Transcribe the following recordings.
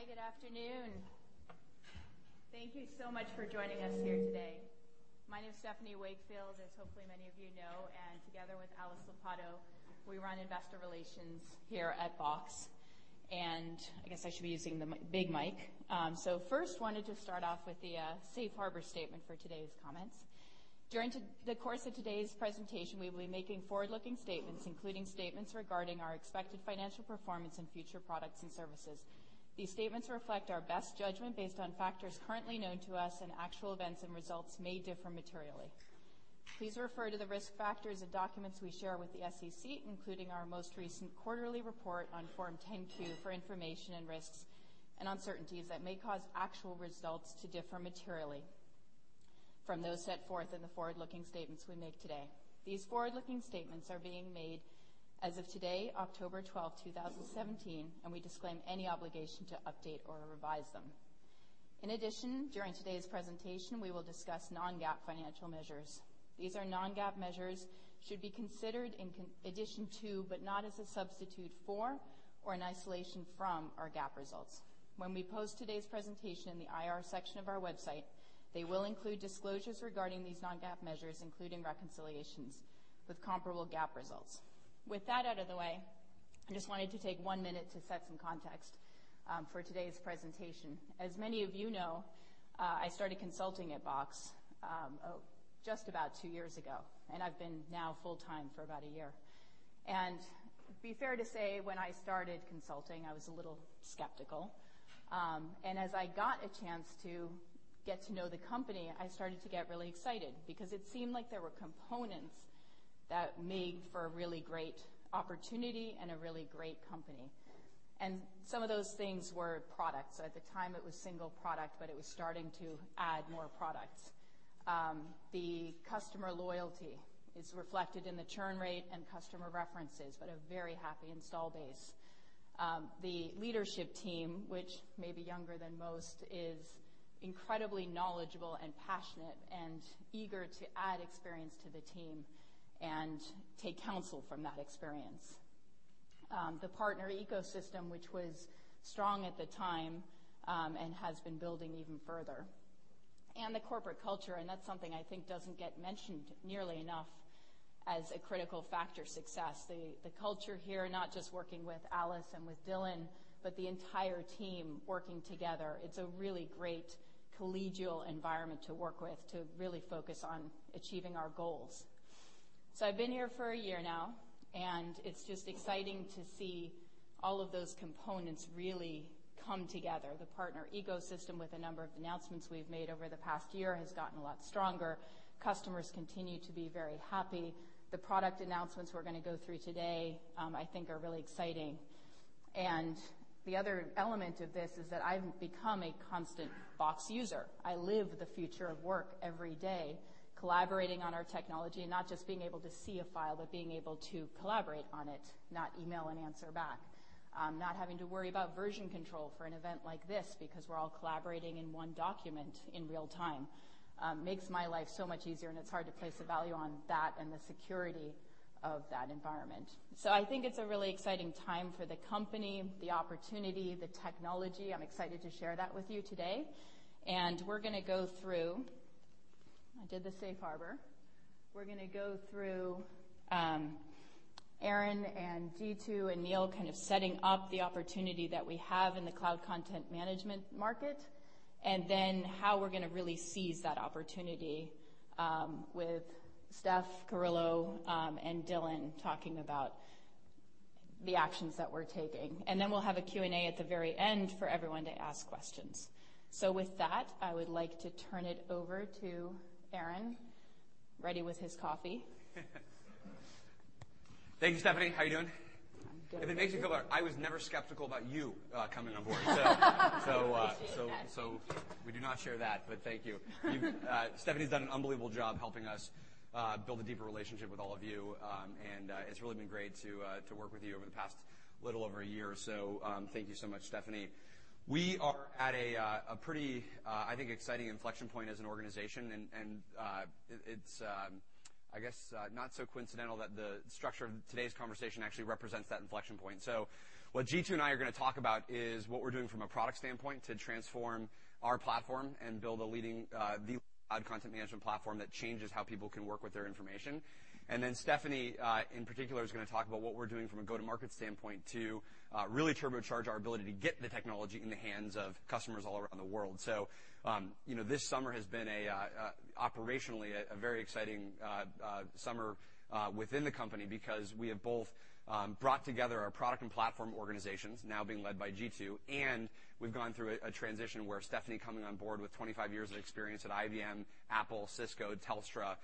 Hi, good afternoon. Thank you so much for joining us here today. My name is Stephanie Wakefield, as hopefully many of you know, and together with Alice Lopatto, we run investor relations here at Box. I guess I should be using the big mic. First, wanted to start off with the safe harbor statement for today's comments. During the course of today's presentation, we will be making forward-looking statements, including statements regarding our expected financial performance and future products and services. These statements reflect our best judgment based on factors currently known to us, and actual events and results may differ materially. Please refer to the risk factors and documents we share with the SEC, including our most recent quarterly report on Form 10-Q for information on risks and uncertainties that may cause actual results to differ materially from those set forth in the forward-looking statements we make today. We disclaim any obligation to update or revise them. In addition, during today's presentation, we will discuss non-GAAP financial measures. These non-GAAP measures should be considered in addition to, but not as a substitute for, or in isolation from, our GAAP results. When we post today's presentation in the IR section of our website, they will include disclosures regarding these non-GAAP measures, including reconciliations with comparable GAAP results. With that out of the way, I just wanted to take one minute to set some context for today's presentation. As many of you know, I started consulting at Box just about two years ago, and I've been now full-time for about a year. To be fair to say, when I started consulting, I was a little skeptical. As I got a chance to get to know the company, I started to get really excited because it seemed like there were components that made for a really great opportunity and a really great company. Some of those things were products. At the time, it was a single product, but it was starting to add more products. The customer loyalty is reflected in the churn rate and customer references, but a very happy install base. The leadership team, which may be younger than most, is incredibly knowledgeable and passionate and eager to add experience to the team and take counsel from that experience. The partner ecosystem, which was strong at the time, and has been building even further. The corporate culture, and that's something I think doesn't get mentioned nearly enough as a critical factor success. The culture here, not just working with Alice and with Dylan, but the entire team working together. It's a really great collegial environment to work with to really focus on achieving our goals. I've been here for a year now, and it's just exciting to see all of those components really come together. The partner ecosystem, with a number of announcements we've made over the past year, has gotten a lot stronger. Customers continue to be very happy. The product announcements we're going to go through today, I think are really exciting. The other element of this is that I've become a constant Box user. I live the future of work every day, collaborating on our technology, not just being able to see a file, but being able to collaborate on it, not email and answer back. Not having to worry about version control for an event like this because we're all collaborating in one document in real time makes my life so much easier, and it's hard to place a value on that and the security of that environment. I think it's a really exciting time for the company, the opportunity, the technology. I'm excited to share that with you today. We're going to go through I did the safe harbor. We're going to go through Aaron and Jeetu and Neil kind of setting up the opportunity that we have in the Cloud Content Management market, how we're going to really seize that opportunity, with Steph Carrillo and Dylan talking about the actions that we're taking. We'll have a Q&A at the very end for everyone to ask questions. With that, I would like to turn it over to Aaron, ready with his coffee. Thank you, Stephanie. How are you doing? I'm good. If it makes you feel better, I was never skeptical about you coming on board. I appreciate that. We do not share that, but thank you. Stephanie's done an unbelievable job helping us build a deeper relationship with all of you, and it's really been great to work with you over the past little over a year. Thank you so much, Stephanie. We are at a pretty, I think, exciting inflection point as an organization, and it's, I guess, not so coincidental that the structure of today's conversation actually represents that inflection point. What Jeetu and I are going to talk about is what we're doing from a product standpoint to transform our platform and build the leading Cloud Content Management platform that changes how people can work with their information. Stephanie, in particular, is going to talk about what we're doing from a go-to-market standpoint to really turbocharge our ability to get the technology in the hands of customers all around the world. This summer has been, operationally, a very exciting summer within the company because we have both brought together our product and platform organizations, now being led by Jeetu, and we've gone through a transition where Stephanie coming on board with 25 years of experience at IBM, Apple, Cisco, Telstra,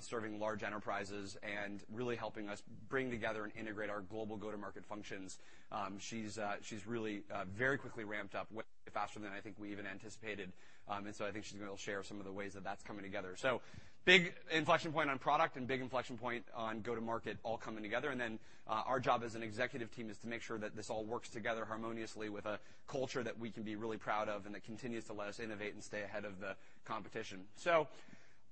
serving large enterprises and really helping us bring together and integrate our global go-to-market functions. She's really very quickly ramped up way faster than I think we even anticipated. I think she's going to share some of the ways that that's coming together. Big inflection point on product and big inflection point on go-to-market all coming together. Our job as an executive team is to make sure that this all works together harmoniously with a culture that we can be really proud of and that continues to let us innovate and stay ahead of the competition.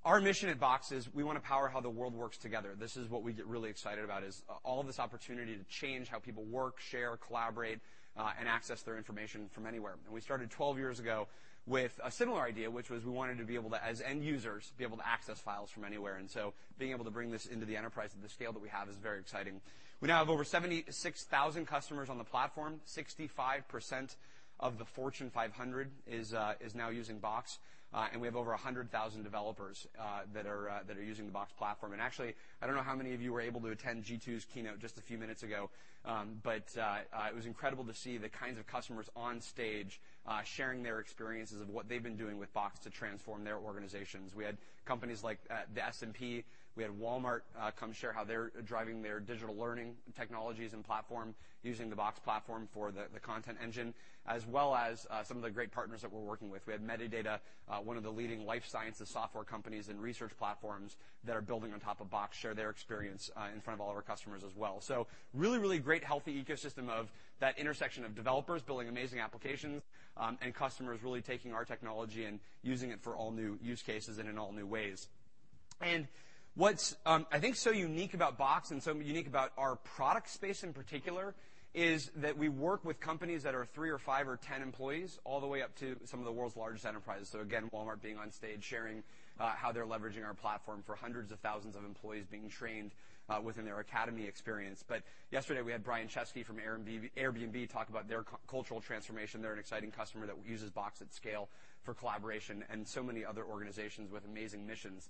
Our mission at Box is we want to power how the world works together. This is what we get really excited about, is all this opportunity to change how people work, share, collaborate, and access their information from anywhere. We started 12 years ago with a similar idea, which was we wanted to be able to, as end users, be able to access files from anywhere. Being able to bring this into the enterprise at the scale that we have is very exciting. We now have over 76,000 customers on the Platform. 65% of the Fortune 500 is now using Box. We have over 100,000 developers that are using the Box Platform. Actually, I don't know how many of you were able to attend Jeetu's keynote just a few minutes ago, but it was incredible to see the kinds of customers on stage sharing their experiences of what they've been doing with Box to transform their organizations. We had companies like the S&P, we had Walmart come share how they're driving their digital learning technologies and Platform using the Box Platform for the content engine, as well as some of the great partners that we're working with. We had Medidata, one of the leading life sciences software companies and research platforms that are building on top of Box, share their experience in front of all of our customers as well. Really, really great, healthy ecosystem of that intersection of developers building amazing applications, and customers really taking our technology and using it for all new use cases and in all new ways. What's I think so unique about Box and so unique about our product space in particular is that we work with companies that are three or five or 10 employees all the way up to some of the world's largest enterprises. Again, Walmart being on stage sharing how they're leveraging our Platform for hundreds of thousands of employees being trained within their academy experience. Yesterday, we had Brian Chesky from Airbnb talk about their cultural transformation. They're an exciting customer that uses Box at scale for collaboration and so many other organizations with amazing missions.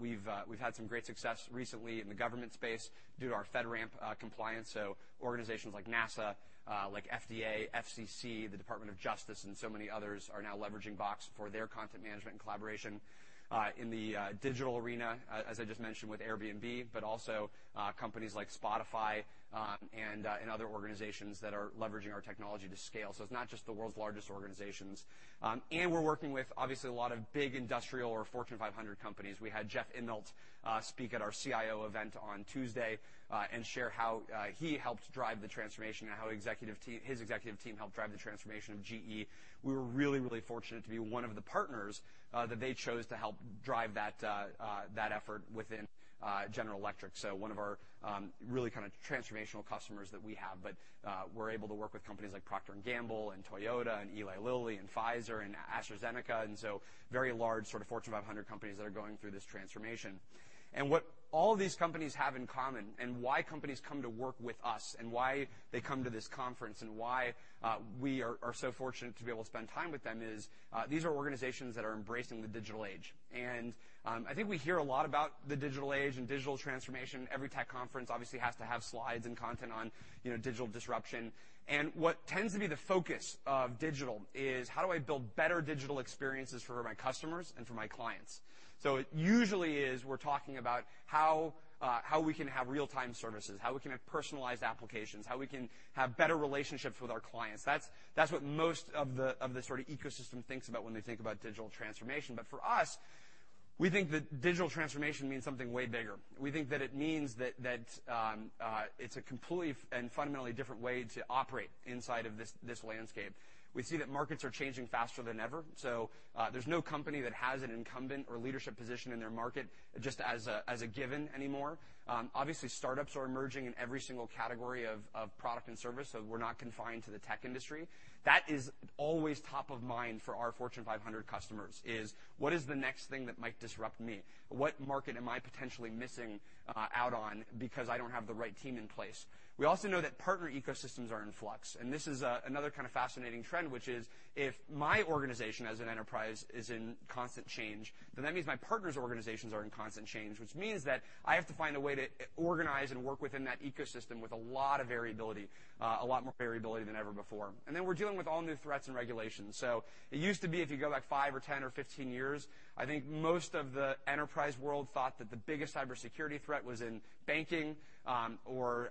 We've had some great success recently in the government space due to our FedRAMP compliance. Organizations like NASA, like FDA, FCC, the Department of Justice, and so many others are now leveraging Box for their content management and collaboration. In the digital arena, as I just mentioned, with Airbnb, but also companies like Spotify, and other organizations that are leveraging our technology to scale. It's not just the world's largest organizations. We're working with, obviously, a lot of big industrial or Fortune 500 companies. We had Jeff Immelt speak at our CIO event on Tuesday, and share how he helped drive the transformation and how his executive team helped drive the transformation of GE. We were really, really fortunate to be one of the partners that they chose to help drive that effort within General Electric, one of our really kind of transformational customers that we have. We're able to work with companies like Procter & Gamble and Toyota and Eli Lilly and Pfizer and AstraZeneca, very large sort of Fortune 500 companies that are going through this transformation. What all these companies have in common and why companies come to work with us and why they come to this conference and why we are so fortunate to be able to spend time with them is these are organizations that are embracing the digital age. I think we hear a lot about the digital age and digital transformation. Every tech conference obviously has to have slides and content on digital disruption. What tends to be the focus of digital is how do I build better digital experiences for my customers and for my clients? It usually is we're talking about how we can have real-time services, how we can have personalized applications, how we can have better relationships with our clients. That's what most of the sort of ecosystem thinks about when they think about digital transformation. For us, we think that digital transformation means something way bigger. We think that it means that it's a completely and fundamentally different way to operate inside of this landscape. We see that markets are changing faster than ever, so there's no company that has an incumbent or leadership position in their market just as a given anymore. Obviously, startups are emerging in every single category of product and service, so we're not confined to the tech industry. That is always top of mind for our Fortune 500 customers is what is the next thing that might disrupt me? What market am I potentially missing out on because I don't have the right team in place? We also know that partner ecosystems are in flux, and this is another kind of fascinating trend, which is if my organization as an enterprise is in constant change, then that means my partner's organizations are in constant change, which means that I have to find a way to organize and work within that ecosystem with a lot of variability, a lot more variability than ever before. We're dealing with all new threats and regulations. It used to be if you go back five or 10 or 15 years, I think most of the enterprise world thought that the biggest cybersecurity threat was in banking, or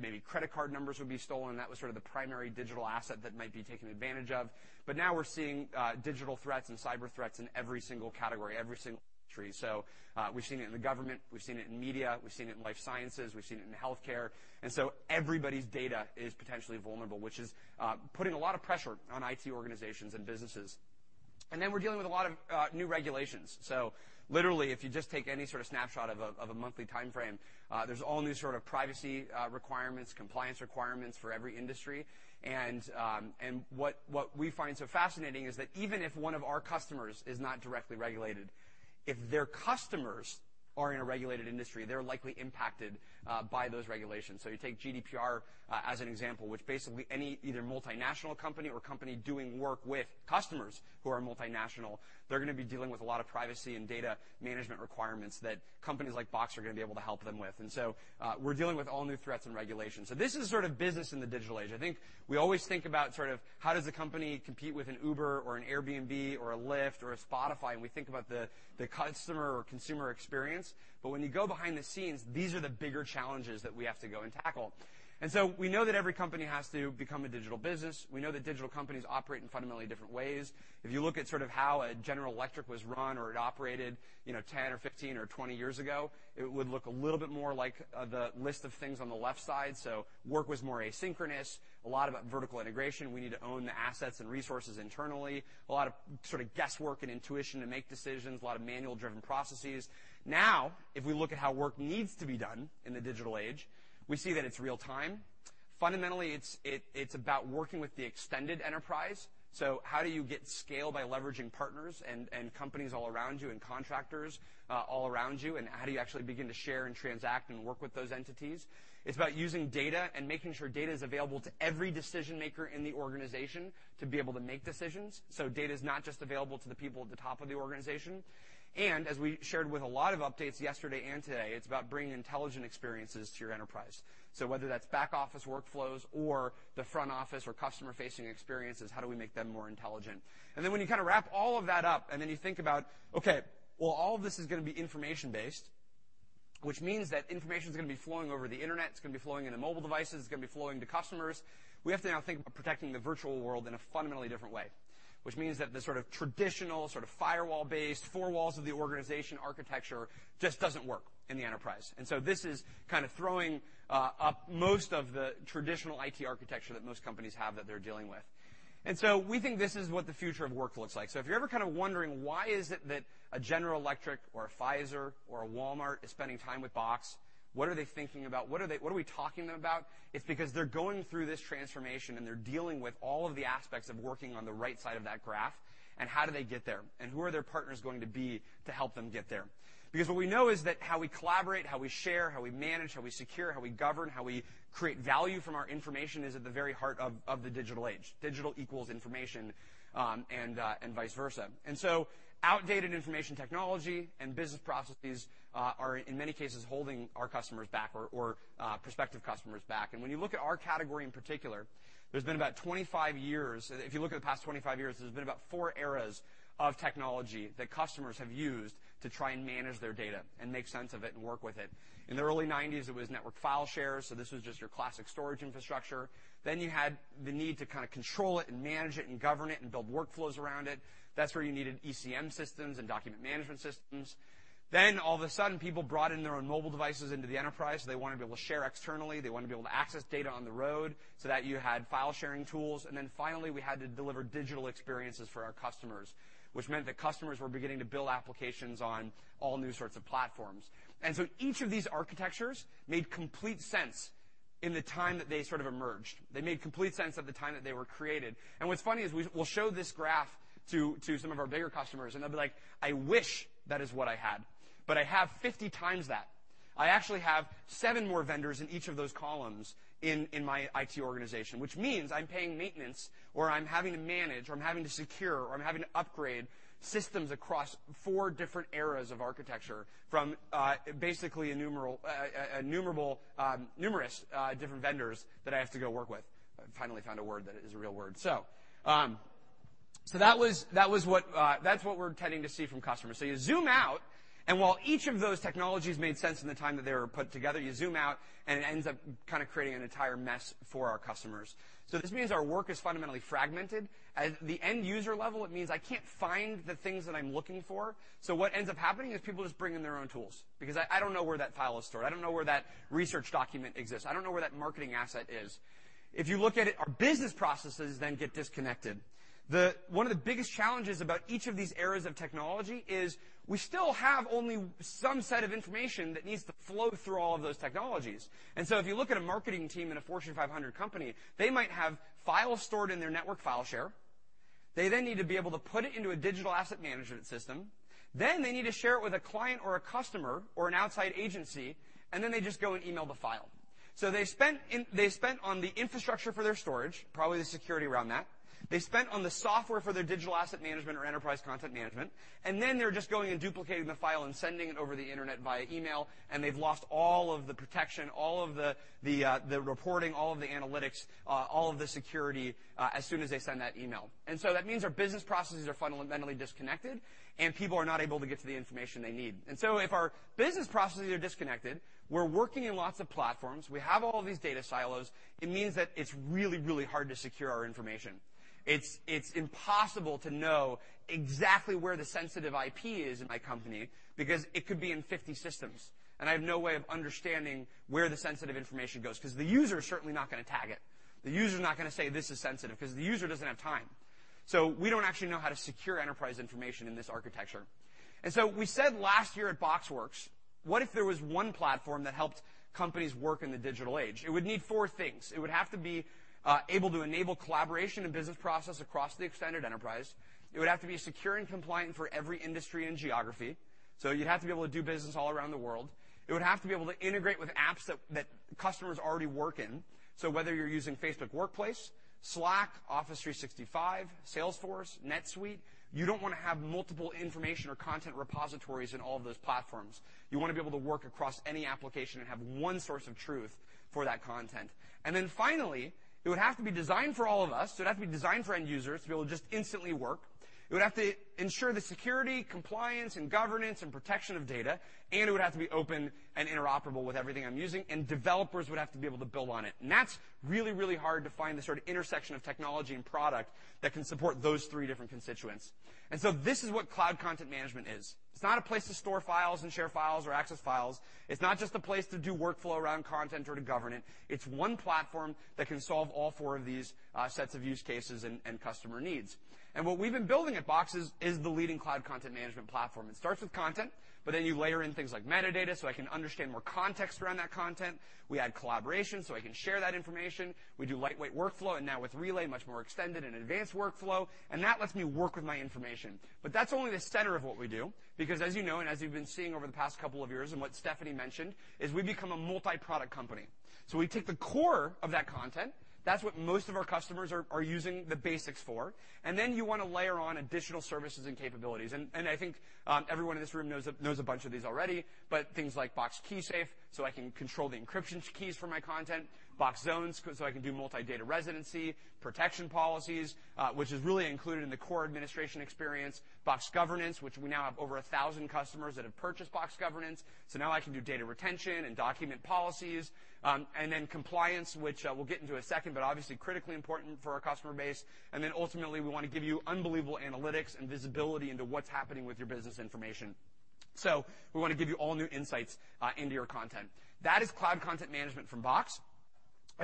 maybe credit card numbers would be stolen. That was sort of the primary digital asset that might be taken advantage of. Now we're seeing digital threats and cyber threats in every single category, every single industry. We've seen it in the government, we've seen it in media, we've seen it in life sciences, we've seen it in healthcare. Everybody's data is potentially vulnerable, which is putting a lot of pressure on IT organizations and businesses. We're dealing with a lot of new regulations. Literally, if you just take any sort of snapshot of a monthly timeframe, there's all new sort of privacy requirements, compliance requirements for every industry. What we find so fascinating is that even if one of our customers is not directly regulated, if their customers are in a regulated industry, they're likely impacted by those regulations. You take GDPR as an example, which basically any either multinational company or company doing work with customers who are multinational, they're going to be dealing with a lot of privacy and data management requirements that companies like Box are going to be able to help them with. We're dealing with all new threats and regulations. This is sort of business in the digital age. I think we always think about sort of how does a company compete with an Uber or an Airbnb or a Lyft or a Spotify, and we think about the customer or consumer experience. When you go behind the scenes, these are the bigger challenges that we have to go and tackle. We know that every company has to become a digital business. We know that digital companies operate in fundamentally different ways. If you look at sort of how a General Electric was run or it operated 10 or 15 or 20 years ago, it would look a little bit more like the list of things on the left side. Work was more asynchronous, a lot about vertical integration. We need to own the assets and resources internally. A lot of sort of guesswork and intuition to make decisions, a lot of manual-driven processes. Now, if we look at how work needs to be done in the digital age, we see that it's real time. Fundamentally, it's about working with the extended enterprise. How do you get scale by leveraging partners and companies all around you and contractors all around you, and how do you actually begin to share and transact and work with those entities? It's about using data and making sure data is available to every decision-maker in the organization to be able to make decisions. Data's not just available to the people at the top of the organization. As we shared with a lot of updates yesterday and today, it's about bringing intelligent experiences to your enterprise. Whether that's back-office workflows or the front office or customer-facing experiences, how do we make them more intelligent? When you kind of wrap all of that up, you think about, okay, well, all of this is going to be information-based. Which means that information is going to be flowing over the internet, it's going to be flowing into mobile devices, it's going to be flowing to customers. We have to now think about protecting the virtual world in a fundamentally different way. Which means that the traditional firewall-based, four walls of the organization architecture just doesn't work in the enterprise. This is kind of throwing up most of the traditional IT architecture that most companies have that they're dealing with. We think this is what the future of work looks like. If you're ever kind of wondering why is it that a General Electric or a Pfizer or a Walmart is spending time with Box, what are they thinking about? What are we talking about? It's because they're going through this transformation, and they're dealing with all of the aspects of working on the right side of that graph, and how do they get there, and who are their partners going to be to help them get there? What we know is that how we collaborate, how we share, how we manage, how we secure, how we govern, how we create value from our information is at the very heart of the digital age. Digital equals information, and vice versa. Outdated information technology and business processes are, in many cases, holding our customers back or prospective customers back. When you look at our category in particular, if you look at the past 25 years, there's been about four eras of technology that customers have used to try and manage their data and make sense of it and work with it. In the early '90s, it was network file shares, so this was just your classic storage infrastructure. Then you had the need to kind of control it and manage it and govern it and build workflows around it. That's where you needed ECM systems and document management systems. All of a sudden, people brought in their own mobile devices into the enterprise, they wanted to be able to share externally. They wanted to be able to access data on the road so that you had file-sharing tools. Finally, we had to deliver digital experiences for our customers, which meant that customers were beginning to build applications on all new sorts of platforms. Each of these architectures made complete sense in the time that they sort of emerged. They made complete sense at the time that they were created. What's funny is we'll show this graph to some of our bigger customers, and they'll be like, "I wish that is what I had, but I have 50 times that. I actually have seven more vendors in each of those columns in my IT organization, which means I'm paying maintenance, or I'm having to manage, or I'm having to secure, or I'm having to upgrade systems across four different eras of architecture from basically numerous different vendors that I have to go work with." I finally found a word that is a real word. That's what we're tending to see from customers. You zoom out, and while each of those technologies made sense in the time that they were put together, you zoom out, and it ends up kind of creating an entire mess for our customers. This means our work is fundamentally fragmented. At the end user level, it means I can't find the things that I'm looking for. What ends up happening is people just bring in their own tools because I don't know where that file is stored. I don't know where that research document exists. I don't know where that marketing asset is. If you look at it, our business processes get disconnected. One of the biggest challenges about each of these eras of technology is we still have only some set of information that needs to flow through all of those technologies. If you look at a marketing team in a Fortune 500 company, they might have files stored in their network file share. They need to be able to put it into a digital asset management system. They need to share it with a client or a customer or an outside agency, and they just go and email the file. They spent on the infrastructure for their storage, probably the security around that. They spent on the software for their digital asset management or enterprise content management, they're just going and duplicating the file and sending it over the internet via email, they've lost all of the protection, all of the reporting, all of the analytics, all of the security as soon as they send that email. That means our business processes are fundamentally disconnected, and people are not able to get to the information they need. If our business processes are disconnected, we're working in lots of platforms, we have all these data silos, it means that it's really, really hard to secure our information. It's impossible to know exactly where the sensitive IP is in my company because it could be in 50 systems, I have no way of understanding where the sensitive information goes because the user is certainly not going to tag it. The user is not going to say this is sensitive because the user doesn't have time. We don't actually know how to secure enterprise information in this architecture. We said last year at BoxWorks, what if there was one platform that helped companies work in the digital age? It would need four things. It would have to be able to enable collaboration and business process across the extended enterprise. It would have to be secure and compliant for every industry and geography, so you'd have to be able to do business all around the world. It would have to be able to integrate with apps that customers already work in. Whether you're using Facebook Workplace, Slack, Office 365, Salesforce, NetSuite, you don't want to have multiple information or content repositories in all of those platforms. You want to be able to work across any application and have one source of truth for that content. Finally, it would have to be designed for all of us. It'd have to be designed for end users to be able to just instantly work. It would have to ensure the security, compliance, and governance and protection of data, it would have to be open and interoperable with everything I'm using, developers would have to be able to build on it. That's really, really hard to find the sort of intersection of technology and product that can support those three different constituents. This is what Cloud Content Management is. It's not a place to store files and share files or access files. It's not just a place to do workflow around content or to govern it. It's one platform that can solve all four of these sets of use cases and customer needs. What we've been building at Box is the leading Cloud Content Management platform. It starts with content, you layer in things like metadata, so I can understand more context around that content. We add collaboration, so I can share that information. We do lightweight workflow, now with Relay, much more extended and advanced workflow, that lets me work with my information. That's only the center of what we do because as you know and as you've been seeing over the past couple of years and what Stephanie mentioned is we've become a multi-product company. We take the core of that content. That's what most of our customers are using the basics for. You want to layer on additional services and capabilities. I think everyone in this room knows a bunch of these already, but things like Box KeySafe, so I can control the encryption keys for my content, Box Zones, so I can do multi-data residency, protection policies, which is really included in the core administration experience, Box Governance, which we now have over 1,000 customers that have purchased Box Governance. Now I can do data retention and document policies, compliance, which we'll get into a second, but obviously critically important for our customer base. Ultimately, we want to give you unbelievable analytics and visibility into what's happening with your business information. We want to give you all new insights into your content. That is Cloud Content Management from Box.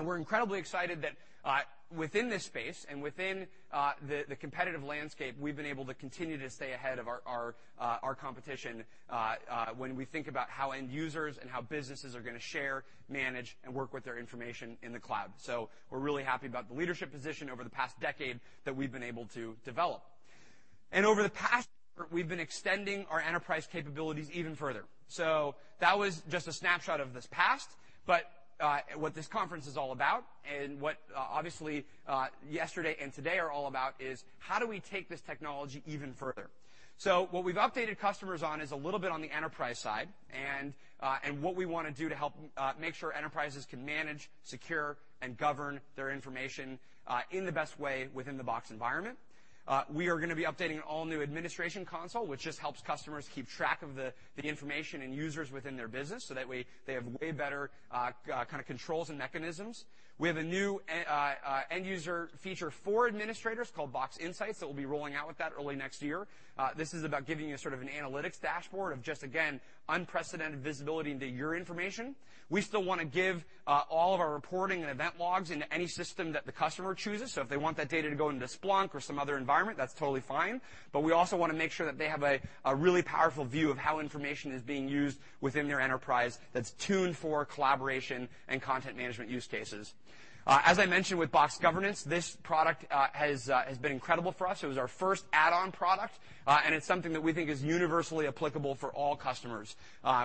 We're incredibly excited that within this space and within the competitive landscape, we've been able to continue to stay ahead of our competition, when we think about how end users and how businesses are going to share, manage, and work with their information in the cloud. We're really happy about the leadership position over the past decade that we've been able to develop. Over the past we've been extending our enterprise capabilities even further. That was just a snapshot of this past, what this conference is all about and what, obviously, yesterday and today are all about is how do we take this technology even further. What we've updated customers on is a little bit on the enterprise side and what we want to do to help make sure enterprises can manage, secure, and govern their information, in the best way within the Box environment. We are going to be updating an all-new administration console, which just helps customers keep track of the information and users within their business so that way they have way better controls and mechanisms. We have a new end user feature for administrators called Box Insights, that we'll be rolling out with that early next year. This is about giving you sort of an analytics dashboard of just, again, unprecedented visibility into your information. We still want to give all of our reporting and event logs into any system that the customer chooses. If they want that data to go into Splunk or some other environment, that's totally fine. We also want to make sure that they have a really powerful view of how information is being used within their enterprise that's tuned for collaboration and content management use cases. As I mentioned with Box Governance, this product has been incredible for us. It was our first add-on product, and it's something that we think is universally applicable for all customers.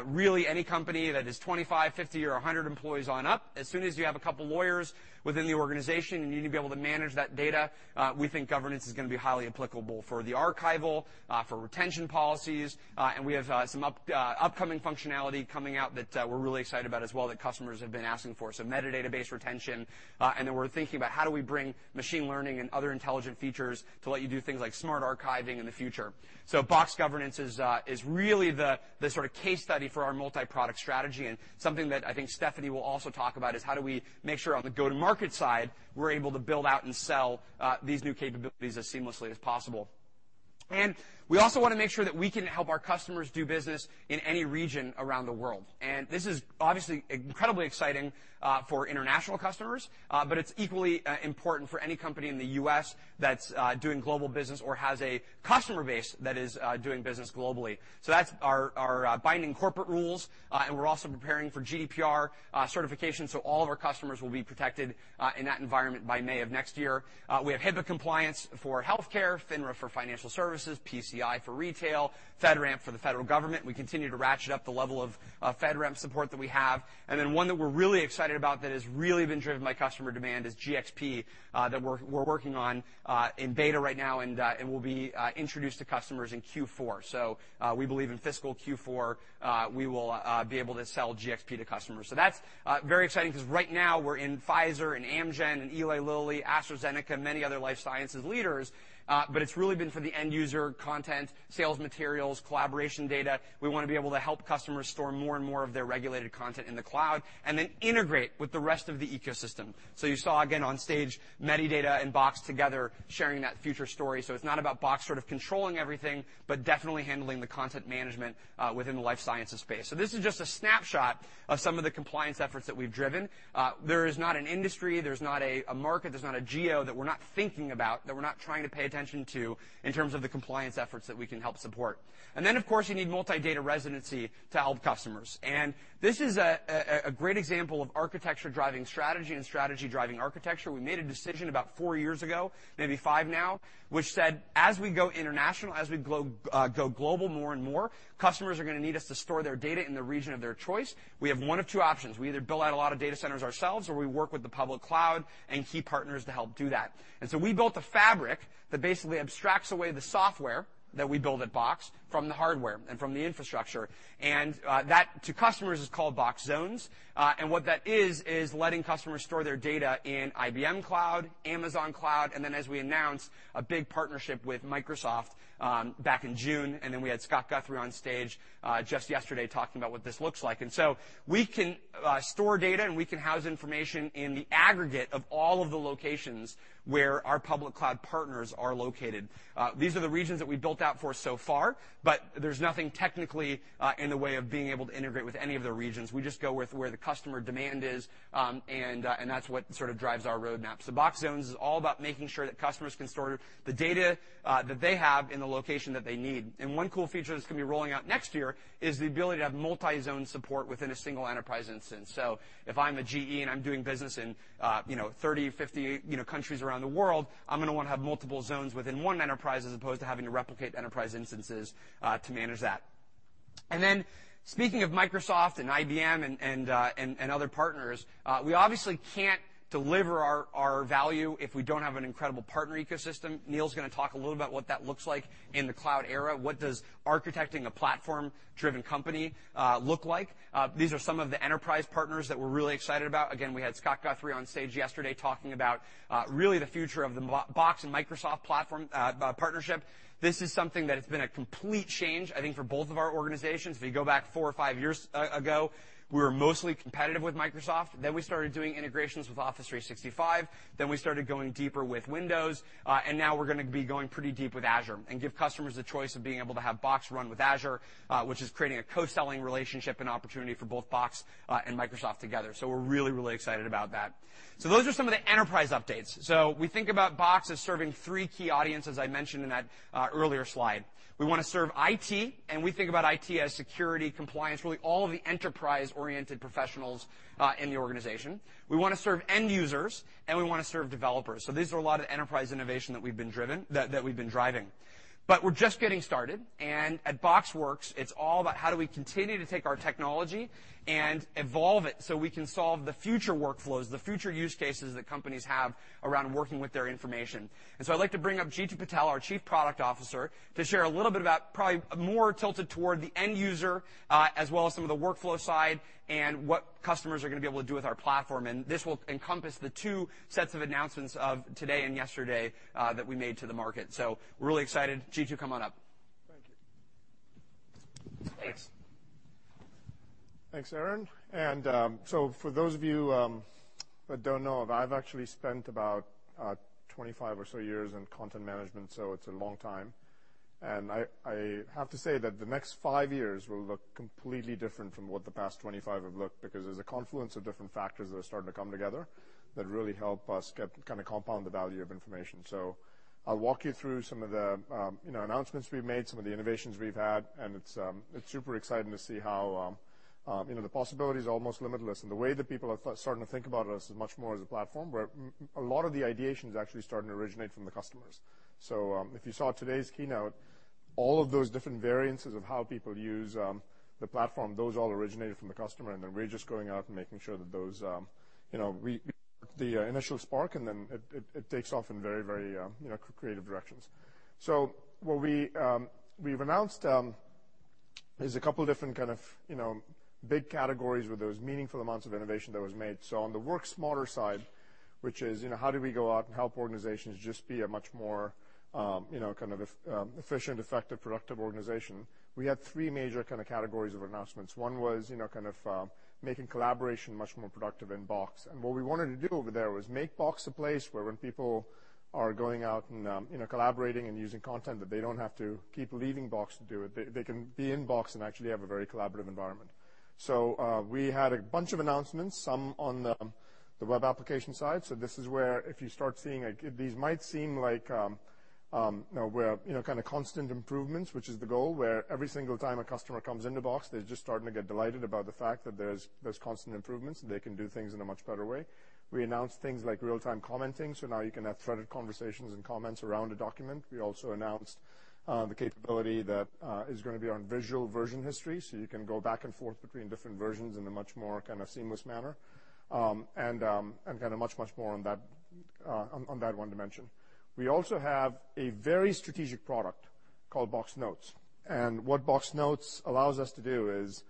Really any company that is 25, 50, or 100 employees on up, as soon as you have a couple lawyers within the organization and you need to be able to manage that data, we think Box Governance is going to be highly applicable for the archival, for retention policies, and we have some upcoming functionality coming out that we're really excited about as well that customers have been asking for. Metadata-based retention, and then we're thinking about how do we bring machine learning and other intelligent features to let you do things like smart archiving in the future. Box Governance is really the sort of case study for our multi-product strategy and something that I think Stephanie will also talk about is how do we make sure on the go-to-market side, we're able to build out and sell these new capabilities as seamlessly as possible. We also want to make sure that we can help our customers do business in any region around the world. This is obviously incredibly exciting for international customers, but it's equally important for any company in the U.S. that's doing global business or has a customer base that is doing business globally. That's our Binding Corporate Rules, and we're also preparing for GDPR certification, so all of our customers will be protected in that environment by May of next year. We have HIPAA compliance for healthcare, FINRA for financial services, PCI for retail, FedRAMP for the federal government. We continue to ratchet up the level of FedRAMP support that we have. Then one that we're really excited about that has really been driven by customer demand is GxP that we're working on in beta right now, and will be introduced to customers in Q4. We believe in fiscal Q4, we will be able to sell GxP to customers. That's very exciting because right now we're in Pfizer and Amgen and Eli Lilly, AstraZeneca, many other life sciences leaders, but it's really been for the end user, content, sales materials, collaboration data. We want to be able to help customers store more and more of their regulated content in the cloud and then integrate with the rest of the ecosystem. You saw again on stage, Medidata and Box together sharing that future story. It's not about Box sort of controlling everything, but definitely handling the content management within the life sciences space. This is just a snapshot of some of the compliance efforts that we've driven. There is not an industry, there's not a market, there's not a geo that we're not thinking about, that we're not trying to pay attention to in terms of the compliance efforts that we can help support. Then, of course, you need multi-data residency to help customers. This is a great example of architecture driving strategy and strategy driving architecture. We made a decision about four years ago, maybe five now, which said, as we go international, as we go global more and more, customers are going to need us to store their data in the region of their choice. We have one of two options. We either build out a lot of data centers ourselves, or we work with the public cloud and key partners to help do that. We built a fabric that basically abstracts away the software that we build at Box from the hardware and from the infrastructure. That to customers is called Box Zones. What that is letting customers store their data in IBM Cloud, Amazon Cloud, then as we announced, a big partnership with Microsoft, back in June, then we had Scott Guthrie on stage just yesterday talking about what this looks like. We can store data and we can house information in the aggregate of all of the locations where our public cloud partners are located. These are the regions that we built out for so far, but there's nothing technically in the way of being able to integrate with any of the regions. We just go with where the customer demand is, and that's what sort of drives our roadmap. Box Zones is all about making sure that customers can store the data that they have in the location that they need. One cool feature that's going to be rolling out next year is the ability to have multi-zone support within a single enterprise instance. If I'm a GE and I'm doing business in 30, 50 countries around the world, I'm going to want to have multiple zones within one enterprise as opposed to having to replicate enterprise instances to manage that. Speaking of Microsoft and IBM and other partners, we obviously can't deliver our value if we don't have an incredible partner ecosystem. Neil's going to talk a little about what that looks like in the cloud era. What does architecting a platform-driven company look like? These are some of the enterprise partners that we're really excited about. Again, we had Scott Guthrie on stage yesterday talking about really the future of the Box and Microsoft partnership. This is something that has been a complete change, I think, for both of our organizations. If you go back four or five years ago, we were mostly competitive with Microsoft. Then we started doing integrations with Office 365. Then we started going deeper with Windows. Now we're going to be going pretty deep with Azure and give customers the choice of being able to have Box run with Azure, which is creating a co-selling relationship and opportunity for both Box and Microsoft together. We're really, really excited about that. Those are some of the enterprise updates. We think about Box as serving three key audiences, I mentioned in that earlier slide. We want to serve IT, we think about IT as security, compliance, really all of the enterprise-oriented professionals in the organization. We want to serve end users, we want to serve developers. These are a lot of the enterprise innovation that we've been driving. We're just getting started, and at BoxWorks, it's all about how do we continue to take our technology and evolve it so we can solve the future workflows, the future use cases that companies have around working with their information. I'd like to bring up Jeetu Patel, our Chief Product Officer, to share a little bit about, probably more tilted toward the end user, as well as some of the workflow side and what customers are going to be able to do with our platform. This will encompass the two sets of announcements of today and yesterday that we made to the market. We're really excited. Jeetu, come on up. Thank you. Thanks. Thanks, Aaron. For those of you that don't know, I've actually spent about 25 or so years in content management, it's a long time. I have to say that the next five years will look completely different from what the past 25 have looked because there's a confluence of different factors that are starting to come together that really help us kind of compound the value of information. I'll walk you through some of the announcements we've made, some of the innovations we've had, and it's super exciting to see how the possibility is almost limitless and the way that people are starting to think about us as much more as a platform where a lot of the ideation is actually starting to originate from the customers. If you saw today's keynote, all of those different variances of how people use the platform, those all originated from the customer, and then we're just going out and making sure that those The initial spark, and then it takes off in very creative directions. What we've announced, there's a couple different kind of big categories where there was meaningful amounts of innovation that was made. On the work smarter side, which is, how do we go out and help organizations just be a much more kind of efficient, effective, productive organization? We had three major kind of categories of announcements. One was kind of making collaboration much more productive in Box. What we wanted to do over there was make Box a place where when people are going out and collaborating and using content, that they don't have to keep leaving Box to do it. They can be in Box and actually have a very collaborative environment. We had a bunch of announcements, some on the web application side. This is where if you start seeing like, these might seem like kind of constant improvements, which is the goal, where every single time a customer comes into Box, they're just starting to get delighted about the fact that there's constant improvements, and they can do things in a much better way. We announced things like real-time commenting, now you can have threaded conversations and comments around a document. We also announced the capability that is going to be around visual version history, you can go back and forth between different versions in a much more kind of seamless manner, and kind of much more on that one dimension. We also have a very strategic product called Box Notes. What Box Notes allows us to do is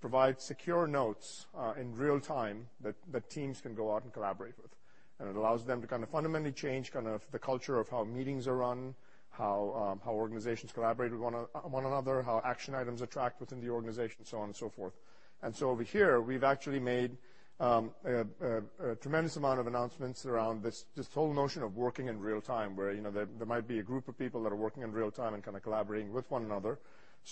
provide secure notes in real time that teams can go out and collaborate with. It allows them to kind of fundamentally change kind of the culture of how meetings are run, how organizations collaborate with one another, how action items are tracked within the organization, so on and so forth. Over here, we've actually made a tremendous amount of announcements around this whole notion of working in real time, where there might be a group of people that are working in real time and kind of collaborating with one another.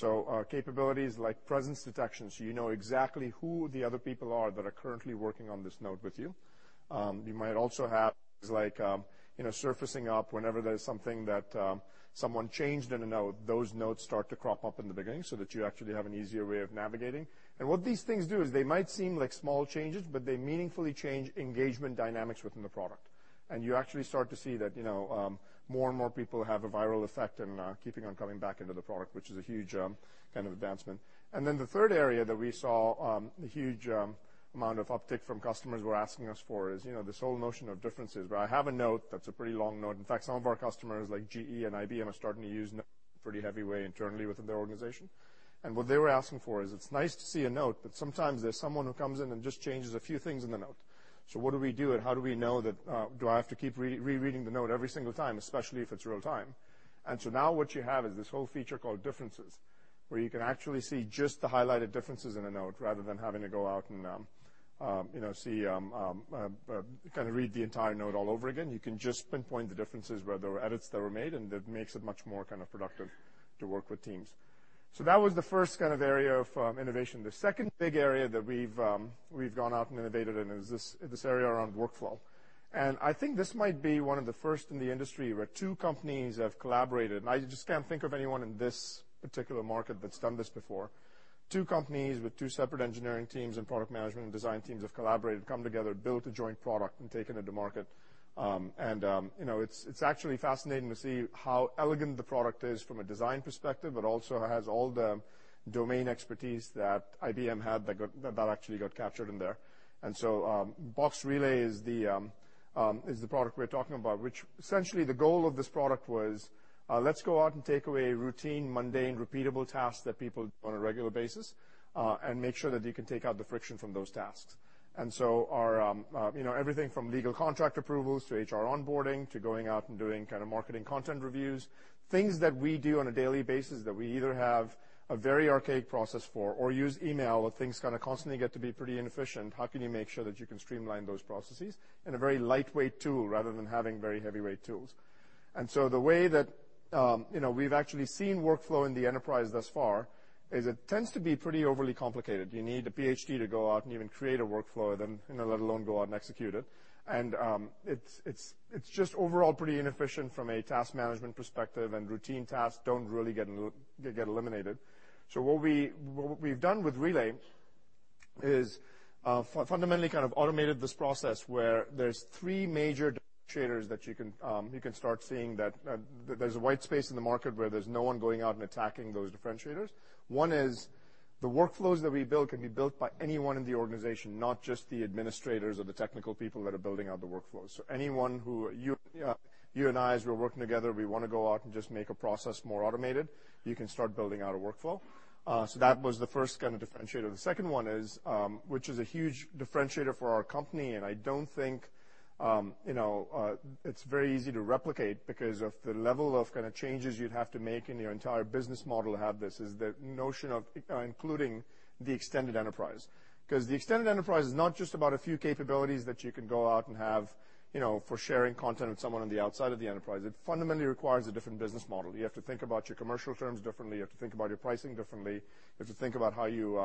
Our capabilities like presence detection, you know exactly who the other people are that are currently working on this note with you. You might also have things like surfacing up whenever there's something that someone changed in a note, those notes start to crop up in the beginning so that you actually have an easier way of navigating. What these things do is they might seem like small changes, but they meaningfully change engagement dynamics within the product. You actually start to see that more and more people have a viral effect in keeping on coming back into the product, which is a huge kind of advancement. The third area that we saw, the huge amount of uptick from customers were asking us for is, this whole notion of Differences. Where I have a note that's a pretty long note. In fact, some of our customers, like GE and IBM, are starting to use Notes in a pretty heavy way internally within their organization. What they were asking for is, it's nice to see a note, but sometimes there's someone who comes in and just changes a few things in the note. What do we do, and how do we know that? Do I have to keep rereading the note every single time, especially if it's real-time? Now what you have is this whole feature called Differences, where you can actually see just the highlighted differences in a note rather than having to go out and kind of read the entire note all over again. You can just pinpoint the differences where there were edits that were made, and that makes it much more kind of productive to work with teams. That was the first kind of area of innovation. The second big area that we've gone out and innovated in is this area around workflow. I think this might be one of the first in the industry where two companies have collaborated. I just can't think of anyone in this particular market that's done this before. Two companies with two separate engineering teams and product management and design teams have collaborated, come together, built a joint product, and taken it to market. It's actually fascinating to see how elegant the product is from a design perspective. It also has all the domain expertise that IBM had that actually got captured in there. Box Relay is the product we're talking about, which essentially the goal of this product was, let's go out and take away routine, mundane, repeatable tasks that people do on a regular basis, and make sure that you can take out the friction from those tasks. Our, everything from legal contract approvals to HR onboarding, to going out and doing kind of marketing content reviews, things that we do on a daily basis that we either have a very archaic process for or use email where things kind of constantly get to be pretty inefficient. How can you make sure that you can streamline those processes in a very lightweight tool rather than having very heavyweight tools? The way that we've actually seen workflow in the enterprise thus far, is it tends to be pretty overly complicated. You need a PhD to go out and even create a workflow, then let alone go out and execute it. It's just overall pretty inefficient from a task management perspective, and routine tasks don't really get eliminated. What we've done with Relay is fundamentally kind of automated this process where there's three major differentiators that you can start seeing, that there's a wide space in the market where there's no one going out and attacking those differentiators. One is the workflows that we build can be built by anyone in the organization, not just the administrators or the technical people that are building out the workflows. Anyone who, you and I, as we're working together, we want to go out and just make a process more automated. You can start building out a workflow. That was the first kind of differentiator. The second one is, which is a huge differentiator for our company, and I don't think it's very easy to replicate because of the level of kind of changes you'd have to make in your entire business model to have this, is the notion of including the extended enterprise. The extended enterprise is not just about a few capabilities that you can go out and have for sharing content with someone on the outside of the enterprise. It fundamentally requires a different business model. You have to think about your commercial terms differently. You have to think about your pricing differently. You have to think about how you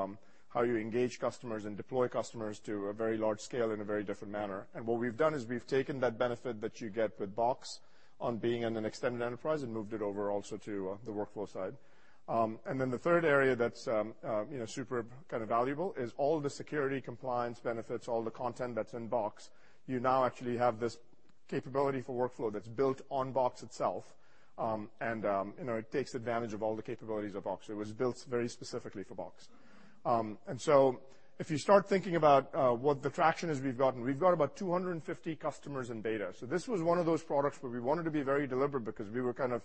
engage customers and deploy customers to a very large scale in a very different manner. What we've done is we've taken that benefit that you get with Box on being in an extended enterprise and moved it over also to the workflow side. The third area that's super kind of valuable is all the security compliance benefits, all the content that's in Box. You now actually have this capability for workflow that's built on Box itself. It takes advantage of all the capabilities of Box. It was built very specifically for Box. If you start thinking about what the traction is we've gotten, we've got about 250 customers in beta. This was one of those products where we wanted to be very deliberate because we were kind of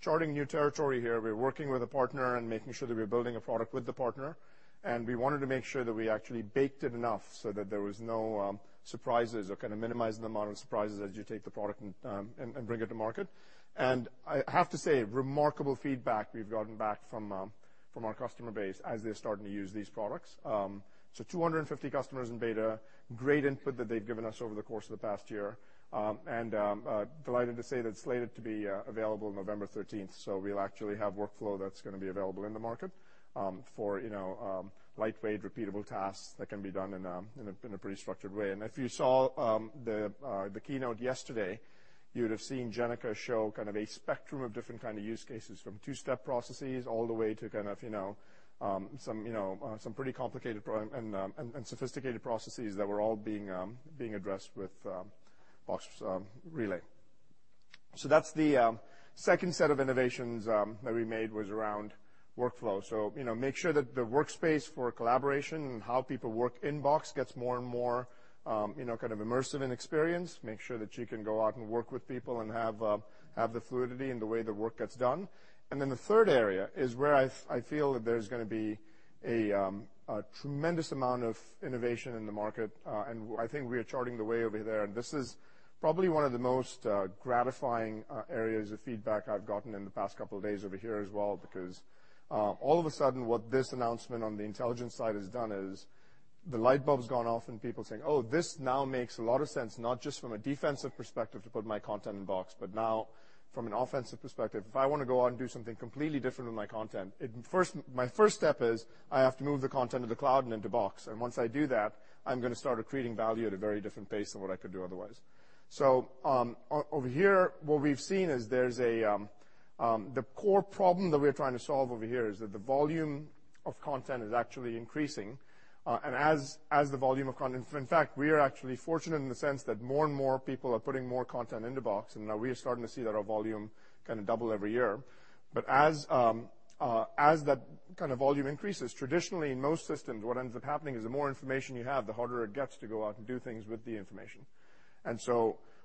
charting new territory here. We were working with a partner and making sure that we were building a product with the partner, and we wanted to make sure that we actually baked it enough so that there was no surprises or kind of minimizing the amount of surprises as you take the product and bring it to market. I have to say, remarkable feedback we've gotten back from our customer base as they're starting to use these products. 250 customers in beta, great input that they've given us over the course of the past year, and I'm delighted to say that it's slated to be available November 13th. We'll actually have workflow that's going to be available in the market for lightweight, repeatable tasks that can be done in a pretty structured way. If you saw the keynote yesterday, you would have seen Jennica show kind of a spectrum of different kind of use cases from two-step processes all the way to some pretty complicated and sophisticated processes that were all being addressed with Box Relay. That's the second set of innovations that we made was around workflow. Make sure that the workspace for collaboration and how people work in Box gets more and more kind of immersive in experience. Make sure that you can go out and work with people and have the fluidity in the way the work gets done. The third area is where I feel that there's going to be a tremendous amount of innovation in the market, and I think we are charting the way over there. This is probably one of the most gratifying areas of feedback I've gotten in the past couple of days over here as well, because all of a sudden, what this announcement on the intelligence side has done is the light bulb's gone off and people saying, "Oh, this now makes a lot of sense, not just from a defensive perspective to put my content in Box, but now from an offensive perspective. If I want to go out and do something completely different with my content, my first step is I have to move the content to the cloud and into Box. Once I do that, I'm going to start accreting value at a very different pace than what I could do otherwise." Over here, what we've seen is the core problem that we're trying to solve over here is that the volume of content is actually increasing. As the volume of content, in fact, we are actually fortunate in the sense that more and more people are putting more content into Box, and now we are starting to see that our volume kind of double every year. As that kind of volume increases, traditionally in most systems, what ends up happening is the more information you have, the harder it gets to go out and do things with the information.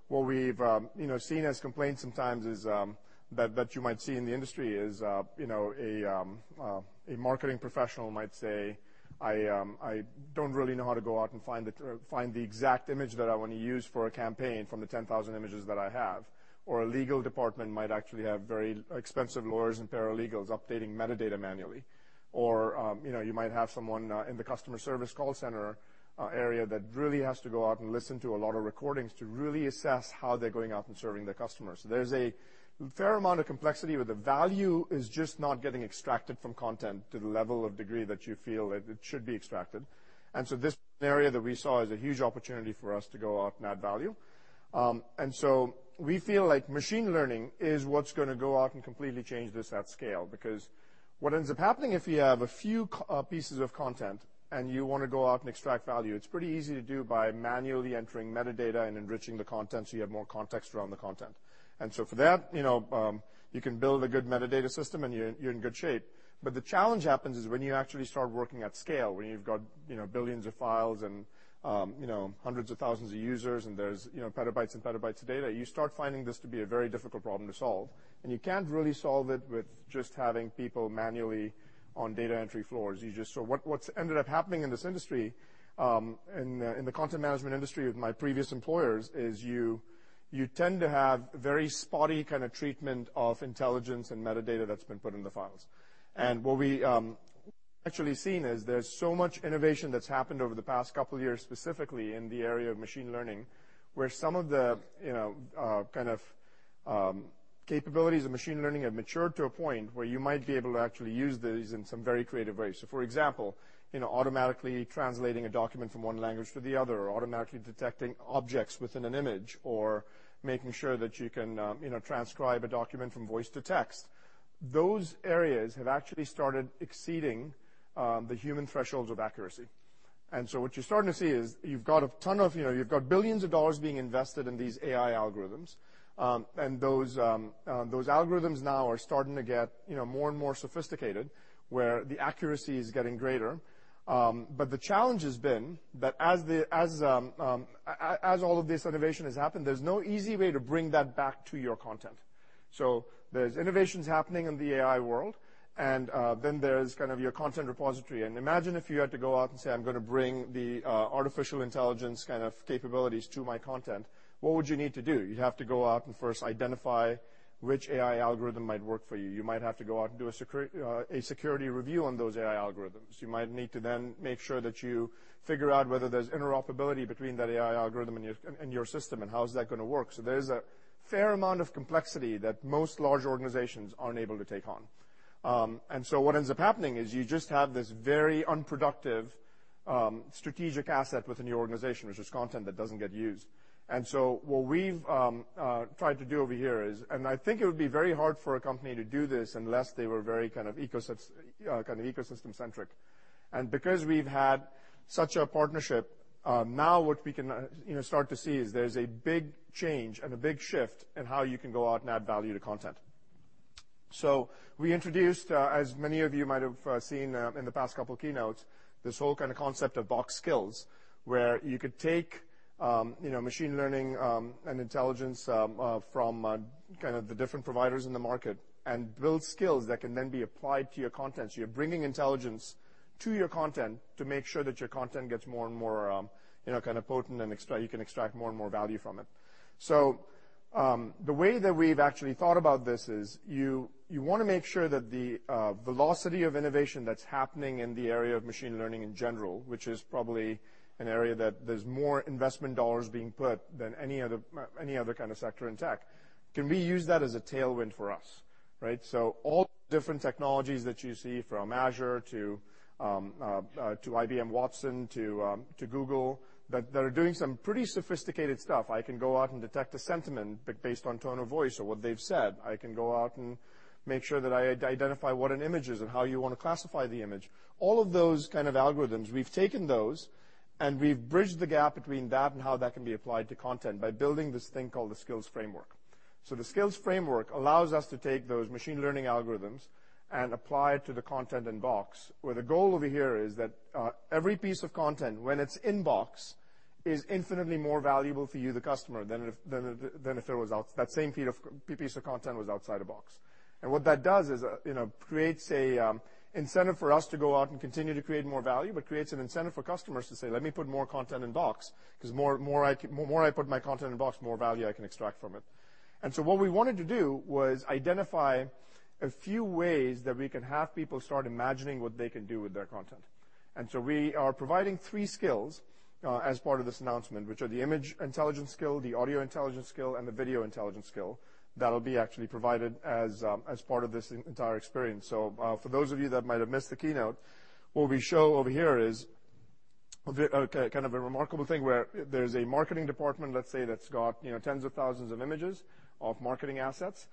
What we've seen as complaints sometimes is that you might see in the industry is a marketing professional might say, "I don't really know how to go out and find the exact image that I want to use for a campaign from the 10,000 images that I have." A legal department might actually have very expensive lawyers and paralegals updating metadata manually. You might have someone in the customer service call center area that really has to go out and listen to a lot of recordings to really assess how they're going out and serving their customers. There's a fair amount of complexity where the value is just not getting extracted from content to the level of degree that you feel it should be extracted. This area that we saw is a huge opportunity for us to go out and add value. We feel like machine learning is what's going to go out and completely change this at scale, because what ends up happening, if you have a few pieces of content and you want to go out and extract value, it's pretty easy to do by manually entering metadata and enriching the content so you have more context around the content. For that you can build a good metadata system and you're in good shape. The challenge happens is when you actually start working at scale, when you've got billions of files and hundreds of thousands of users and there's petabytes and petabytes of data, you start finding this to be a very difficult problem to solve. You can't really solve it with just having people manually on data entry floors. What's ended up happening in this industry, in the content management industry with my previous employers, is you tend to have very spotty kind of treatment of intelligence and metadata that's been put in the files. What we actually seen is there's so much innovation that's happened over the past couple of years, specifically in the area of machine learning, where some of the capabilities of machine learning have matured to a point where you might be able to actually use these in some very creative ways. For example, automatically translating a document from one language to the other, or automatically detecting objects within an image, or making sure that you can transcribe a document from voice to text. Those areas have actually started exceeding the human thresholds of accuracy. What you're starting to see is you've got billions of dollars being invested in these AI algorithms. Those algorithms now are starting to get more and more sophisticated, where the accuracy is getting greater. The challenge has been that as all of this innovation has happened, there's no easy way to bring that back to your content. There's innovations happening in the AI world, then there's your content repository. Imagine if you had to go out and say, "I'm going to bring the artificial intelligence kind of capabilities to my content." What would you need to do? You'd have to go out and first identify which AI algorithm might work for you. You might have to go out and do a security review on those AI algorithms. You might need to then make sure that you figure out whether there's interoperability between that AI algorithm and your system, and how is that going to work. There's a fair amount of complexity that most large organizations aren't able to take on. What ends up happening is you just have this very unproductive strategic asset within your organization, which is content that doesn't get used. What we've tried to do over here is, I think it would be very hard for a company to do this unless they were very kind of ecosystem-centric. Because we've had such a partnership, now what we can start to see is there's a big change and a big shift in how you can go out and add value to content. We introduced, as many of you might have seen in the past couple of keynotes, this whole kind of concept of Box Skills, where you could take machine learning, and intelligence from kind of the different providers in the market and build skills that can then be applied to your content. You're bringing intelligence to your content to make sure that your content gets more and more potent, and you can extract more and more value from it. The way that we've actually thought about this is you want to make sure that the velocity of innovation that's happening in the area of machine learning in general, which is probably an area that there's more investment dollars being put than any other kind of sector in tech, can we use that as a tailwind for us, right? All different technologies that you see, from Azure to IBM Watson, to Google that are doing some pretty sophisticated stuff. I can go out and detect a sentiment based on tone of voice or what they've said. I can go out and make sure that I identify what an image is and how you want to classify the image. All of those kind of algorithms, we've taken those, and we've bridged the gap between that and how that can be applied to content by building this thing called the Skills Framework. The Skills Framework allows us to take those machine learning algorithms and apply it to the content in Box, where the goal over here is that every piece of content, when it's in Box, is infinitely more valuable for you, the customer, than if that same piece of content was outside of Box. What that does is creates an incentive for us to go out and continue to create more value, but creates an incentive for customers to say, "Let me put more content in Box, because more I put my content in Box, more value I can extract from it." What we wanted to do was identify a few ways that we can have people start imagining what they can do with their content. We are providing three skills, as part of this announcement, which are the Image Intelligence Skill, the Audio Intelligence Skill, and the Video Intelligence Skill that'll be actually provided as part of this entire experience. For those of you that might have missed the keynote, what we show over here is kind of a remarkable thing where there's a marketing department, let's say, that's got tens of thousands of images of marketing assets,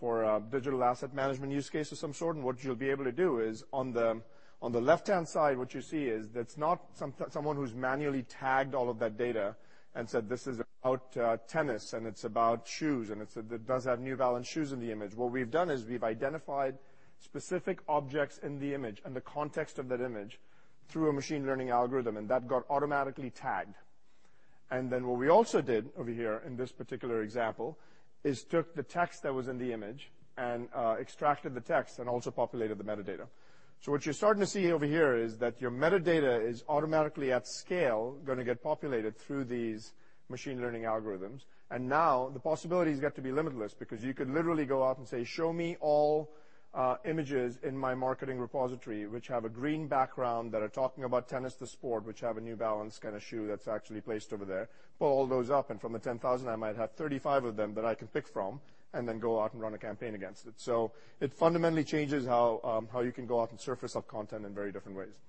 for digital asset management use case of some sort. What you'll be able to do is on the left-hand side, what you see is that's not someone who's manually tagged all of that data and said, "This is about tennis, and it's about shoes, and it does have New Balance shoes in the image." What we've done is we've identified specific objects in the image and the context of that image through a machine learning algorithm, and that got automatically tagged. What we also did over here in this particular example is took the text that was in the image and extracted the text and also populated the metadata. What you're starting to see over here is that your metadata is automatically at scale, going to get populated through these machine learning algorithms. Now the possibilities get to be limitless because you could literally go out and say, "Show me all images in my marketing repository which have a green background, that are talking about tennis the sport, which have a New Balance kind of shoe that's actually placed over there." Pull all those up, and from the 10,000, I might have 35 of them that I can pick from and then go out and run a campaign against it. It fundamentally changes how you can go out and surface up content in very different ways.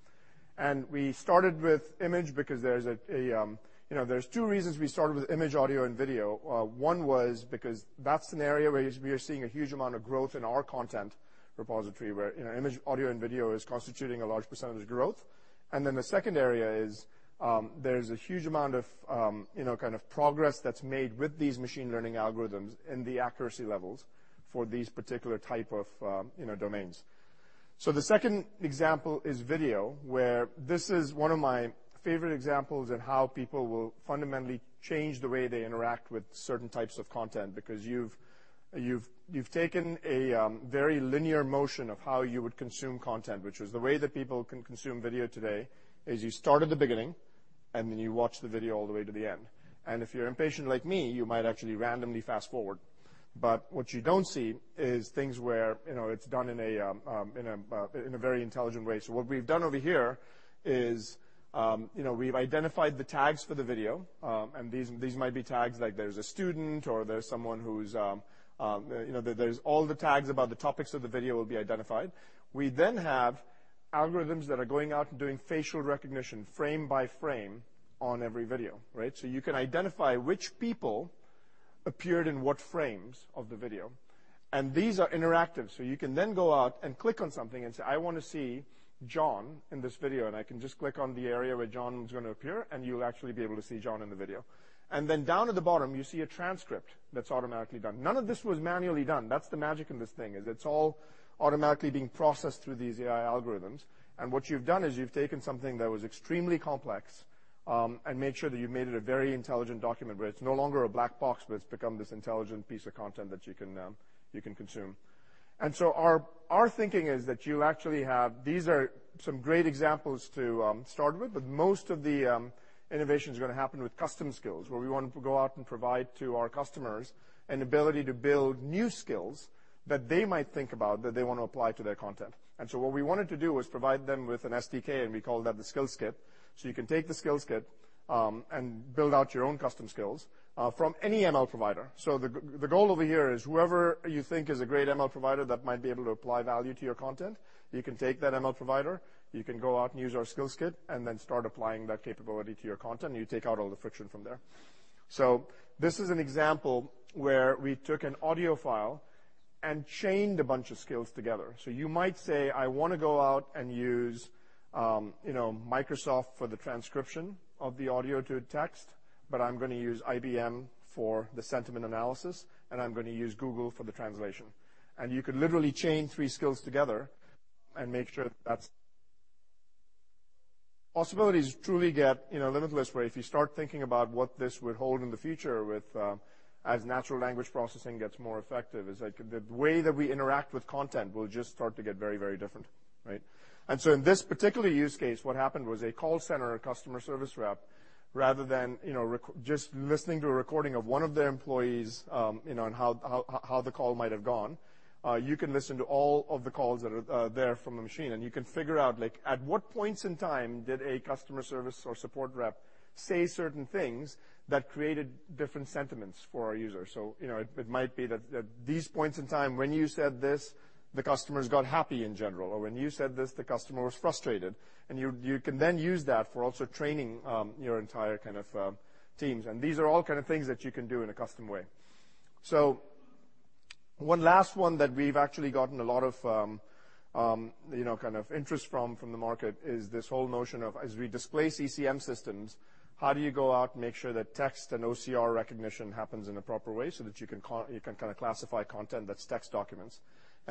We started with image because there's two reasons we started with image, audio, and video. One was because that's an area where we are seeing a huge amount of growth in our content repository, where image, audio, and video is constituting a large percentage of growth. The second area is, there's a huge amount of progress that's made with these machine learning algorithms in the accuracy levels for these particular type of domains. The second example is video, where this is one of my favorite examples in how people will fundamentally change the way they interact with certain types of content. Because you've taken a very linear motion of how you would consume content, which is the way that people can consume video today is you start at the beginning Then you watch the video all the way to the end. If you're impatient like me, you might actually randomly fast-forward. What you don't see is things where it's done in a very intelligent way. What we've done over here is, we've identified the tags for the video, and these might be tags like there's a student or all the tags about the topics of the video will be identified. We have algorithms that are going out and doing facial recognition frame by frame on every video. You can identify which people appeared in what frames of the video. These are interactive, so you can then go out and click on something and say, "I want to see John in this video," and I can just click on the area where John's going to appear, and you'll actually be able to see John in the video. Down at the bottom, you see a transcript that's automatically done. None of this was manually done. That's the magic in this thing, is it's all automatically being processed through these AI algorithms. What you've done is you've taken something that was extremely complex, and made sure that you've made it a very intelligent document, where it's no longer a black box, but it's become this intelligent piece of content that you can consume. Our thinking is that you actually have These are some great examples to start with, but most of the innovation is going to happen with custom skills, where we want to go out and provide to our customers an ability to build new skills that they might think about that they want to apply to their content. What we wanted to do was provide them with an SDK, and we call that the Skills Kit. You can take the Skills Kit, and build out your own custom skills, from any ML provider. The goal over here is whoever you think is a great ML provider that might be able to apply value to your content, you can take that ML provider, you can go out and use our Skills Kit, and then start applying that capability to your content, and you take out all the friction from there. This is an example where we took an audio file and chained a bunch of skills together. You might say, "I want to go out and use Microsoft for the transcription of the audio to text, but I'm going to use IBM for the sentiment analysis, and I'm going to use Google for the translation." You could literally chain three skills together and make sure that possibilities truly get limitless, where if you start thinking about what this would hold in the future with, as natural language processing gets more effective, is like, the way that we interact with content will just start to get very different. In this particular use case, what happened was a call center or customer service rep, rather than just listening to a recording of one of their employees, and how the call might have gone, you can listen to all of the calls that are there from the machine, and you can figure out, at what points in time did a customer service or support rep say certain things that created different sentiments for our users? It might be that at these points in time, when you said this, the customers got happy in general. Or when you said this, the customer was frustrated. You can then use that for also training your entire kind of teams. These are all kind of things that you can do in a custom way. One last one that we've actually gotten a lot of interest from the market is this whole notion of, as we displace ECM systems, how do you go out and make sure that text and OCR recognition happens in the proper way so that you can kind of classify content that's text documents?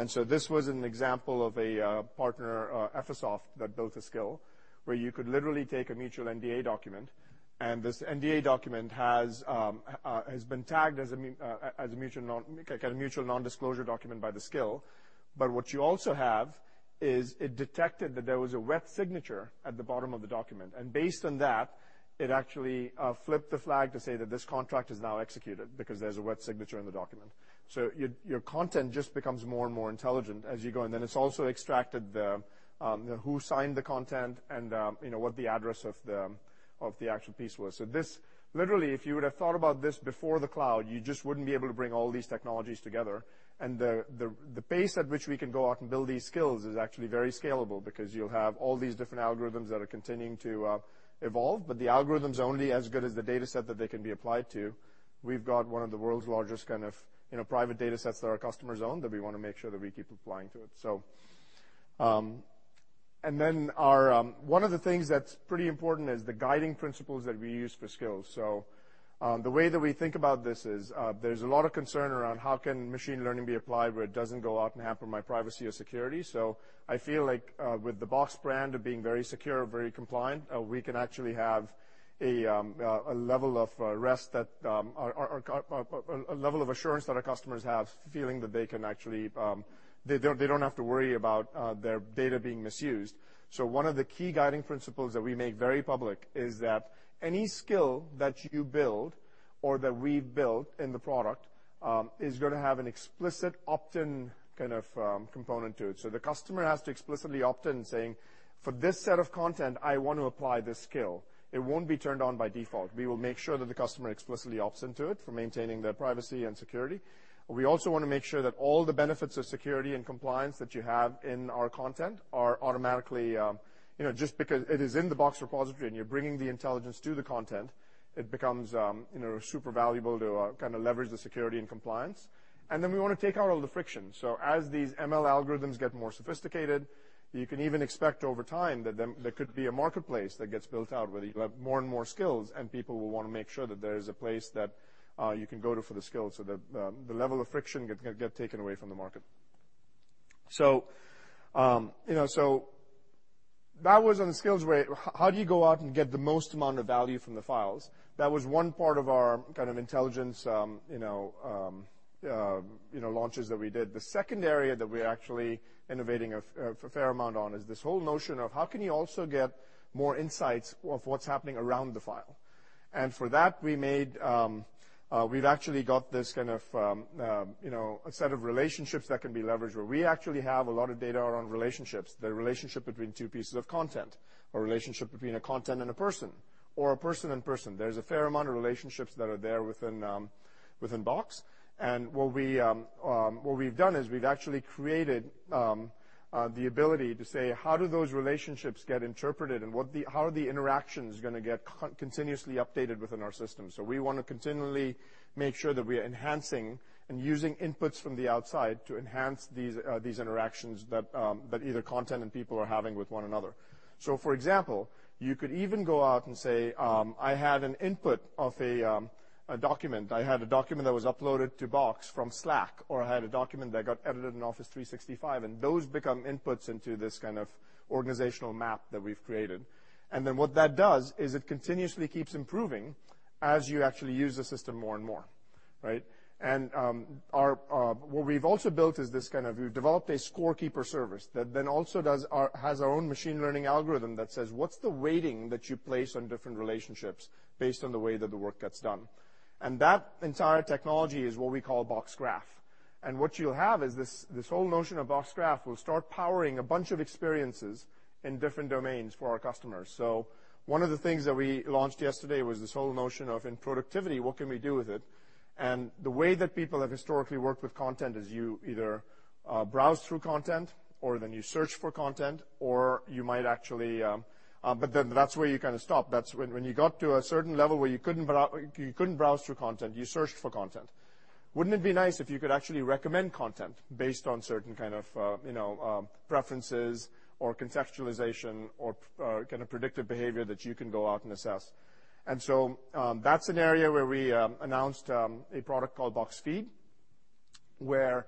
This was an example of a partner, Ephesoft, that built a skill where you could literally take a mutual NDA document, and this NDA document has been tagged as a kind of mutual non-disclosure document by the skill. What you also have is it detected that there was a wet signature at the bottom of the document. Based on that, it actually flipped the flag to say that this contract is now executed because there's a wet signature on the document. Your content just becomes more and more intelligent as you go. Then it's also extracted who signed the content and what the address of the actual piece was. This, literally, if you would've thought about this before the cloud, you just wouldn't be able to bring all these technologies together. The pace at which we can go out and build these skills is actually very scalable because you'll have all these different algorithms that are continuing to evolve, but the algorithm's only as good as the dataset that they can be applied to. We've got one of the world's largest kind of private datasets that our customers own, that we want to make sure that we keep applying to it. Then one of the things that's pretty important is the guiding principles that we use for skills. The way that we think about this is, there's a lot of concern around how can machine learning be applied where it doesn't go out and hamper my privacy or security. I feel like, with the Box brand of being very secure, very compliant, we can actually have a level of assurance that our customers have, feeling that they don't have to worry about their data being misused. One of the key guiding principles that we make very public is that any skill that you build or that we've built in the product, is going to have an explicit opt-in kind of component to it. The customer has to explicitly opt in, saying, "For this set of content, I want to apply this skill." It won't be turned on by default. We will make sure that the customer explicitly opts into it for maintaining their privacy and security. We also want to make sure that all the benefits of security and compliance that you have in our content are automatically Just because it is in the Box repository and you are bringing the intelligence to the content, it becomes super valuable to kind of leverage the security and compliance. We want to take out all the friction. As these ML algorithms get more sophisticated, you can even expect over time that there could be a marketplace that gets built out where you will have more and more skills, and people will want to make sure that there is a place that you can go to for the skills so that the level of friction can get taken away from the market. That was on the skills where, how do you go out and get the most amount of value from the files? That was one part of our kind of intelligence launches that we did. The second area that we are actually innovating a fair amount on is this whole notion of how can you also get more insights of what is happening around the file? For that, we have actually got this kind of a set of relationships that can be leveraged, where we actually have a lot of data around relationships, the relationship between two pieces of content, or relationship between a content and a person, or a person and person. There is a fair amount of relationships that are there within Box. What we have done is we have actually created the ability to say, how do those relationships get interpreted, and how are the interactions going to get continuously updated within our system? We want to continually make sure that we are enhancing and using inputs from the outside to enhance these interactions that either content and people are having with one another. For example, you could even go out and say, I had an input of a document. I had a document that was uploaded to Box from Slack, or I had a document that got edited in Office 365, and those become inputs into this kind of organizational map that we have created. What that does is it continuously keeps improving as you actually use the system more and more. Right? What we have also built is we have developed a scorekeeper service that then also has our own machine learning algorithm that says, what is the weighting that you place on different relationships based on the way that the work gets done? That entire technology is what we call Box Graph. What you will have is this whole notion of Box Graph will start powering a bunch of experiences in different domains for our customers. One of the things that we launched yesterday was this whole notion of, in productivity, what can we do with it? The way that people have historically worked with content is you either browse through content, or you search for content. That is where you kind of stop. That's when you got to a certain level where you couldn't browse through content, you searched for content. Wouldn't it be nice if you could actually recommend content based on certain kind of preferences or contextualization or kind of predictive behavior that you can go out and assess? That's an area where we announced a product called Box Feed, where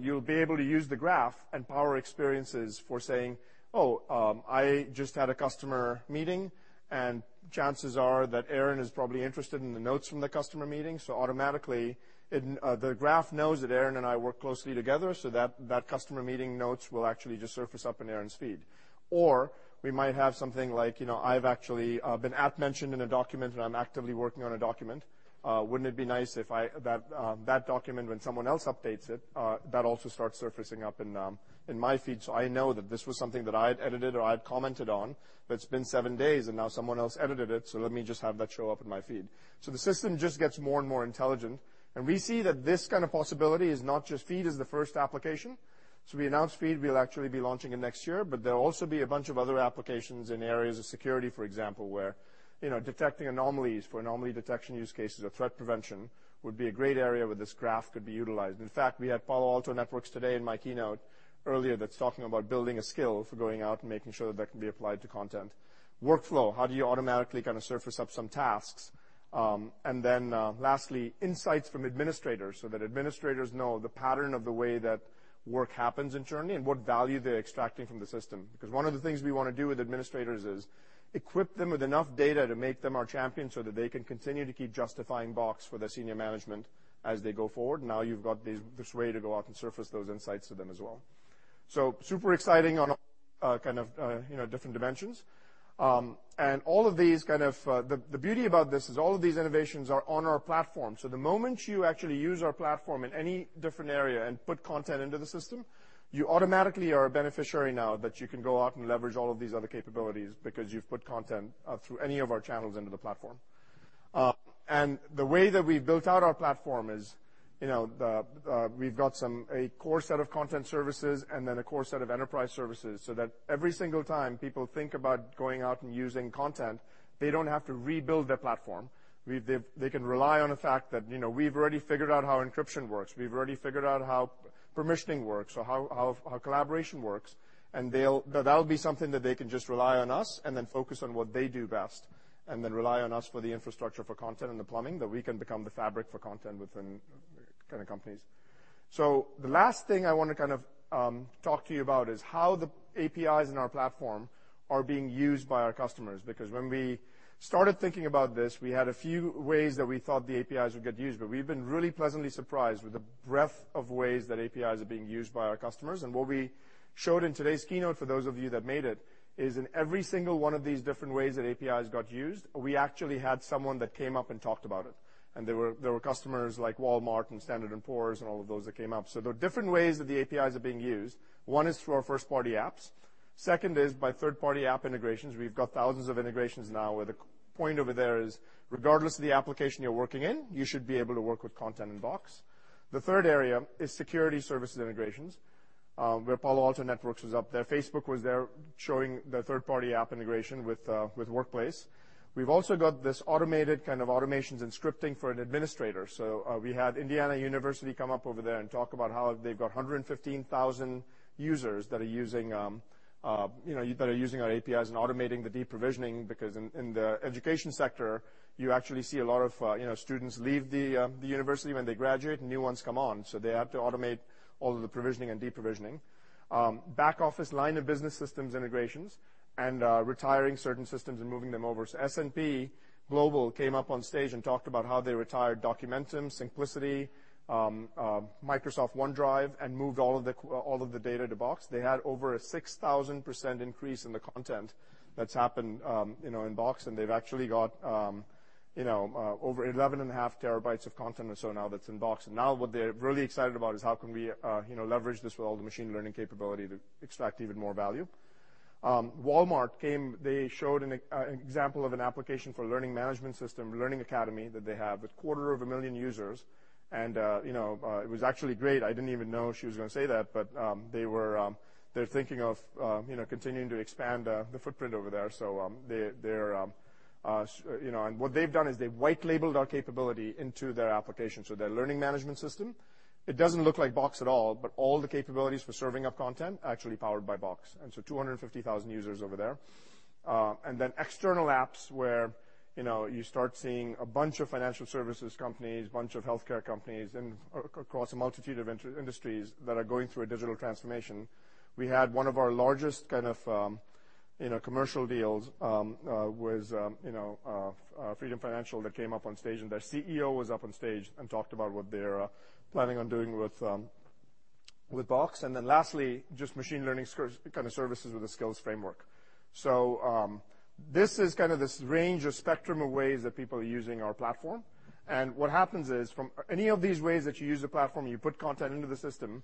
you'll be able to use the graph and power experiences for saying, oh, I just had a customer meeting, and chances are that Aaron is probably interested in the notes from the customer meeting. Automatically, the graph knows that Aaron and I work closely together, so that customer meeting notes will actually just surface up in Aaron's feed. Or we might have something like, I've actually been @mentioned in a document, or I'm actively working on a document. Wouldn't it be nice if that document, when someone else updates it, that also starts surfacing up in my feed so I know that this was something that I had edited or I had commented on, but it's been seven days and now someone else edited it, let me just have that show up in my feed. The system just gets more and more intelligent, and we see that this kind of possibility is not just Feed as the first application. We announced Feed, we'll actually be launching it next year, but there'll also be a bunch of other applications in areas of security, for example, where detecting anomalies for anomaly detection use cases or threat prevention would be a great area where this graph could be utilized. In fact, we had Palo Alto Networks today in my keynote earlier that's talking about building a skill for going out and making sure that that can be applied to content. Workflow, how do you automatically kind of surface up some tasks? Lastly, insights from administrators so that administrators know the pattern of the way that work happens internally and what value they're extracting from the system. One of the things we want to do with administrators is equip them with enough data to make them our champion so that they can continue to keep justifying Box for their senior management as they go forward. You've got this way to go out and surface those insights to them as well. Super exciting on kind of different dimensions. The beauty about this is all of these innovations are on our platform. The moment you actually use our platform in any different area and put content into the system, you automatically are a beneficiary now that you can go out and leverage all of these other capabilities because you've put content through any of our channels into the platform. The way that we've built out our platform is we've got a core set of content services and then a core set of enterprise services so that every single time people think about going out and using content, they don't have to rebuild their platform. They can rely on the fact that we've already figured out how encryption works. We've already figured out how permissioning works or how collaboration works. That'll be something that they can just rely on us and then focus on what they do best, and then rely on us for the infrastructure for content and the plumbing, that we can become the fabric for content within kind of companies. The last thing I want to kind of talk to you about is how the APIs in our platform are being used by our customers. Because when we started thinking about this, we had a few ways that we thought the APIs would get used, but we've been really pleasantly surprised with the breadth of ways that APIs are being used by our customers. What we showed in today's keynote, for those of you that made it, is in every single one of these different ways that APIs got used, we actually had someone that came up and talked about it, and there were customers like Walmart and Standard & Poor's and all of those that came up. There are different ways that the APIs are being used. One is through our first-party apps. Second is by third-party app integrations. We've got thousands of integrations now, where the point over there is, regardless of the application you're working in, you should be able to work with content in Box. The third area is security services integrations, where Palo Alto Networks was up there. Facebook was there showing the third-party app integration with Workplace. We've also got this automated kind of automations and scripting for an administrator. We had Indiana University come up over there and talk about how they've got 115,000 users that are using our APIs and automating the deprovisioning, because in the education sector, you actually see a lot of students leave the university when they graduate, and new ones come on. They have to automate all of the provisioning and deprovisioning. Back-office line of business systems integrations, and retiring certain systems and moving them over. S&P Global came up on stage and talked about how they retired Documentum, Syncplicity, Microsoft OneDrive, and moved all of the data to Box. They had over a 6,000% increase in the content that's happened in Box, and they've actually got over 11 and a half terabytes of content or so now that's in Box. Now what they're really excited about is how can we leverage this with all the machine learning capability to extract even more value. Walmart came, they showed an example of an application for learning management system, learning academy that they have with quarter of a million users. It was actually great. I didn't even know she was going to say that, but they're thinking of continuing to expand the footprint over there. What they've done is they've white labeled our capability into their application. Their learning management system, it doesn't look like Box at all, but all the capabilities for serving up content, actually powered by Box, and so 250,000 users over there. Then external apps where you start seeing a bunch of financial services companies, bunch of healthcare companies, and across a multitude of industries that are going through a digital transformation. We had one of our largest kind of commercial deals, was Freedom Financial that came up on stage, and their CEO was up on stage and talked about what they're planning on doing with Box. Lastly, just machine learning kind of services with a skills framework. This is kind of this range or spectrum of ways that people are using our platform. What happens is, from any of these ways that you use the platform, you put content into the system,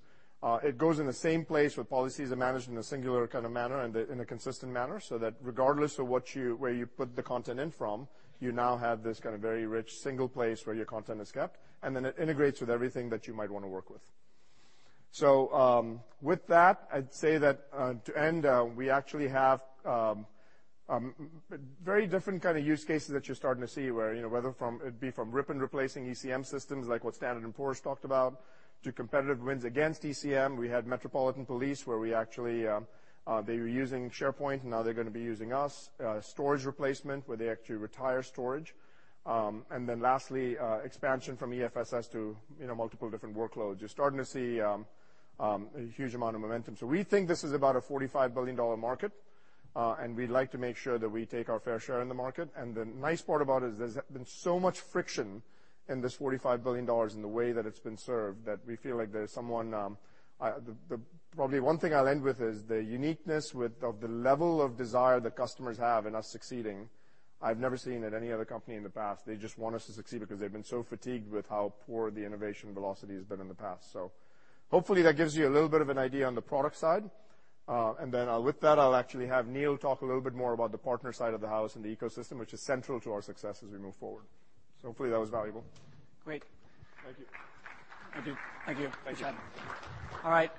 it goes in the same place where policies are managed in a singular kind of manner and in a consistent manner, so that regardless of where you put the content in from, you now have this kind of very rich single place where your content is kept, it integrates with everything that you might want to work with. With that, I'd say that to end, we actually have very different kind of use cases that you're starting to see where, whether it be from rip and replacing ECM systems, like what Standard & Poor's talked about, to competitive wins against ECM. We had Metropolitan Police where we actually, they were using SharePoint, now they're going to be using us. Storage replacement, where they actually retire storage. Lastly, expansion from EFSS to multiple different workloads. You're starting to see a huge amount of momentum. We think this is about a $45 billion market. We'd like to make sure that we take our fair share in the market. The nice part about it is there's been so much friction in this $45 billion in the way that it's been served that we feel like there's someone Probably one thing I'll end with is the uniqueness of the level of desire that customers have in us succeeding, I've never seen at any other company in the past. They just want us to succeed because they've been so fatigued with how poor the innovation velocity has been in the past. Hopefully that gives you a little bit of an idea on the product side. With that, I'll actually have Neil talk a little bit more about the partner side of the house and the ecosystem, which is central to our success as we move forward. Hopefully that was valuable. Great. Thank you. Thank you. Thanks, Chad. All right.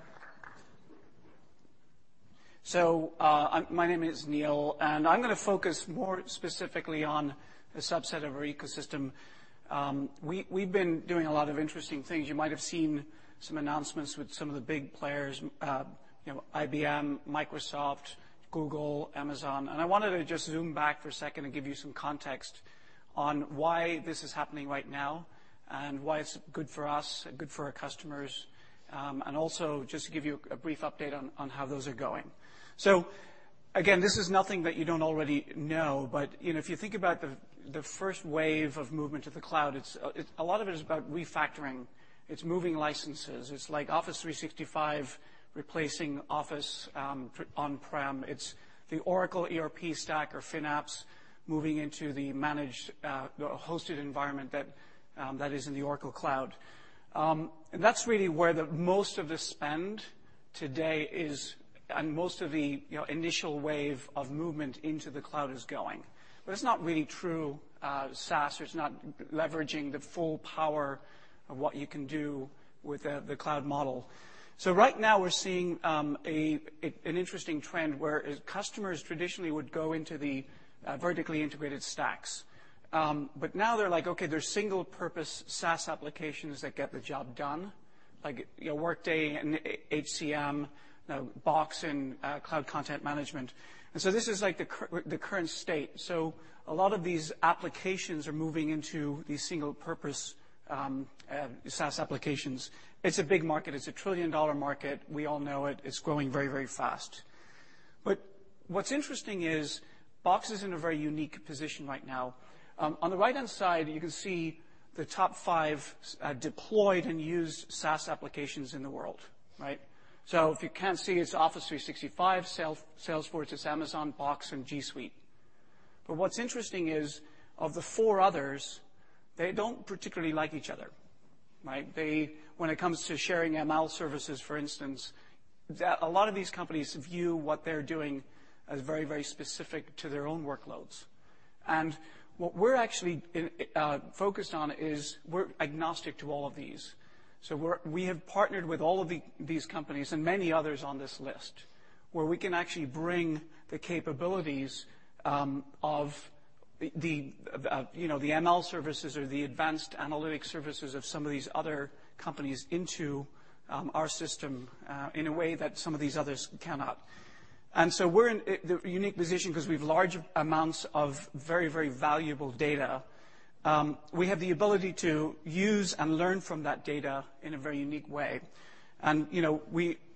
My name is Neil, and I'm going to focus more specifically on the subset of our ecosystem. We've been doing a lot of interesting things. You might have seen some announcements with some of the big players, IBM, Microsoft, Google, Amazon. I wanted to just zoom back for a second and give you some context on why this is happening right now and why it's good for us, good for our customers, and also just to give you a brief update on how those are going. Again, this is nothing that you don't already know, but if you think about the first wave of movement to the cloud, a lot of it is about refactoring. It's moving licenses. It's like Office 365 replacing Office on-prem. It's the Oracle ERP stack or FinApps moving into the managed hosted environment that is in the Oracle Cloud. That's really where the most of the spend today is, and most of the initial wave of movement into the cloud is going. It's not really true, SaaS is not leveraging the full power of what you can do with the cloud model. Right now we're seeing an interesting trend where customers traditionally would go into the vertically integrated stacks. Now they're like, "Okay, there's single purpose SaaS applications that get the job done," like Workday and HCM, Box and Cloud Content Management. This is like the current state. A lot of these applications are moving into these single purpose SaaS applications. It's a big market. It's a trillion-dollar market. We all know it. It's growing very fast. What's interesting is Box is in a very unique position right now. On the right-hand side, you can see the top five deployed and used SaaS applications in the world. Right. If you can't see, it's Office 365, Salesforce, it's Amazon, Box, and G Suite. What's interesting is, of the four others, they don't particularly like each other. Right. When it comes to sharing ML services, for instance, a lot of these companies view what they're doing as very specific to their own workloads. What we're actually focused on is we're agnostic to all of these. We have partnered with all of these companies and many others on this list, where we can actually bring the capabilities of the ML services or the advanced analytic services of some of these other companies into our system, in a way that some of these others cannot. We're in the unique position because we have large amounts of very valuable data. We have the ability to use and learn from that data in a very unique way.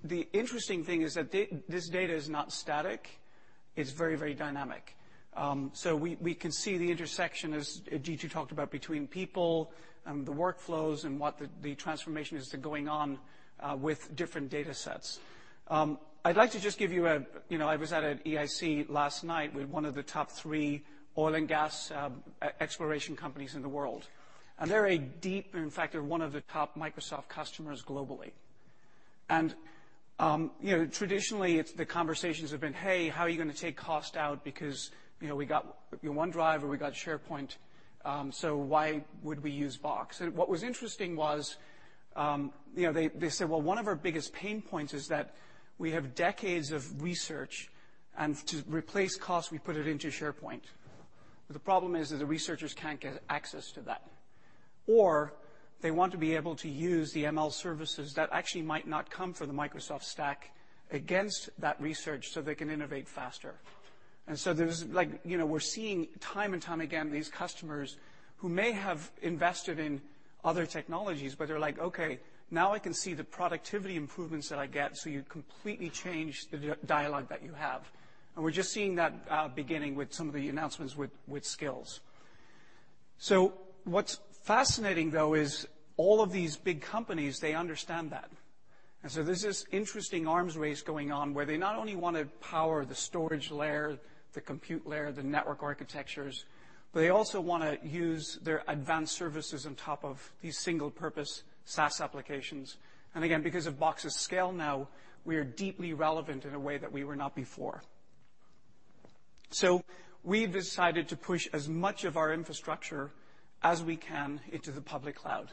The interesting thing is that this data is not static. It's very dynamic. We can see the intersection, as Jeetu talked about, between people and the workflows and what the transformation is going on with different data sets. I'd like to just give you a. I was at an EIC last night with one of the top three oil and gas exploration companies in the world, and they're a deep, in fact, they're one of the top Microsoft customers globally. Traditionally, the conversations have been, "Hey, how are you going to take cost out because we got OneDrive or we got SharePoint, so why would we use Box?" What was interesting was they said, "Well, one of our biggest pain points is that we have decades of research, and to replace costs, we put it into SharePoint. The problem is that the researchers can't get access to that." Or they want to be able to use the ML services that actually might not come from the Microsoft stack against that research so they can innovate faster. We're seeing time and time again, these customers who may have invested in other technologies, but they're like, "Okay, now I can see the productivity improvements that I get", so you completely change the dialogue that you have. We're just seeing that beginning with some of the announcements with Skills. What's fascinating, though, is all of these big companies, they understand that. There's this interesting arms race going on where they not only want to power the storage layer, the compute layer, the network architectures, but they also want to use their advanced services on top of these single-purpose SaaS applications. Again, because of Box's scale now, we are deeply relevant in a way that we were not before. We've decided to push as much of our infrastructure as we can into the public cloud.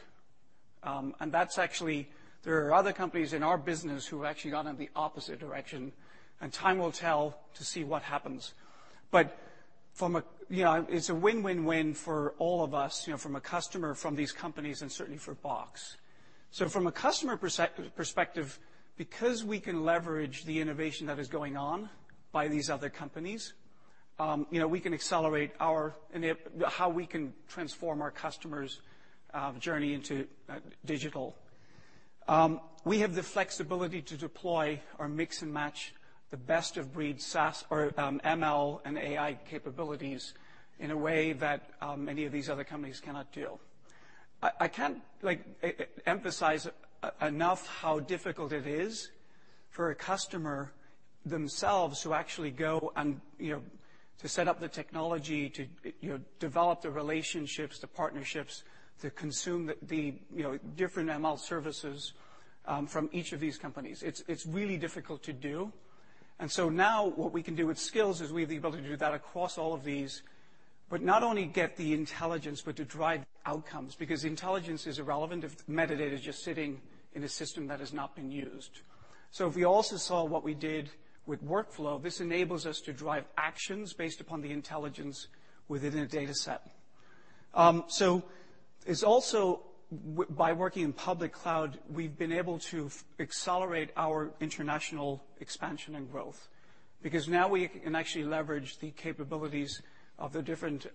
There are other companies in our business who have actually gone in the opposite direction, and time will tell to see what happens. It's a win-win-win for all of us, from a customer, from these companies, and certainly for Box. From a customer perspective, because we can leverage the innovation that is going on by these other companies, we can accelerate how we can transform our customers' journey into digital. We have the flexibility to deploy or mix and match the best of breed SaaS or ML and AI capabilities in a way that many of these other companies cannot do. I can't emphasize enough how difficult it is for a customer themselves to actually go and to set up the technology to develop the relationships, the partnerships to consume the different ML services from each of these companies. It's really difficult to do. Now what we can do with Skills is we have the ability to do that across all of these, but not only get the intelligence, but to drive outcomes, because intelligence is irrelevant if metadata is just sitting in a system that has not been used. If we also saw what we did with workflow, this enables us to drive actions based upon the intelligence within a dataset. It's also by working in public cloud, we've been able to accelerate our international expansion and growth, because now we can actually leverage the capabilities of the different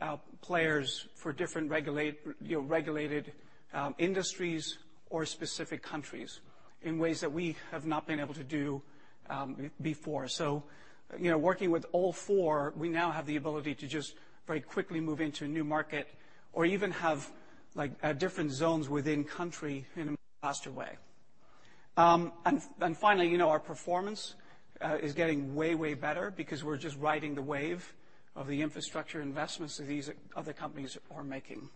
players for different regulated industries or specific countries in ways that we have not been able to do before. Working with all four, we now have the ability to just very quickly move into a new market or even have different zones within country in a much faster way. Finally, our performance is getting way better because we're just riding the wave of the infrastructure investments that these other companies are making.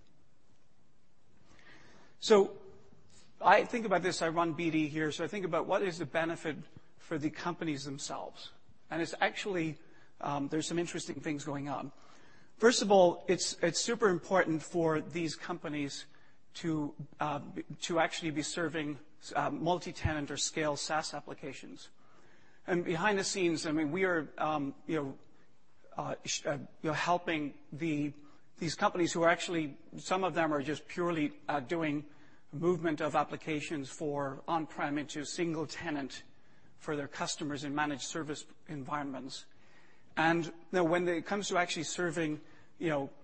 I think about this, I run BD here, I think about what is the benefit for the companies themselves. It's actually, there's some interesting things going on. First of all, it's super important for these companies to actually be serving multi-tenant or scale SaaS applications. Behind the scenes, we are helping these companies who are actually, some of them are just purely doing movement of applications for on-prem into single tenant for their customers in managed service environments. When it comes to actually serving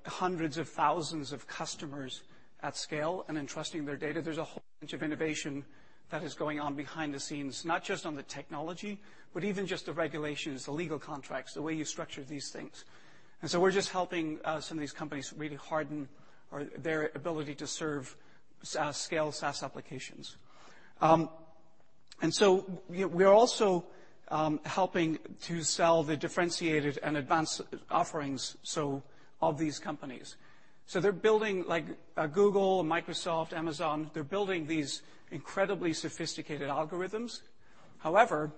hundreds of thousands of customers at scale and entrusting their data, there's a whole bunch of innovation that is going on behind the scenes, not just on the technology, but even just the regulations, the legal contracts, the way you structure these things. We're just helping some of these companies really harden their ability to serve scale SaaS applications. We are also helping to sell the differentiated and advanced offerings of these companies. They're building like a Google, Microsoft, Amazon, they're building these incredibly sophisticated algorithms. However,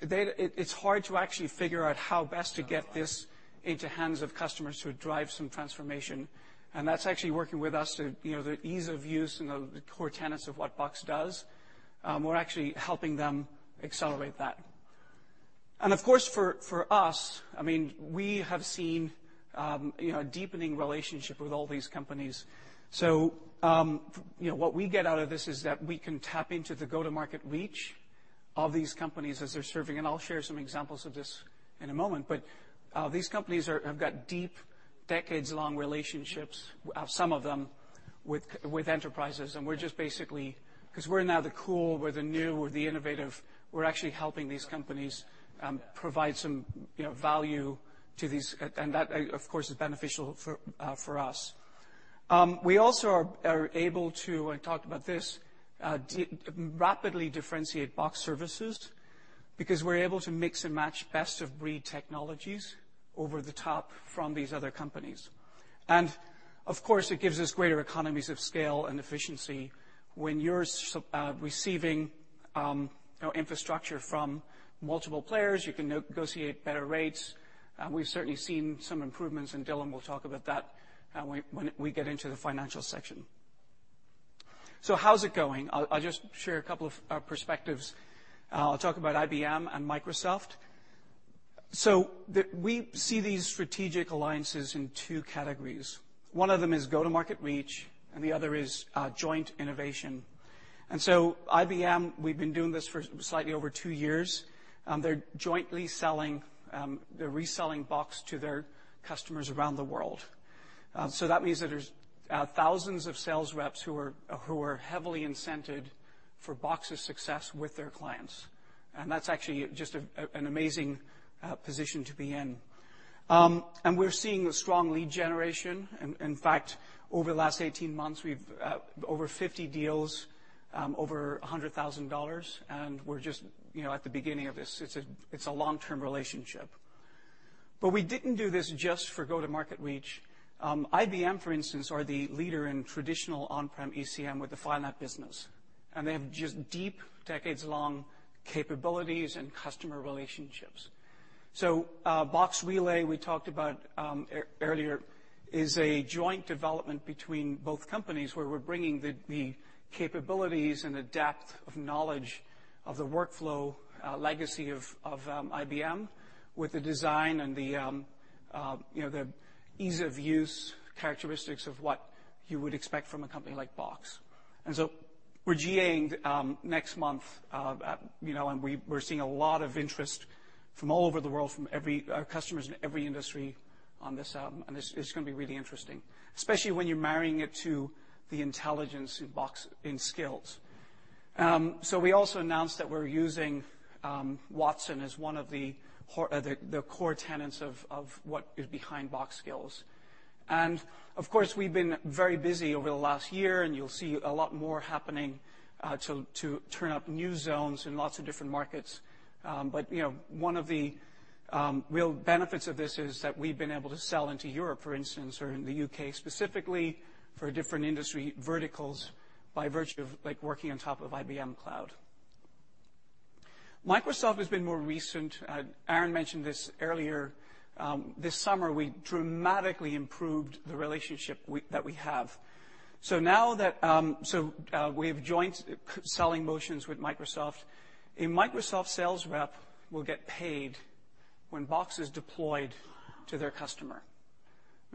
it's hard to actually figure out how best to get this into hands of customers to drive some transformation. That's actually working with us, the ease of use and the core tenets of what Box does. We're actually helping them accelerate that. Of course, for us, we have seen a deepening relationship with all these companies. What we get out of this is that we can tap into the go-to-market reach of these companies as they're serving, and I'll share some examples of this in a moment, but these companies have got deep, decades-long relationships, some of them, with enterprises. We're just basically, because we're now the cool, we're the new, we're the innovative, we're actually helping these companies provide some value to these, and that, of course, is beneficial for us. We also are able to, I talked about this, rapidly differentiate Box services. We're able to mix and match best-of-breed technologies over the top from these other companies. Of course, it gives us greater economies of scale and efficiency. When you're receiving infrastructure from multiple players, you can negotiate better rates. We've certainly seen some improvements, Dylan will talk about that when we get into the financial section. How's it going? I'll just share a couple of perspectives. I'll talk about IBM and Microsoft. We see these strategic alliances in two categories. One of them is go-to-market reach, and the other is joint innovation. IBM, we've been doing this for slightly over two years. They're jointly selling, they're reselling Box to their customers around the world. That means that there's thousands of sales reps who are heavily incented for Box's success with their clients. That's actually just an amazing position to be in. We're seeing strong lead generation. In fact, over the last 18 months, we've over 50 deals over $100,000. We're just at the beginning of this. It's a long-term relationship. We didn't do this just for go-to-market reach. IBM, for instance, are the leader in traditional on-prem ECM with the FileNet business, and they have just deep, decades-long capabilities and customer relationships. Box Relay, we talked about earlier, is a joint development between both companies, where we're bringing the capabilities and the depth of knowledge of the workflow, legacy of IBM with the design and the ease of use characteristics of what you would expect from a company like Box. We're GA-ing next month, and we're seeing a lot of interest from all over the world, from customers in every industry on this. It's going to be really interesting, especially when you're marrying it to the intelligence in Box in Skills. We also announced that we're using Watson as one of the core tenets of what is behind Box Skills. Of course, we've been very busy over the last year, and you'll see a lot more happening to turn up new zones in lots of different markets. One of the real benefits of this is that we've been able to sell into Europe, for instance, or in the U.K. specifically, for different industry verticals by virtue of working on top of IBM Cloud. Microsoft has been more recent. Aaron mentioned this earlier. This summer, we dramatically improved the relationship that we have. We have joint selling motions with Microsoft. A Microsoft sales rep will get paid when Box is deployed to their customer.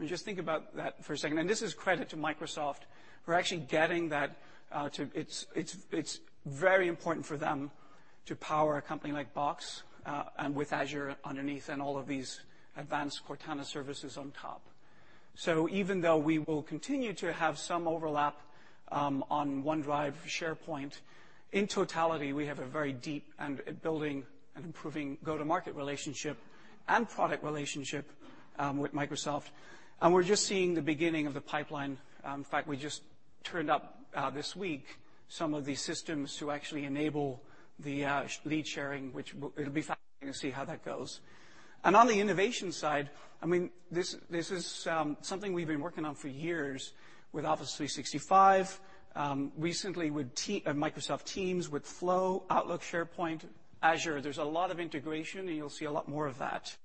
Just think about that for a second. This is credit to Microsoft. We're actually getting that, it's very important for them to power a company like Box, and with Azure underneath and all of these advanced Cortana services on top. Even though we will continue to have some overlap on OneDrive, SharePoint, in totality, we have a very deep and building and improving go-to-market relationship and product relationship with Microsoft. We're just seeing the beginning of the pipeline. In fact, we just turned up this week some of the systems to actually enable the lead sharing, which it'll be fascinating to see how that goes. On the innovation side, this is something we've been working on for years with Office 365, recently with Microsoft Teams, with Flow, Outlook, SharePoint, Azure. There's a lot of integration, and you'll see a lot more of that.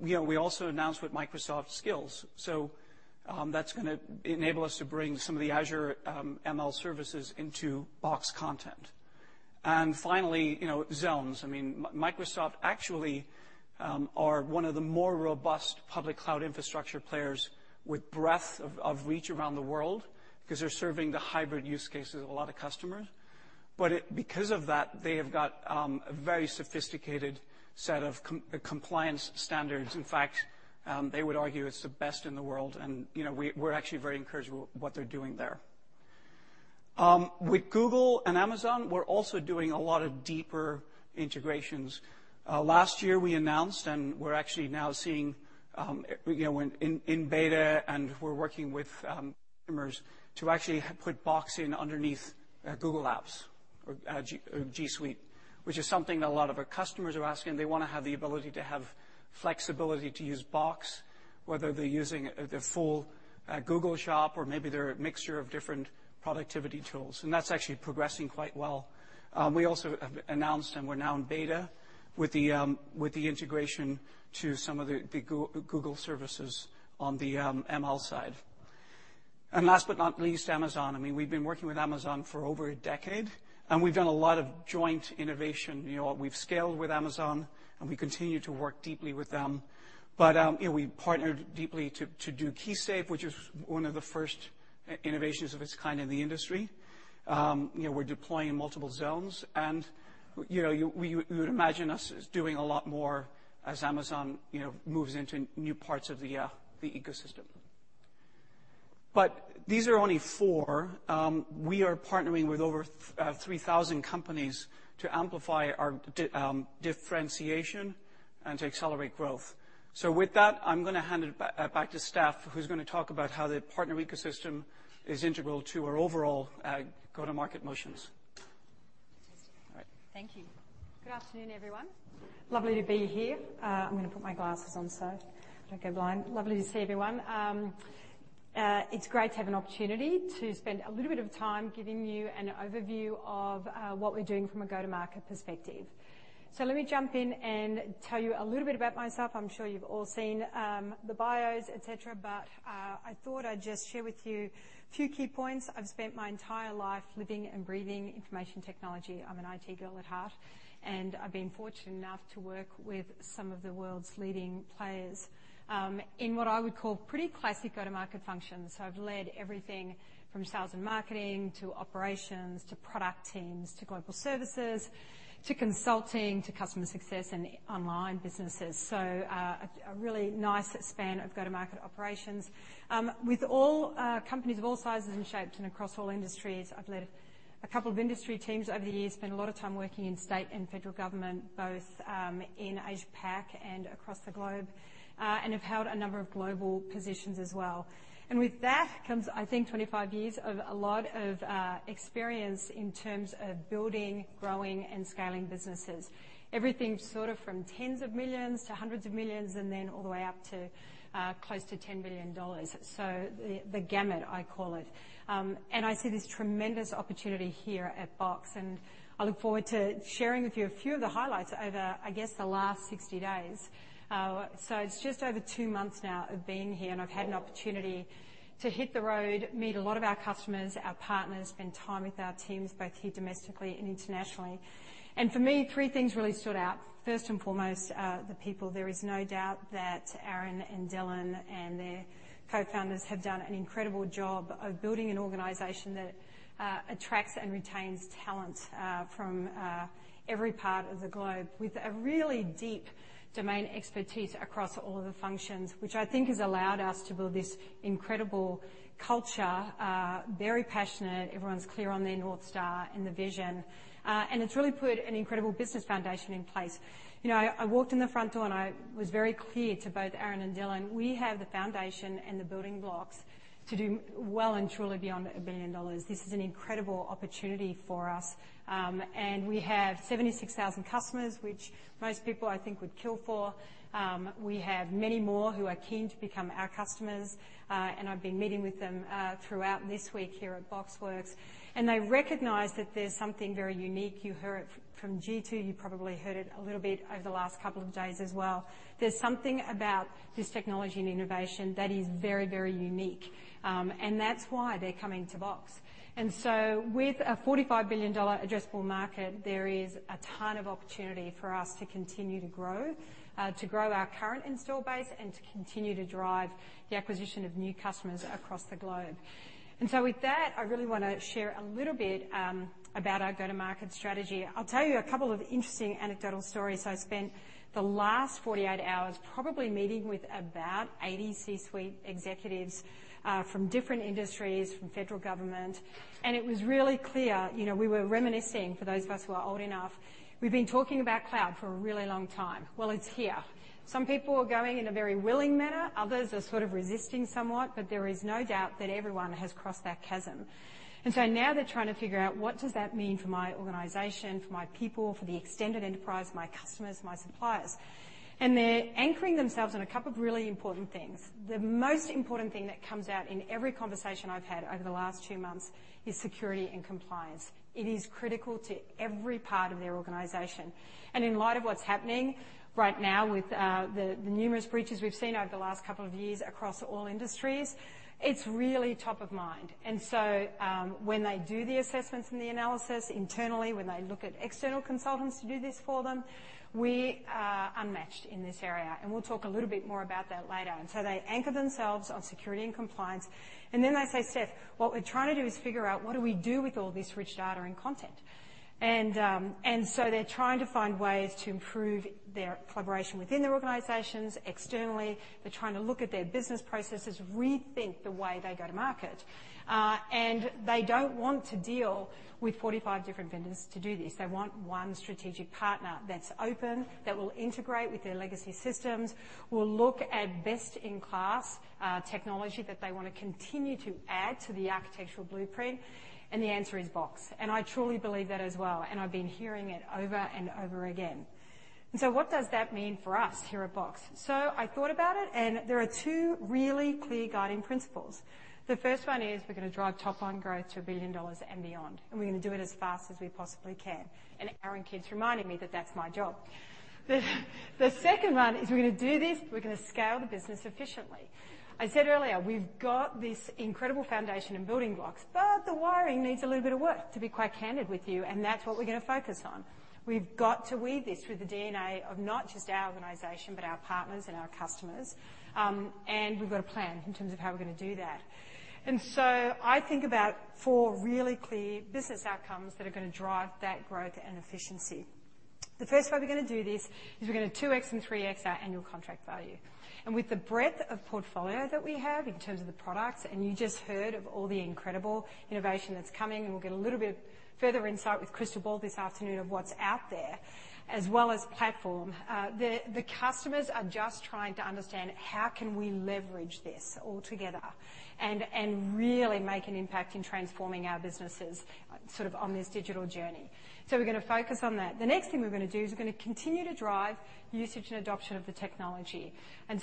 We also announced with Box Skills. That's going to enable us to bring some of the Azure ML services into Box content. Finally, zones. Microsoft actually are one of the more robust public cloud infrastructure players with breadth of reach around the world because they're serving the hybrid use cases of a lot of customers. Because of that, they have got a very sophisticated set of compliance standards. In fact, they would argue it's the best in the world, and we're actually very encouraged with what they're doing there. With Google and Amazon, we're also doing a lot of deeper integrations. Last year, we announced, and we're actually now seeing in beta, and we're working with customers to actually put Box in underneath Google Apps or G Suite, which is something that a lot of our customers are asking. They want to have the ability to have flexibility to use Box, whether they're using the full Google shop or maybe they're a mixture of different productivity tools. That's actually progressing quite well. We also have announced, and we're now in beta with the integration to some of the Google services on the ML side. Last but not least, Amazon. We've been working with Amazon for over a decade, and we've done a lot of joint innovation. We've scaled with Amazon, and we continue to work deeply with them. We partnered deeply to do KeySafe, which was one of the first innovations of its kind in the industry. We're deploying multiple zones, and you would imagine us as doing a lot more as Amazon moves into new parts of the ecosystem. These are only four. We are partnering with over 3,000 companies to amplify our differentiation and to accelerate growth. With that, I'm going to hand it back to Steph, who's going to talk about how the partner ecosystem is integral to our overall go-to-market motions. All right. Thank you. Good afternoon, everyone. Lovely to be here. I'm going to put my glasses on so I don't go blind. Lovely to see everyone. It's great to have an opportunity to spend a little bit of time giving you an overview of what we're doing from a go-to-market perspective. Let me jump in and tell you a little bit about myself. I'm sure you've all seen the bios, et cetera, but I thought I'd just share with you a few key points. I've spent my entire life living and breathing information technology. I'm an IT girl at heart, and I've been fortunate enough to work with some of the world's leading players in what I would call pretty classic go-to-market functions. I've led everything from sales and marketing, to operations, to product teams, to global services, to consulting, to customer success, and online businesses. A really nice span of go-to-market operations. With all companies of all sizes and shapes and across all industries, I've led a couple of industry teams over the years, spent a lot of time working in state and federal government, both in Asia-Pac and across the globe, and have held a number of global positions as well. With that comes, I think, 25 years of a lot of experience in terms of building, growing, and scaling businesses. Everything sort of from tens of millions to hundreds of millions, and then all the way up to close to $10 billion. The gamut, I call it. I see this tremendous opportunity here at Box, and I look forward to sharing with you a few of the highlights over, I guess, the last 60 days. It's just over two months now of being here, and I've had an opportunity to hit the road, meet a lot of our customers, our partners, spend time with our teams, both here domestically and internationally. For me, three things really stood out. First and foremost, the people. There is no doubt that Aaron and Dylan and their co-founders have done an incredible job of building an organization that attracts and retains talent from every part of the globe with a really deep domain expertise across all of the functions, which I think has allowed us to build this incredible culture. Very passionate, everyone's clear on their North Star and the vision. It's really put an incredible business foundation in place. I walked in the front door, I was very clear to both Aaron and Dylan, we have the foundation and the building blocks to do well and truly beyond a billion dollars. This is an incredible opportunity for us. We have 76,000 customers, which most people, I think, would kill for. We have many more who are keen to become our customers, and I've been meeting with them throughout this week here at BoxWorks, and they recognize that there's something very unique. You heard it from Jeetu, you probably heard it a little bit over the last couple of days as well. There's something about this technology and innovation that is very, very unique. That's why they're coming to Box. With a $45 billion addressable market, there is a ton of opportunity for us to continue to grow, to grow our current install base, and to continue to drive the acquisition of new customers across the globe. With that, I really want to share a little bit about our go-to-market strategy. I'll tell you a couple of interesting anecdotal stories. I spent the last 48 hours probably meeting with about 80 C-suite executives from different industries, from federal government, and it was really clear. We were reminiscing, for those of us who are old enough, we've been talking about cloud for a really long time. Well, it's here. Some people are going in a very willing manner, others are sort of resisting somewhat, but there is no doubt that everyone has crossed that chasm. Now they're trying to figure out, what does that mean for my organization, for my people, for the extended enterprise, my customers, my suppliers? They're anchoring themselves on a couple of really important things. The most important thing that comes out in every conversation I've had over the last two months is security and compliance. It is critical to every part of their organization. In light of what's happening right now with the numerous breaches we've seen over the last couple of years across all industries, it's really top of mind. When they do the assessments and the analysis internally, when they look at external consultants to do this for them, we are unmatched in this area. We'll talk a little bit more about that later on. They anchor themselves on security and compliance, and then they say, "Steph, what we're trying to do is figure out what do we do with all this rich data and content?" They're trying to find ways to improve their collaboration within their organizations externally. They're trying to look at their business processes, rethink the way they go to market. They don't want to deal with 45 different vendors to do this. They want one strategic partner that's open, that will integrate with their legacy systems, will look at best-in-class technology that they want to continue to add to the architectural blueprint, and the answer is Box. I truly believe that as well, and I've been hearing it over and over again. What does that mean for us here at Box? I thought about it, and there are two really clear guiding principles. The first one is we're going to drive top-line growth to $1 billion and beyond, and we're going to do it as fast as we possibly can. Aaron keeps reminding me that that's my job. The second one is we're going to do this, we're going to scale the business efficiently. I said earlier, we've got this incredible foundation and building blocks, but the wiring needs a little bit of work, to be quite candid with you, and that's what we're going to focus on. We've got to weave this with the DNA of not just our organization, but our partners and our customers. We've got a plan in terms of how we're going to do that. I think about four really clear business outcomes that are going to drive that growth and efficiency. The first way we're going to do this is we're going to 2X and 3X our annual contract value. With the breadth of portfolio that we have in terms of the products, and you just heard of all the incredible innovation that's coming, and we'll get a little bit further insight with Crystal Ball this afternoon of what's out there, as well as platform. The customers are just trying to understand, how can we leverage this all together and really make an impact in transforming our businesses sort of on this digital journey. We're going to focus on that. The next thing we're going to do is we're going to continue to drive usage and adoption of the technology,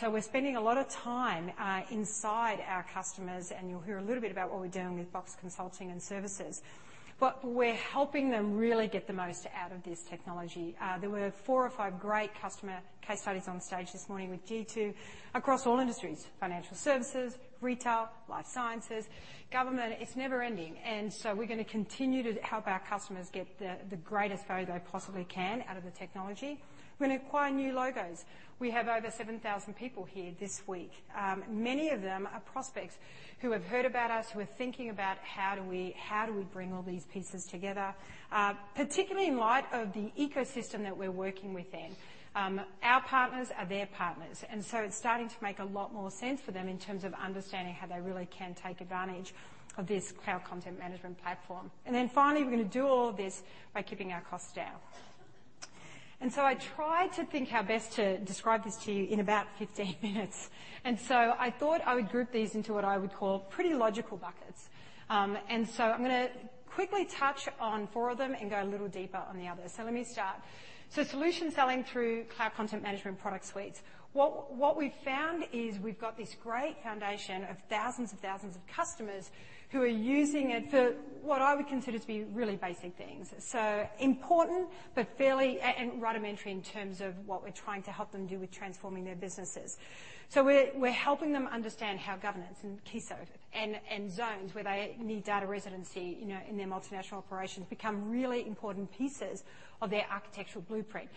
we're spending a lot of time inside our customers, and you'll hear a little bit about what we're doing with Box Consulting and Services. We're helping them really get the most out of this technology. There were four or five great customer case studies on stage this morning with Jeetu across all industries, financial services, retail, life sciences, government. It's never ending. We're going to continue to help our customers get the greatest value they possibly can out of the technology. We're going to acquire new logos. We have over 7,000 people here this week. Many of them are prospects who have heard about us, who are thinking about, how do we bring all these pieces together, particularly in light of the ecosystem that we're working within. Our partners are their partners, it's starting to make a lot more sense for them in terms of understanding how they really can take advantage of this Cloud Content Management platform. Finally, we're going to do all of this by keeping our costs down. I tried to think how best to describe this to you in about 15 minutes. I thought I would group these into what I would call pretty logical buckets. I'm going to quickly touch on four of them and go a little deeper on the others. Let me start. Solution selling through Cloud Content Management product suites. What we've found is we've got this great foundation of thousands of thousands of customers who are using it for what I would consider to be really basic things, so important but fairly rudimentary in terms of what we're trying to help them do with transforming their businesses. We're helping them understand how governance and key services and zones where they need data residency in their multinational operations become really important pieces of their architectural blueprint.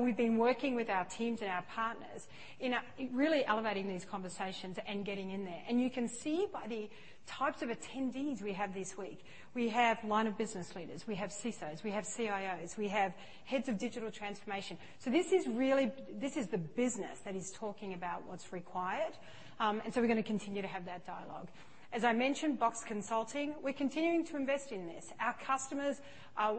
We've been working with our teams and our partners in really elevating these conversations and getting in there. You can see by the types of attendees we have this week, we have line-of-business leaders, we have CISOs, we have CIOs, we have heads of digital transformation. This is the business that is talking about what's required, we're going to continue to have that dialogue. As I mentioned, Box Consulting, we're continuing to invest in this. Our customers are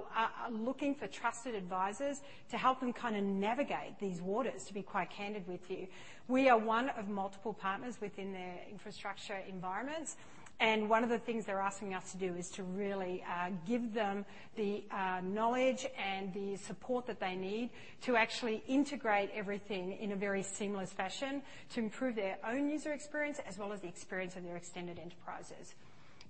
looking for trusted advisors to help them kind of navigate these waters, to be quite candid with you. We are one of multiple partners within their infrastructure environments. One of the things they're asking us to do is to really give them the knowledge and the support that they need to actually integrate everything in a very seamless fashion to improve their own user experience as well as the experience of their extended enterprises.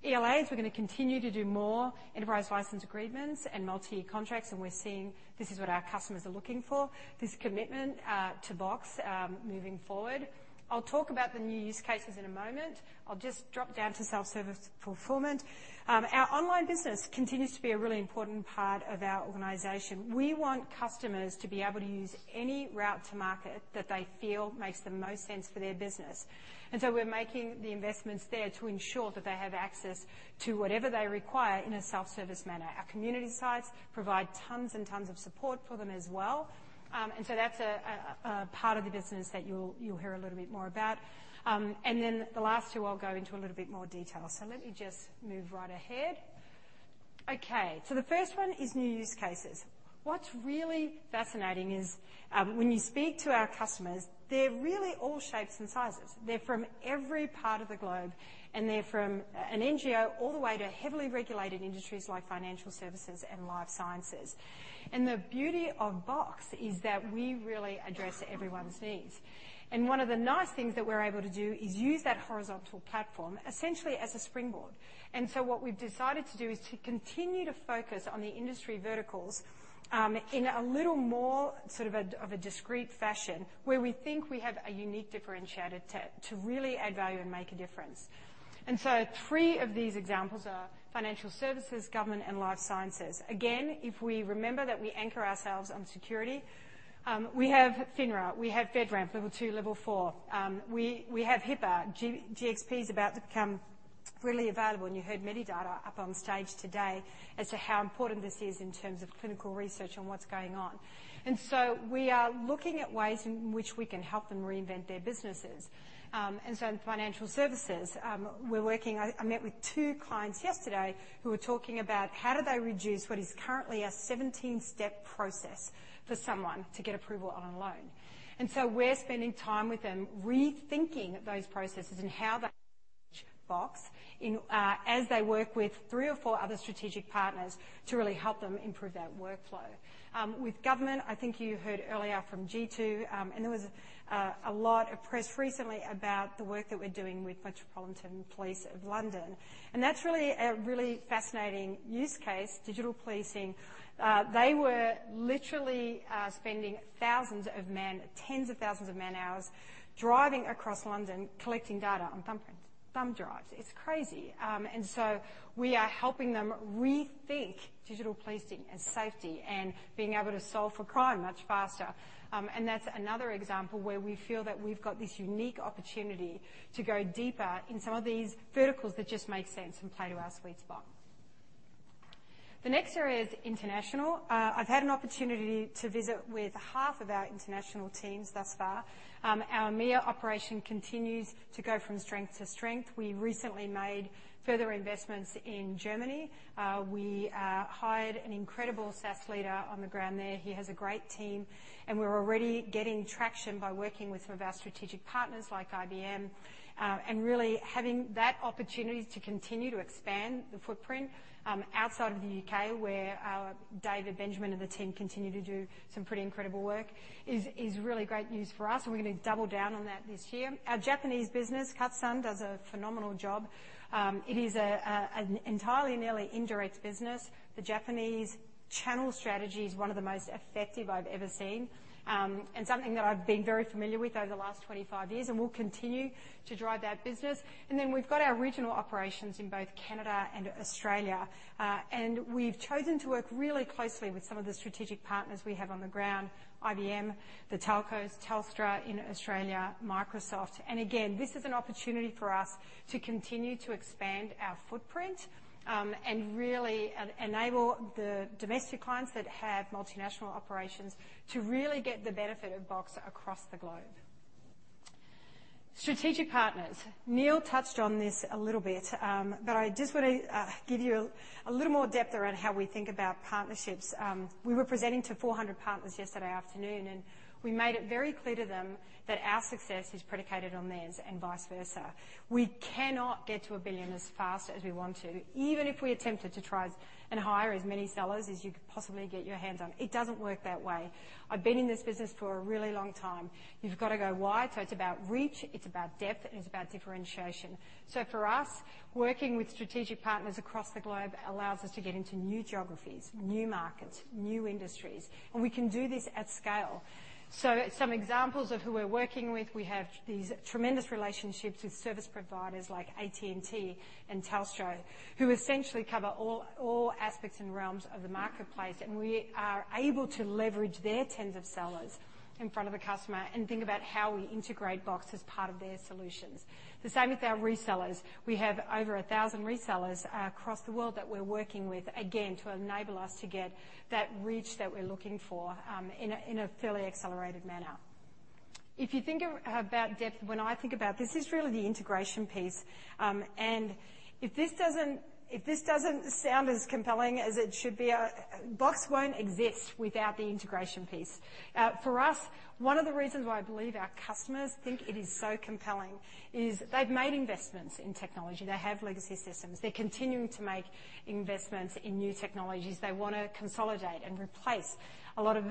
ELAs, we're going to continue to do more enterprise license agreements and multiyear contracts. We're seeing this is what our customers are looking for, this commitment to Box moving forward. I'll talk about the new use cases in a moment. I'll just drop down to self-service fulfillment. Our online business continues to be a really important part of our organization. We want customers to be able to use any route to market that they feel makes the most sense for their business. We're making the investments there to ensure that they have access to whatever they require in a self-service manner. Our community sites provide tons and tons of support for them as well. That's a part of the business that you'll hear a little bit more about. The last two, I'll go into a little bit more detail. Let me just move right ahead. The first one is new use cases. What's really fascinating is when you speak to our customers, they're really all shapes and sizes. They're from every part of the globe. They're from an NGO all the way to heavily regulated industries like financial services and life sciences. The beauty of Box is that we really address everyone's needs. One of the nice things that we're able to do is use that horizontal platform essentially as a springboard. What we've decided to do is to continue to focus on the industry verticals, in a little more sort of a discrete fashion where we think we have a unique differentiator to really add value and make a difference. Three of these examples are financial services, government, and life sciences. Again, if we remember that we anchor ourselves on security, we have FINRA, we have FedRAMP level 2, level 4. We have HIPAA. GxP is about to become really available. You heard Medidata up on stage today as to how important this is in terms of clinical research and what's going on. We are looking at ways in which we can help them reinvent their businesses. In financial services, I met with two clients yesterday who were talking about how do they reduce what is currently a 17-step process for someone to get approval on a loan. We're spending time with them rethinking those processes and how they use Box as they work with three or four other strategic partners to really help them improve that workflow. With government, I think you heard earlier from Jeetu. There was a lot of press recently about the work that we're doing with Metropolitan Police of London. That's a really fascinating use case, digital policing. They were literally spending thousands of men, tens of thousands of man-hours driving across London, collecting data on thumb drives. It's crazy. We are helping them rethink digital policing and safety and being able to solve for crime much faster. That's another example where we feel that we've got this unique opportunity to go deeper in some of these verticals that just make sense and play to our sweet spot. The next area is international. I've had an opportunity to visit with half of our international teams thus far. Our EMEA operation continues to go from strength to strength. We recently made further investments in Germany. We hired an incredible sales leader on the ground there. He has a great team, and we're already getting traction by working with some of our strategic partners like IBM. Really having that opportunity to continue to expand the footprint outside of the U.K., where David Benjamin and the team continue to do some pretty incredible work, is really great news for us, and we're going to double down on that this year. Our Japanese business, Katsun, does a phenomenal job. It is an entirely nearly indirect business. The Japanese channel strategy is one of the most effective I've ever seen, and something that I've been very familiar with over the last 25 years, and will continue to drive that business. We've got our regional operations in both Canada and Australia. We've chosen to work really closely with some of the strategic partners we have on the ground, IBM, the telcos, Telstra in Australia, Microsoft. This is an opportunity for us to continue to expand our footprint, and really enable the domestic clients that have multinational operations to really get the benefit of Box across the globe. Strategic partners. Neil touched on this a little bit. I just want to give you a little more depth around how we think about partnerships. We were presenting to 400 partners yesterday afternoon, and we made it very clear to them that our success is predicated on theirs and vice versa. We cannot get to a billion as fast as we want to, even if we attempted to try and hire as many sellers as you could possibly get your hands on. It doesn't work that way. I've been in this business for a really long time. You've got to go wide. It's about reach, it's about depth, and it's about differentiation. For us, working with strategic partners across the globe allows us to get into new geographies, new markets, new industries, and we can do this at scale. Some examples of who we're working with. We have these tremendous relationships with service providers like AT&T and Telstra, who essentially cover all aspects and realms of the marketplace, and we are able to leverage their tens of sellers in front of the customer and think about how we integrate Box as part of their solutions. The same with our resellers. We have over 1,000 resellers across the world that we're working with, again, to enable us to get that reach that we're looking for in a fairly accelerated manner. If you think about depth, when I think about this is really the integration piece. If this doesn't sound as compelling as it should be, Box won't exist without the integration piece. For us, one of the reasons why I believe our customers think it is so compelling is they've made investments in technology. They have legacy systems. They're continuing to make investments in new technologies. They want to consolidate and replace a lot of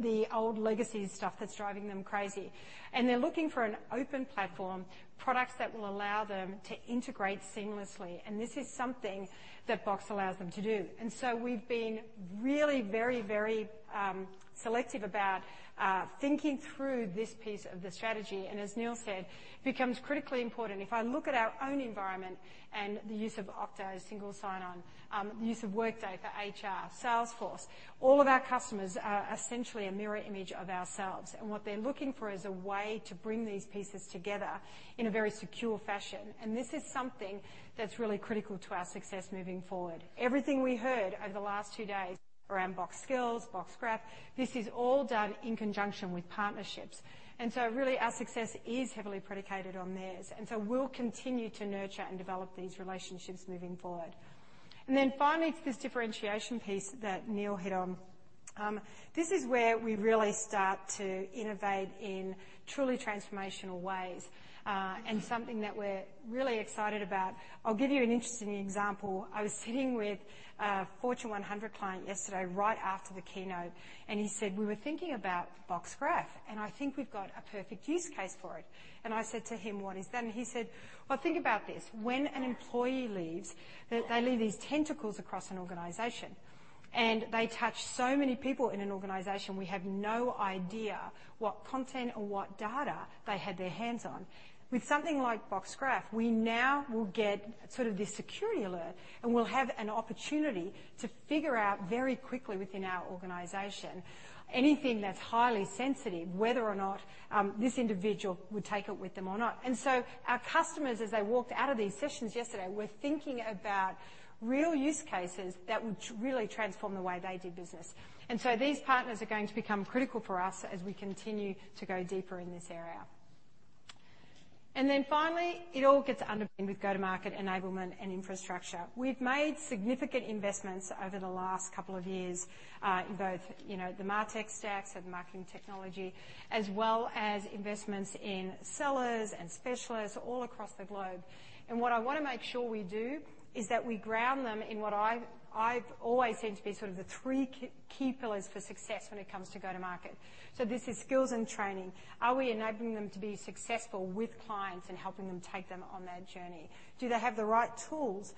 the old legacy stuff that's driving them crazy. They're looking for an open platform, products that will allow them to integrate seamlessly. This is something that Box allows them to do. So we've been really very selective about thinking through this piece of the strategy, and as Neil said, becomes critically important. If I look at our own environment and the use of Okta as single sign-on, use of Workday for HR, Salesforce, all of our customers are essentially a mirror image of ourselves. What they're looking for is a way to bring these pieces together in a very secure fashion. This is something that's really critical to our success moving forward. Everything we heard over the last two days around Box Skills, Box Graph, this is all done in conjunction with partnerships. Really, our success is heavily predicated on theirs, and so we'll continue to nurture and develop these relationships moving forward. Finally, to this differentiation piece that Neil hit on. This is where we really start to innovate in truly transformational ways, and something that we're really excited about. I'll give you an interesting example. I was sitting with a Fortune 100 client yesterday right after the keynote, he said, "We were thinking about Box Graph, and I think we've got a perfect use case for it." I said to him, "What is that?" He said, "Well, think about this. When an employee leaves, they leave these tentacles across an organization, and they touch so many people in an organization, we have no idea what content or what data they had their hands on. With something like Box Graph, we now will get sort of this security alert, and we'll have an opportunity to figure out very quickly within our organization anything that's highly sensitive, whether or not this individual would take it with them or not." Our customers, as they walked out of these sessions yesterday, were thinking about real use cases that would really transform the way they did business. These partners are going to become critical for us as we continue to go deeper in this area. Finally, it all gets underpinned with go-to-market enablement and infrastructure. We've made significant investments over the last couple of years, in both the MarTech stacks and marketing technology, as well as investments in sellers and specialists all across the globe. What I want to make sure we do is that we ground them in what I've always seen to be sort of the three key pillars for success when it comes to go to market. This is skills and training. Are we enabling them to be successful with clients and helping them take them on that journey? Do they have the right tools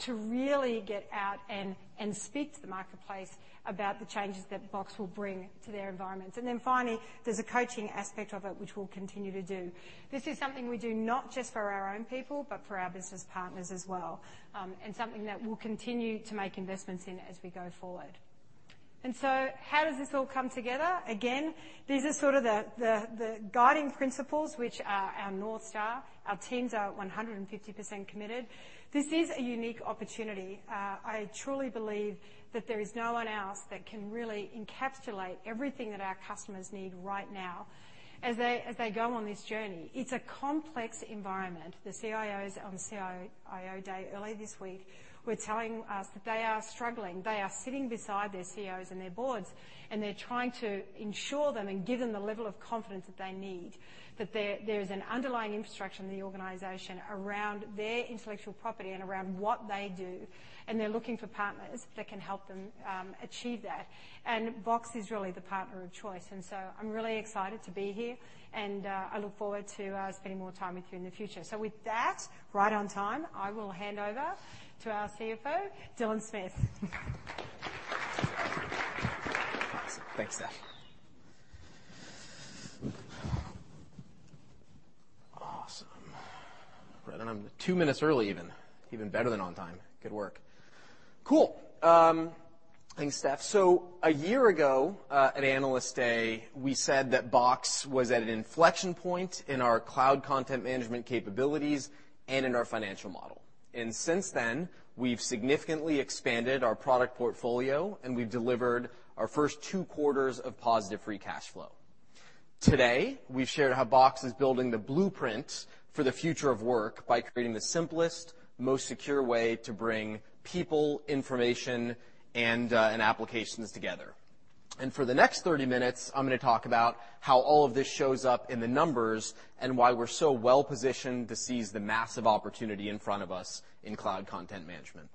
to really get out and speak to the marketplace about the changes that Box will bring to their environments? Then finally, there's a coaching aspect of it, which we'll continue to do. This is something we do not just for our own people, but for our business partners as well. Something that we'll continue to make investments in as we go forward. How does this all come together? Again, these are sort of the guiding principles which are our North Star. Our teams are 150% committed. This is a unique opportunity. I truly believe that there is no one else that can really encapsulate everything that our customers need right now as they go on this journey. It's a complex environment. The CIOs on CIO Day early this week were telling us that they are struggling. They are sitting beside their CEOs and their boards, and they're trying to ensure them and give them the level of confidence that they need, that there's an underlying infrastructure in the organization around their intellectual property and around what they do, and they're looking for partners that can help them achieve that. Box is really the partner of choice. I'm really excited to be here, and I look forward to spending more time with you in the future. With that, right on time, I will hand over to our CFO, Dylan Smith. Awesome. Thanks, Steph. Awesome. Right on the two minutes early, even. Even better than on time. Good work. Cool. Thanks, Steph. A year ago, at Analyst Day, we said that Box was at an inflection point in our Cloud Content Management capabilities and in our financial model. Since then, we've significantly expanded our product portfolio, and we've delivered our first two quarters of positive free cash flow. Today, we've shared how Box is building the blueprint for the future of work by creating the simplest, most secure way to bring people, information, and applications together. For the next 30 minutes, I'm going to talk about how all of this shows up in the numbers and why we're so well-positioned to seize the massive opportunity in front of us in Cloud Content Management.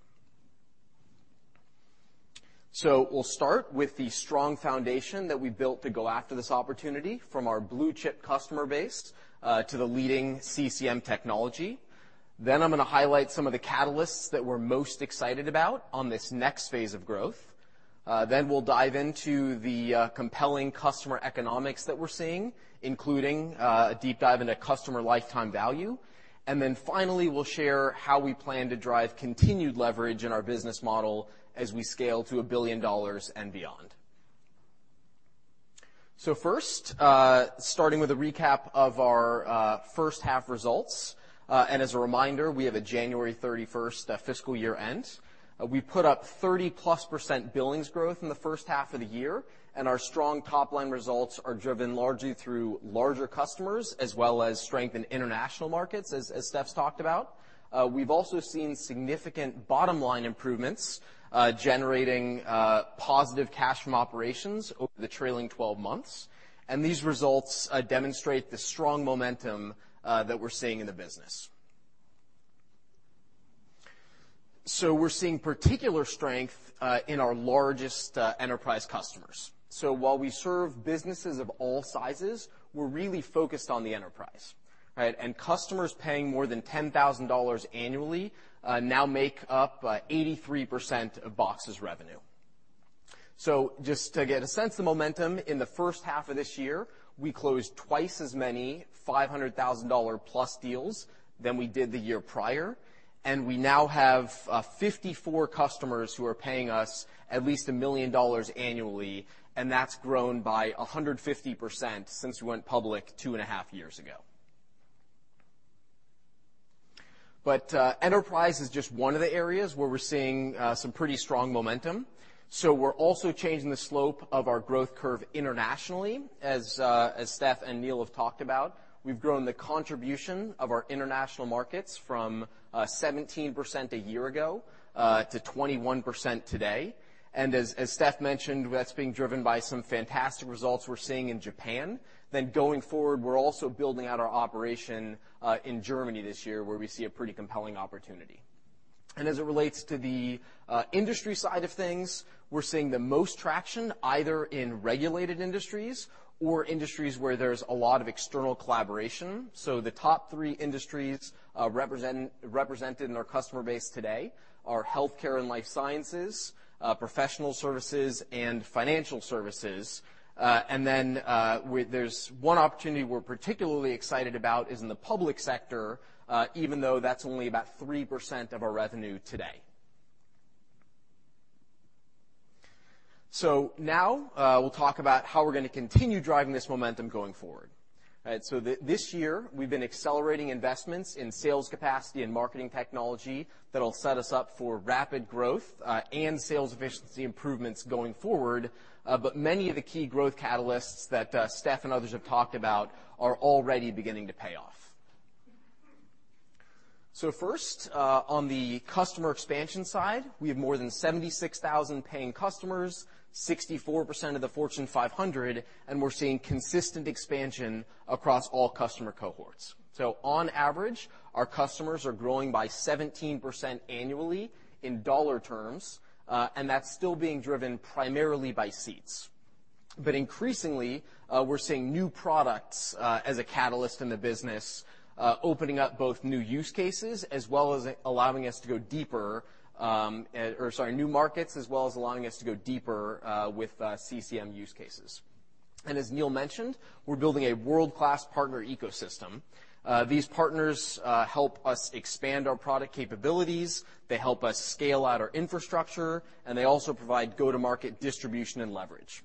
We'll start with the strong foundation that we built to go after this opportunity, from our blue-chip customer base, to the leading CCM technology. I'm going to highlight some of the catalysts that we're most excited about on this next phase of growth. We'll dive into the compelling customer economics that we're seeing, including a deep dive into customer lifetime value. Finally, we'll share how we plan to drive continued leverage in our business model as we scale to $1 billion and beyond. First, starting with a recap of our first half results. As a reminder, we have a January 31st fiscal year end. We put up 30-plus% billings growth in the first half of the year, and our strong top-line results are driven largely through larger customers, as well as strength in international markets, as Steph's talked about. We've also seen significant bottom-line improvements, generating positive cash from operations over the trailing 12 months. These results demonstrate the strong momentum that we're seeing in the business. We're seeing particular strength in our largest enterprise customers. While we serve businesses of all sizes, we're really focused on the enterprise, right? Customers paying more than $10,000 annually now make up 83% of Box's revenue. Just to get a sense of momentum, in the first half of this year, we closed twice as many $500,000-plus deals than we did the year prior. We now have 54 customers who are paying us at least $1 million annually, and that's grown by 150% since we went public 2.5 years ago. Enterprise is just one of the areas where we're seeing some pretty strong momentum. We're also changing the slope of our growth curve internationally, as Steph and Neil have talked about. We've grown the contribution of our international markets from 17% a year ago to 21% today. As Steph mentioned, that's being driven by some fantastic results we're seeing in Japan. Going forward, we're also building out our operation in Germany this year, where we see a pretty compelling opportunity. As it relates to the industry side of things, we're seeing the most traction either in regulated industries or industries where there's a lot of external collaboration. The top three industries represented in our customer base today are healthcare and life sciences, professional services, and financial services. There's one opportunity we're particularly excited about is in the public sector, even though that's only about 3% of our revenue today. Now, we'll talk about how we're going to continue driving this momentum going forward. This year, we've been accelerating investments in sales capacity and marketing technology that'll set us up for rapid growth, and sales efficiency improvements going forward, many of the key growth catalysts that Steph and others have talked about are already beginning to pay off. First, on the customer expansion side, we have more than 76,000 paying customers, 64% of the Fortune 500, and we're seeing consistent expansion across all customer cohorts. On average, our customers are growing by 17% annually in dollar terms, and that's still being driven primarily by seats. Increasingly, we're seeing new products as a catalyst in the business, opening up both new use cases as well as allowing us to go deeper, or, new markets as well as allowing us to go deeper with CCM use cases. As Neil mentioned, we're building a world-class partner ecosystem. These partners help us expand our product capabilities, they help us scale out our infrastructure, and they also provide go-to-market distribution and leverage.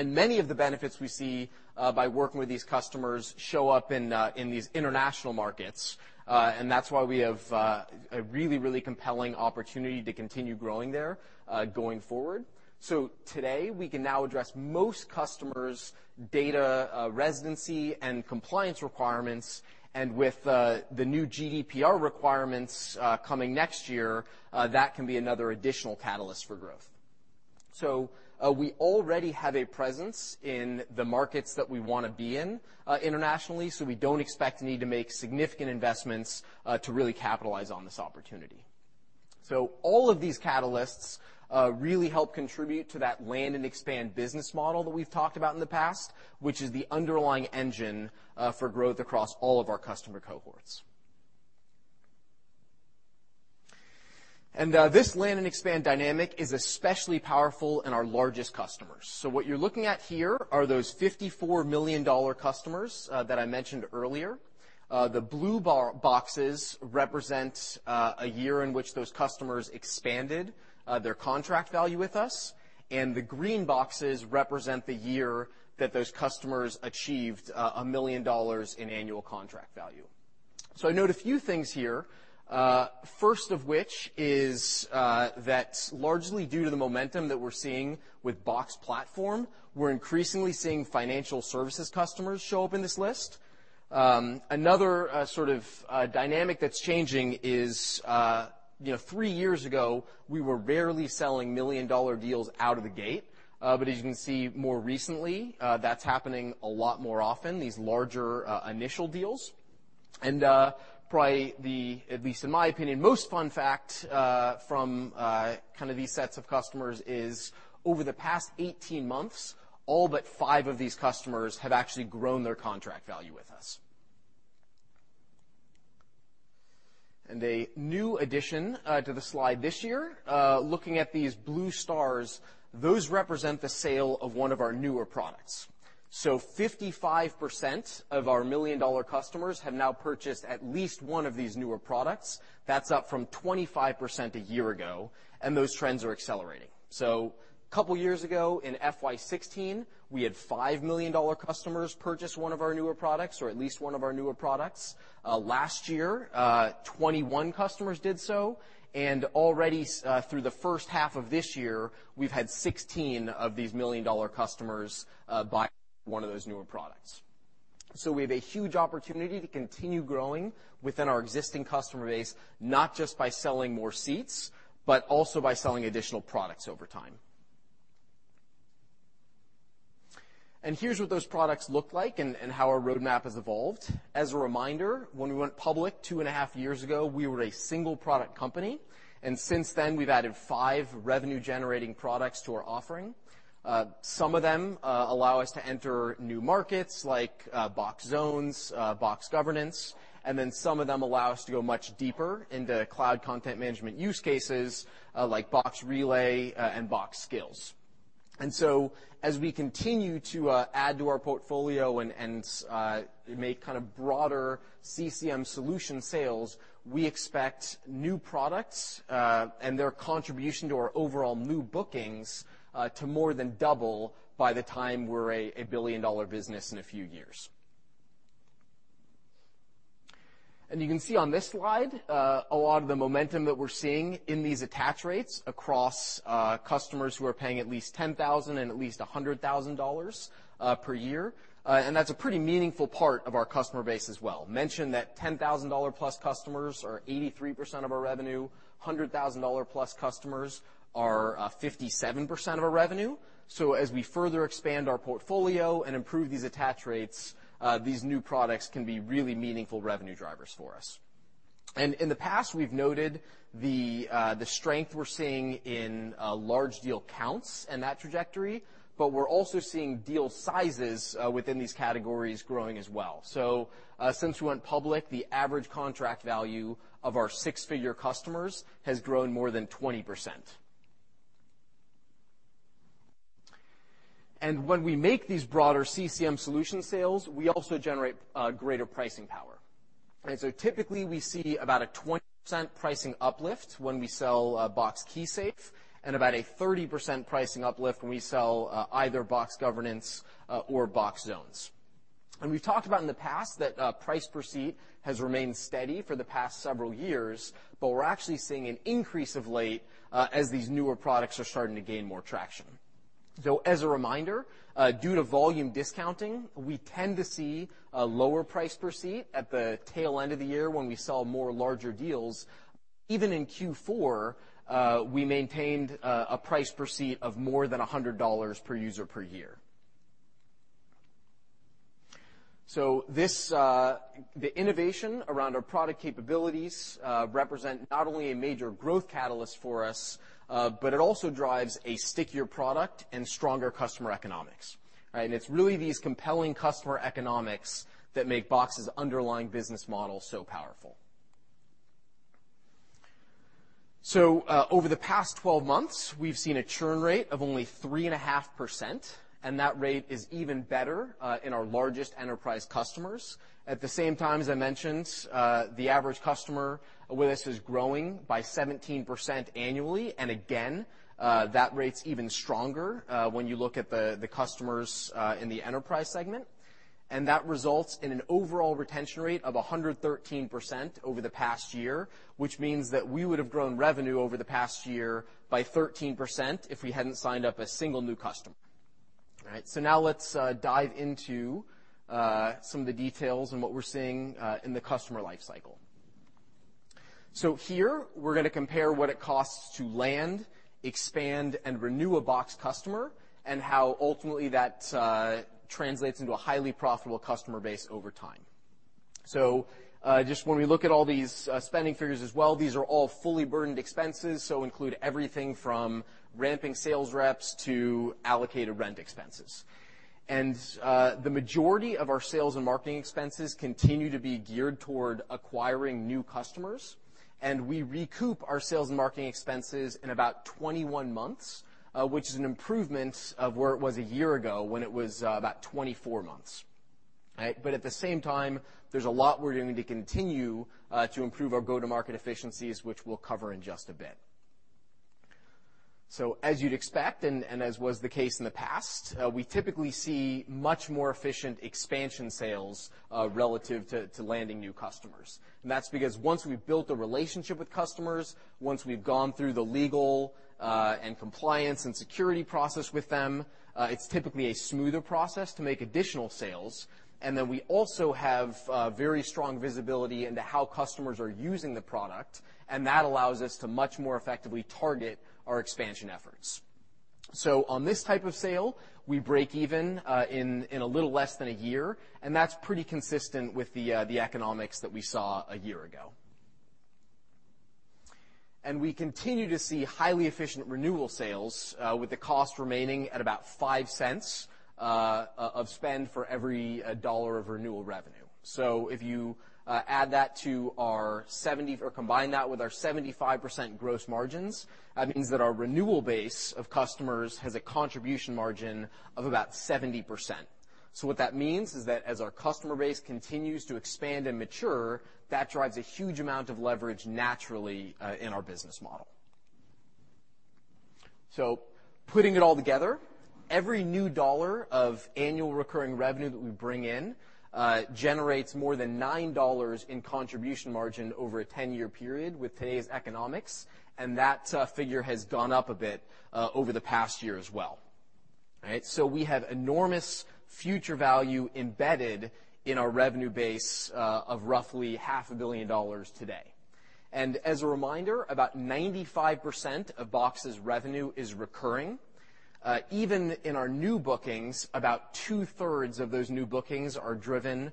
Many of the benefits we see by working with these customers show up in these international markets. That's why we have a really, really compelling opportunity to continue growing there going forward. Today, we can now address most customers' data residency and compliance requirements, and with the new GDPR requirements coming next year, that can be another additional catalyst for growth. We already have a presence in the markets that we want to be in internationally, we don't expect to need to make significant investments to really capitalize on this opportunity. All of these catalysts really help contribute to that land and expand business model that we've talked about in the past, which is the underlying engine for growth across all of our customer cohorts. This land and expand dynamic is especially powerful in our largest customers. What you're looking at here are those $54 million customers that I mentioned earlier. The blue boxes represent a year in which those customers expanded their contract value with us, and the green boxes represent the year that those customers achieved $1 million in annual contract value. I note a few things here. First of which is that largely due to the momentum that we're seeing with Box Platform, we're increasingly seeing financial services customers show up in this list. Another sort of dynamic that's changing is, three years ago, we were rarely selling million-dollar deals out of the gate. As you can see more recently, that's happening a lot more often, these larger initial deals. Probably the, at least in my opinion, most fun fact from kind of these sets of customers is over the past 18 months, all but five of these customers have actually grown their contract value with us. A new addition to the slide this year, looking at these blue stars, those represent the sale of one of our newer products. 55% of our million-dollar customers have now purchased at least one of these newer products. That's up from 25% a year ago, those trends are accelerating. Couple years ago, in FY 2016, we had five million-dollar customers purchase one of our newer products, or at least one of our newer products. Last year, 21 customers did so, and already through the first half of this year, we've had 16 of these million-dollar customers buy one of those newer products. We have a huge opportunity to continue growing within our existing customer base, not just by selling more seats, but also by selling additional products over time. Here's what those products look like and how our roadmap has evolved. As a reminder, when we went public two and a half years ago, we were a single product company, and since then, we've added five revenue-generating products to our offering. Some of them allow us to enter new markets like Box Zones, Box Governance, and then some of them allow us to go much deeper into Cloud Content Management use cases like Box Relay and Box Skills. As we continue to add to our portfolio and make broader CCM solution sales, we expect new products, and their contribution to our overall new bookings, to more than double by the time we're a billion-dollar business in a few years. You can see on this slide a lot of the momentum that we're seeing in these attach rates across customers who are paying at least $10,000 and at least $100,000 per year. That's a pretty meaningful part of our customer base as well. Mention that $10,000-plus customers are 83% of our revenue, $100,000-plus customers are 57% of our revenue. As we further expand our portfolio and improve these attach rates, these new products can be really meaningful revenue drivers for us. In the past, we've noted the strength we're seeing in large deal counts and that trajectory, but we're also seeing deal sizes within these categories growing as well. Since we went public, the average contract value of our six-figure customers has grown more than 20%. When we make these broader CCM solution sales, we also generate greater pricing power. Typically, we see about a 20% pricing uplift when we sell Box KeySafe, and about a 30% pricing uplift when we sell either Box Governance or Box Zones. We've talked about in the past that price per seat has remained steady for the past several years, but we're seeing an increase of late as these newer products are starting to gain more traction. Though, as a reminder, due to volume discounting, we tend to see a lower price per seat at the tail end of the year when we sell more larger deals. Even in Q4, we maintained a price per seat of more than $100 per user per year. The innovation around our product capabilities represent not only a major growth catalyst for us, but it also drives a stickier product and stronger customer economics, right. It's really these compelling customer economics that make Box's underlying business model so powerful. Over the past 12 months, we've seen a churn rate of only 3.5%, and that rate is even better in our largest enterprise customers. At the same time, as I mentioned, the average customer with us is growing by 17% annually. Again, that rate's even stronger when you look at the customers in the enterprise segment. That results in an overall retention rate of 113% over the past year, which means that we would have grown revenue over the past year by 13% if we hadn't signed up a single new customer. All right. Now let's dive into some of the details and what we're seeing in the customer life cycle. Here we're going to compare what it costs to land, expand, and renew a Box customer, and how ultimately that translates into a highly profitable customer base over time. Just when we look at all these spending figures as well, these are all fully burdened expenses, so include everything from ramping sales reps to allocated rent expenses. The majority of our sales and marketing expenses continue to be geared toward acquiring new customers. We recoup our sales and marketing expenses in about 21 months, which is an improvement of where it was a year ago when it was about 24 months. All right? At the same time, there's a lot we're doing to continue to improve our go-to-market efficiencies, which we'll cover in just a bit. As you'd expect, and as was the case in the past, we typically see much more efficient expansion sales relative to landing new customers. That's because once we've built a relationship with customers, once we've gone through the legal and compliance and security process with them, it's typically a smoother process to make additional sales. We also have very strong visibility into how customers are using the product, and that allows us to much more effectively target our expansion efforts. On this type of sale, we break even in a little less than a year, and that's pretty consistent with the economics that we saw a year ago. We continue to see highly efficient renewal sales with the cost remaining at about $0.05 of spend for every dollar of renewal revenue. If you add that to our 70, or combine that with our 75% gross margins, that means that our renewal base of customers has a contribution margin of about 70%. What that means is that as our customer base continues to expand and mature, that drives a huge amount of leverage naturally in our business model. Putting it all together, every new dollar of annual recurring revenue that we bring in generates more than $9 in contribution margin over a 10-year period with today's economics, and that figure has gone up a bit over the past year as well. All right? We have enormous future value embedded in our revenue base of roughly half a billion dollars today. As a reminder, about 95% of Box's revenue is recurring. Even in our new bookings, about two-thirds of those new bookings are driven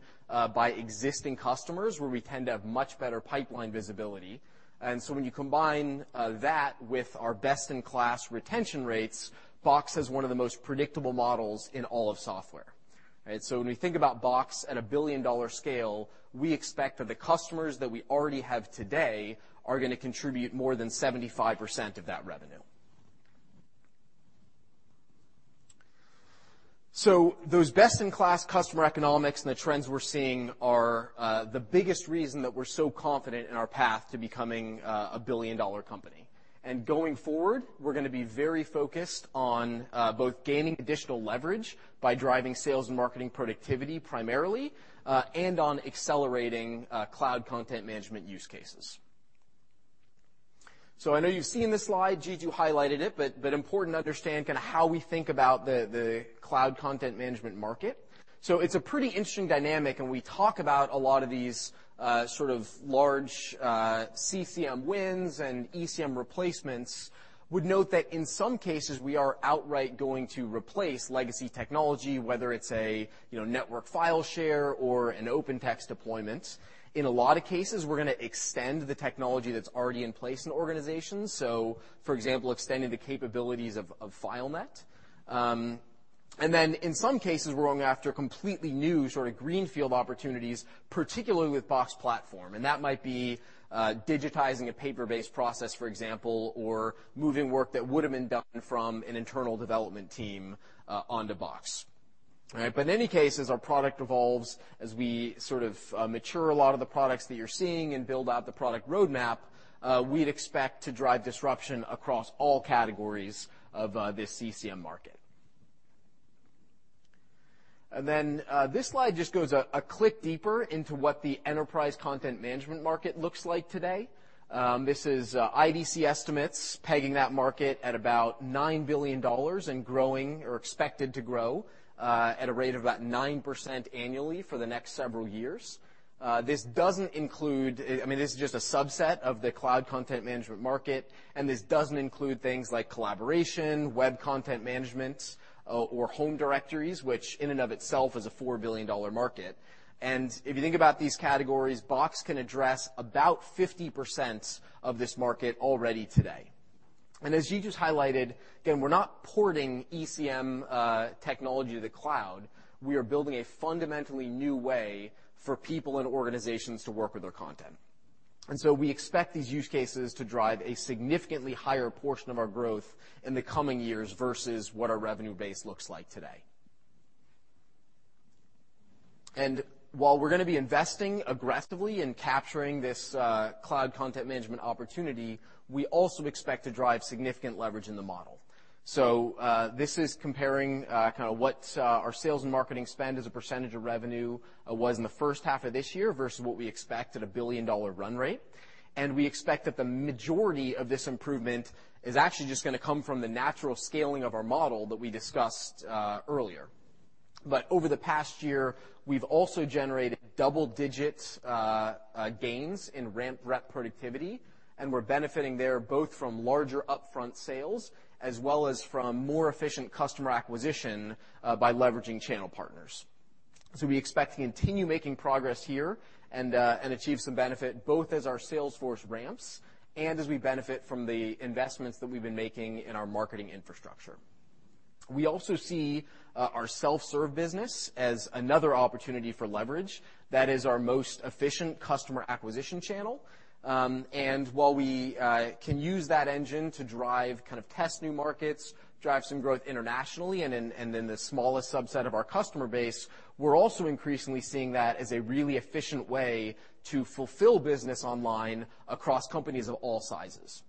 by existing customers, where we tend to have much better pipeline visibility. When you combine that with our best-in-class retention rates, Box has one of the most predictable models in all of software. All right? When we think about Box at a billion-dollar scale, we expect that the customers that we already have today are going to contribute more than 75% of that revenue. Those best-in-class customer economics and the trends we're seeing are the biggest reason that we're so confident in our path to becoming a billion-dollar company. Going forward, we're going to be very focused on both gaining additional leverage by driving sales and marketing productivity primarily, and on accelerating Cloud Content Management use cases. I know you've seen this slide, Jeetu highlighted it, but important to understand how we think about the Cloud Content Management market. It's a pretty interesting dynamic, and we talk about a lot of these sort of large CCM wins and ECM replacements. Would note that in some cases, we are outright going to replace legacy technology, whether it's a network file share or an OpenText deployment. In a lot of cases, we're going to extend the technology that's already in place in organizations. For example, extending the capabilities of FileNet. In some cases, we're going after completely new sort of greenfield opportunities, particularly with Box Platform. That might be digitizing a paper-based process, for example, or moving work that would have been done from an internal development team onto Box. All right. In any case, as our product evolves, as we sort of mature a lot of the products that you're seeing and build out the product roadmap, we'd expect to drive disruption across all categories of this CCM market. This slide just goes a click deeper into what the enterprise content management market looks like today. This is IDC estimates pegging that market at about $9 billion and growing or expected to grow at a rate of about 9% annually for the next several years. This doesn't include, this is just a subset of the Cloud Content Management market, and this doesn't include things like collaboration, web content management, or home directories, which in and of itself is a $4 billion market. If you think about these categories, Box can address about 50% of this market already today. As you just highlighted, again, we're not porting ECM technology to the cloud. We are building a fundamentally new way for people and organizations to work with their content. We expect these use cases to drive a significantly higher portion of our growth in the coming years versus what our revenue base looks like today. While we're going to be investing aggressively in capturing this Cloud Content Managementopportunity, we also expect to drive significant leverage in the model. This is comparing what our sales and marketing spend as a percentage of revenue was in the first half of this year versus what we expect at a billion-dollar run rate. We expect that the majority of this improvement is actually just going to come from the natural scaling of our model that we discussed earlier. Over the past year, we've also generated double-digit gains in ramp rep productivity, and we're benefiting there both from larger upfront sales as well as from more efficient customer acquisition by leveraging channel partners. We expect to continue making progress here and achieve some benefit both as our sales force ramps and as we benefit from the investments that we've been making in our marketing infrastructure. We also see our self-serve business as another opportunity for leverage. That is our most efficient customer acquisition channel. While we can use that engine to drive kind of test new markets, drive some growth internationally and in the smallest subset of our customer base, we're also increasingly seeing that as a really efficient way to fulfill business online across companies of all sizes.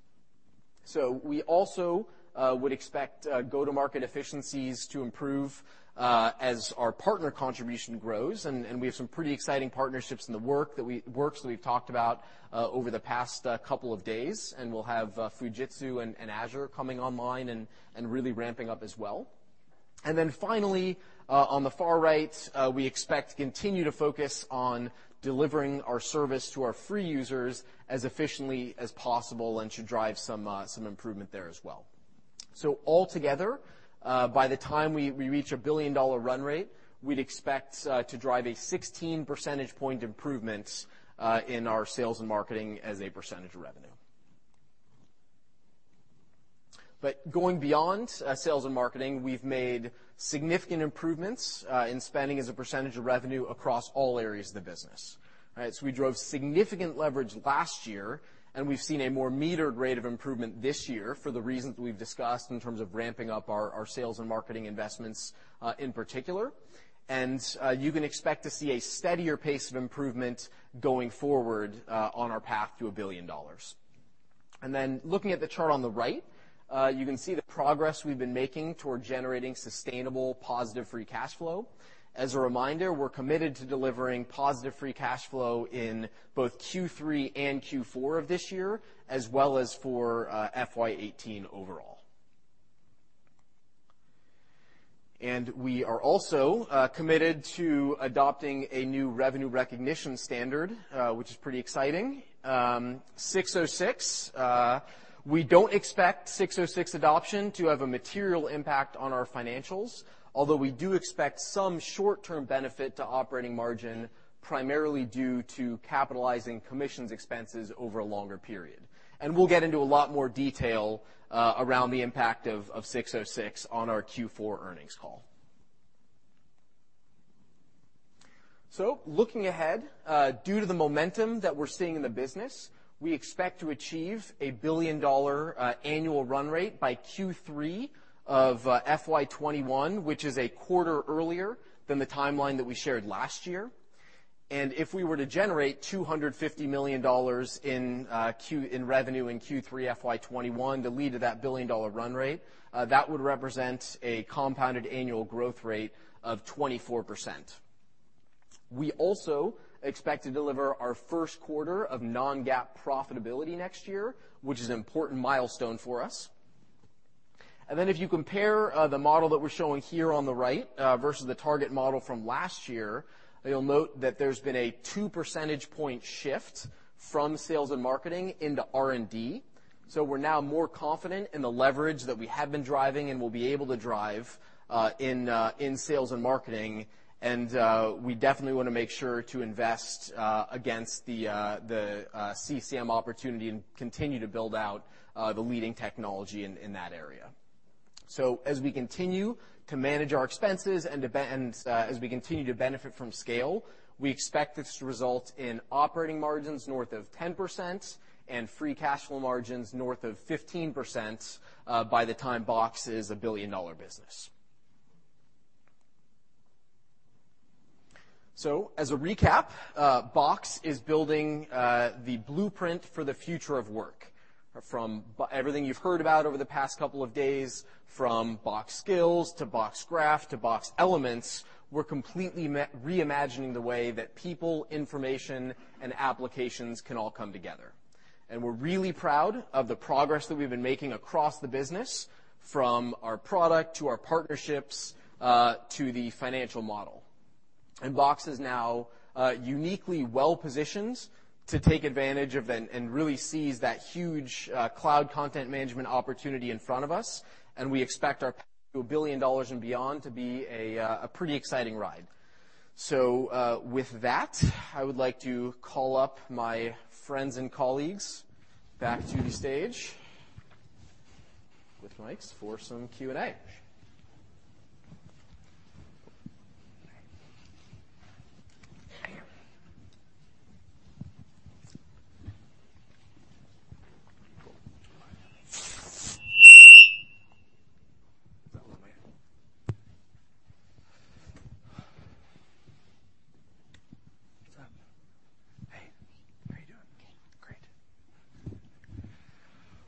We also would expect go-to-market efficiencies to improve as our partner contribution grows, and we have some pretty exciting partnerships in the works that we've talked about over the past couple of days, and we'll have Fujitsu and Azure coming online and really ramping up as well. Finally, on the far right, we expect to continue to focus on delivering our service to our free users as efficiently as possible and should drive some improvement there as well. Altogether, by the time we reach a billion-dollar run rate, we'd expect to drive a 16 percentage point improvement in our sales and marketing as a percentage of revenue. Going beyond sales and marketing, we've made significant improvements in spending as a percentage of revenue across all areas of the business. We drove significant leverage last year, and we've seen a more metered rate of improvement this year for the reasons we've discussed in terms of ramping up our sales and marketing investments in particular. You can expect to see a steadier pace of improvement going forward on our path to $1 billion. Looking at the chart on the right, you can see the progress we've been making toward generating sustainable positive free cash flow. As a reminder, we're committed to delivering positive free cash flow in both Q3 and Q4 of this year, as well as for FY 2018 overall. We are also committed to adopting a new revenue recognition standard, which is pretty exciting. ASC 606, we don't expect ASC 606 adoption to have a material impact on our financials, although we do expect some short-term benefit to operating margin, primarily due to capitalizing commissions expenses over a longer period. We'll get into a lot more detail around the impact of ASC 606 on our Q4 earnings call. Looking ahead, due to the momentum that we're seeing in the business, we expect to achieve a billion-dollar annual run rate by Q3 of FY 2021, which is a quarter earlier than the timeline that we shared last year. If we were to generate $250 million in revenue in Q3 FY 2021 to lead to that billion-dollar run rate, that would represent a compounded annual growth rate of 24%. We also expect to deliver our first quarter of non-GAAP profitability next year, which is an important milestone for us. If you compare the model that we're showing here on the right versus the target model from last year, you'll note that there's been a two percentage point shift from sales and marketing into R&D. We're now more confident in the leverage that we have been driving and will be able to drive in sales and marketing, and we definitely want to make sure to invest against the CCM opportunity and continue to build out the leading technology in that area. As we continue to manage our expenses and as we continue to benefit from scale, we expect this to result in operating margins north of 10% and free cash flow margins north of 15% by the time Box is a billion-dollar business. As a recap, Box is building the blueprint for the future of work. From everything you've heard about over the past couple of days, from Box Skills to Box Graph to Box Elements, we're completely reimagining the way that people, information, and applications can all come together. We're really proud of the progress that we've been making across the business, from our product to our partnerships to the financial model. Box is now uniquely well-positioned to take advantage of and really seize that huge Cloud Content Management opportunity in front of us, and we expect our path to $1 billion and beyond to be a pretty exciting ride. With that, I would like to call up my friends and colleagues back to the stage with mics for some Q&A. Hey. How you doing? Good. Great.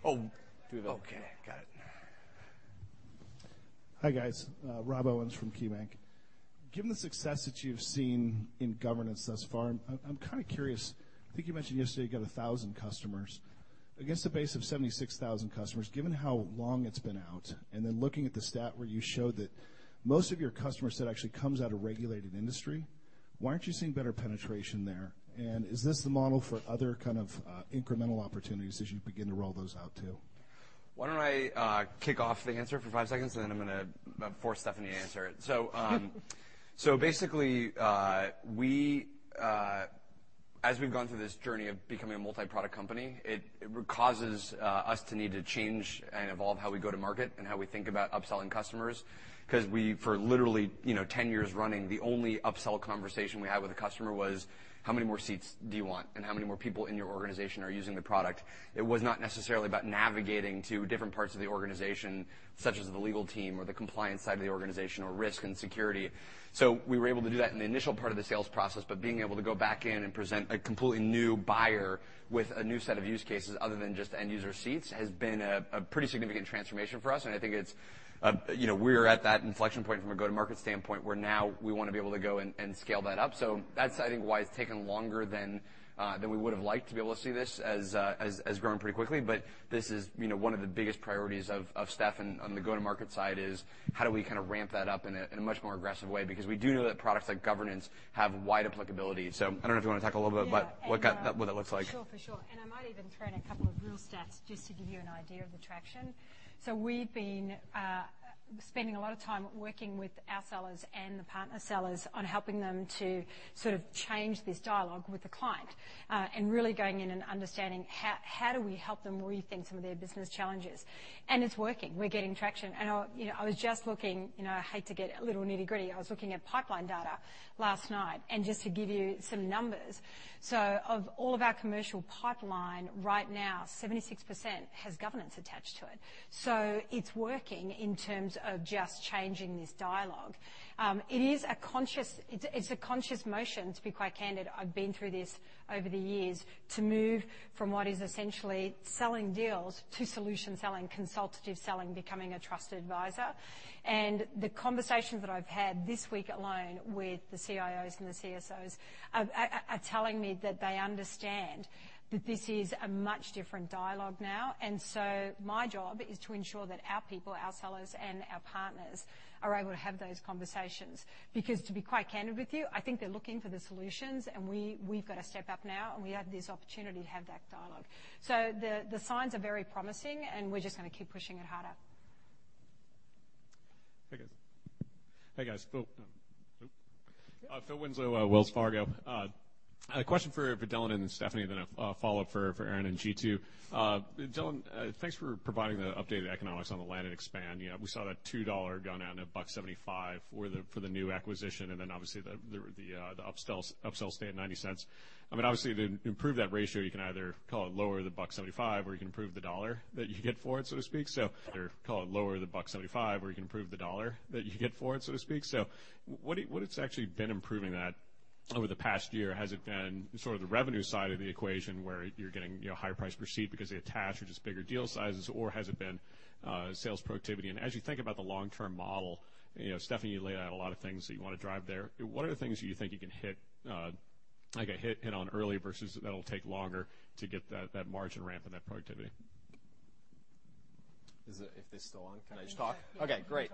Oh. Two of them. Okay, got it. Hi, guys. Rob Owens from KeyBanc. Given the success that you've seen in Governance thus far, I'm kind of curious, I think you mentioned yesterday you got 1,000 customers. Against a base of 76,000 customers, given how long it's been out, and then looking at the stat where you showed that most of your customer set actually comes out of regulated industry, why aren't you seeing better penetration there? Is this the model for other kind of incremental opportunities as you begin to roll those out too? Why don't I kick off the answer for five seconds, then I'm going to force Stephanie to answer it. Basically, as we've gone through this journey of becoming a multi-product company, it causes us to need to change and evolve how we go to market and how we think about upselling customers, because for literally 10 years running, the only upsell conversation we had with a customer was, "How many more seats do you want?" "How many more people in your organization are using the product?" It was not necessarily about navigating to different parts of the organization, such as the legal team or the compliance side of the organization or risk and security. We were able to do that in the initial part of the sales process. Being able to go back in and present a completely new buyer with a new set of use cases other than just end-user seats has been a pretty significant transformation for us, and I think we're at that inflection point from a go-to-market standpoint, where now we want to be able to go and scale that up. That's, I think, why it's taken longer than we would've liked to be able to see this as growing pretty quickly. This is one of the biggest priorities of Steph on the go-to-market side is how do we kind of ramp that up in a much more aggressive way because we do know that products like governance have wide applicability. I don't know if you want to talk a little bit about. Yeah what that looks like. Sure. I might even throw in a couple of real stats just to give you an idea of the traction. We've been spending a lot of time working with our sellers and the partner sellers on helping them to sort of change this dialogue with the client. Really going in and understanding how do we help them rethink some of their business challenges. It's working. We're getting traction. I was just looking, I hate to get a little nitty-gritty. I was looking at pipeline data last night, just to give you some numbers. Of all of our commercial pipeline right now, 76% has governance attached to it. It's working in terms of just changing this dialogue. It's a conscious motion, to be quite candid, I've been through this over the years, to move from what is essentially selling deals to solution selling, consultative selling, becoming a trusted advisor. The conversations that I've had this week alone with the CIOs and the CSOs are telling me that they understand that this is a much different dialogue now. My job is to ensure that our people, our sellers, and our partners are able to have those conversations because, to be quite candid with you, I think they're looking for the solutions, and we've got to step up now, and we have this opportunity to have that dialogue. The signs are very promising, and we're just going to keep pushing it harder. Hi, guys. Phil Winslow, Wells Fargo. A question for Dylan and Stephanie, then a follow-up for Aaron and Jeetu. Dylan, thanks for providing the updated economics on the land and expand. We saw that $2 gone down to $1.75 for the new acquisition, and then obviously the upsell stay at $0.90. I mean, obviously, to improve that ratio, you can either call it lower the $1.75, or you can improve the dollar that you get for it, so to speak. What's actually been improving that over the past year? Has it been sort of the revenue side of the equation where you're getting higher price per seat because they attach or just bigger deal sizes, or has it been sales productivity? As you think about the long-term model, Stephanie, you laid out a lot of things that you want to drive there. What are the things you think you can hit on early versus that'll take longer to get that margin ramp and that productivity? Is this still on? Can I just talk? Yeah. Okay, great.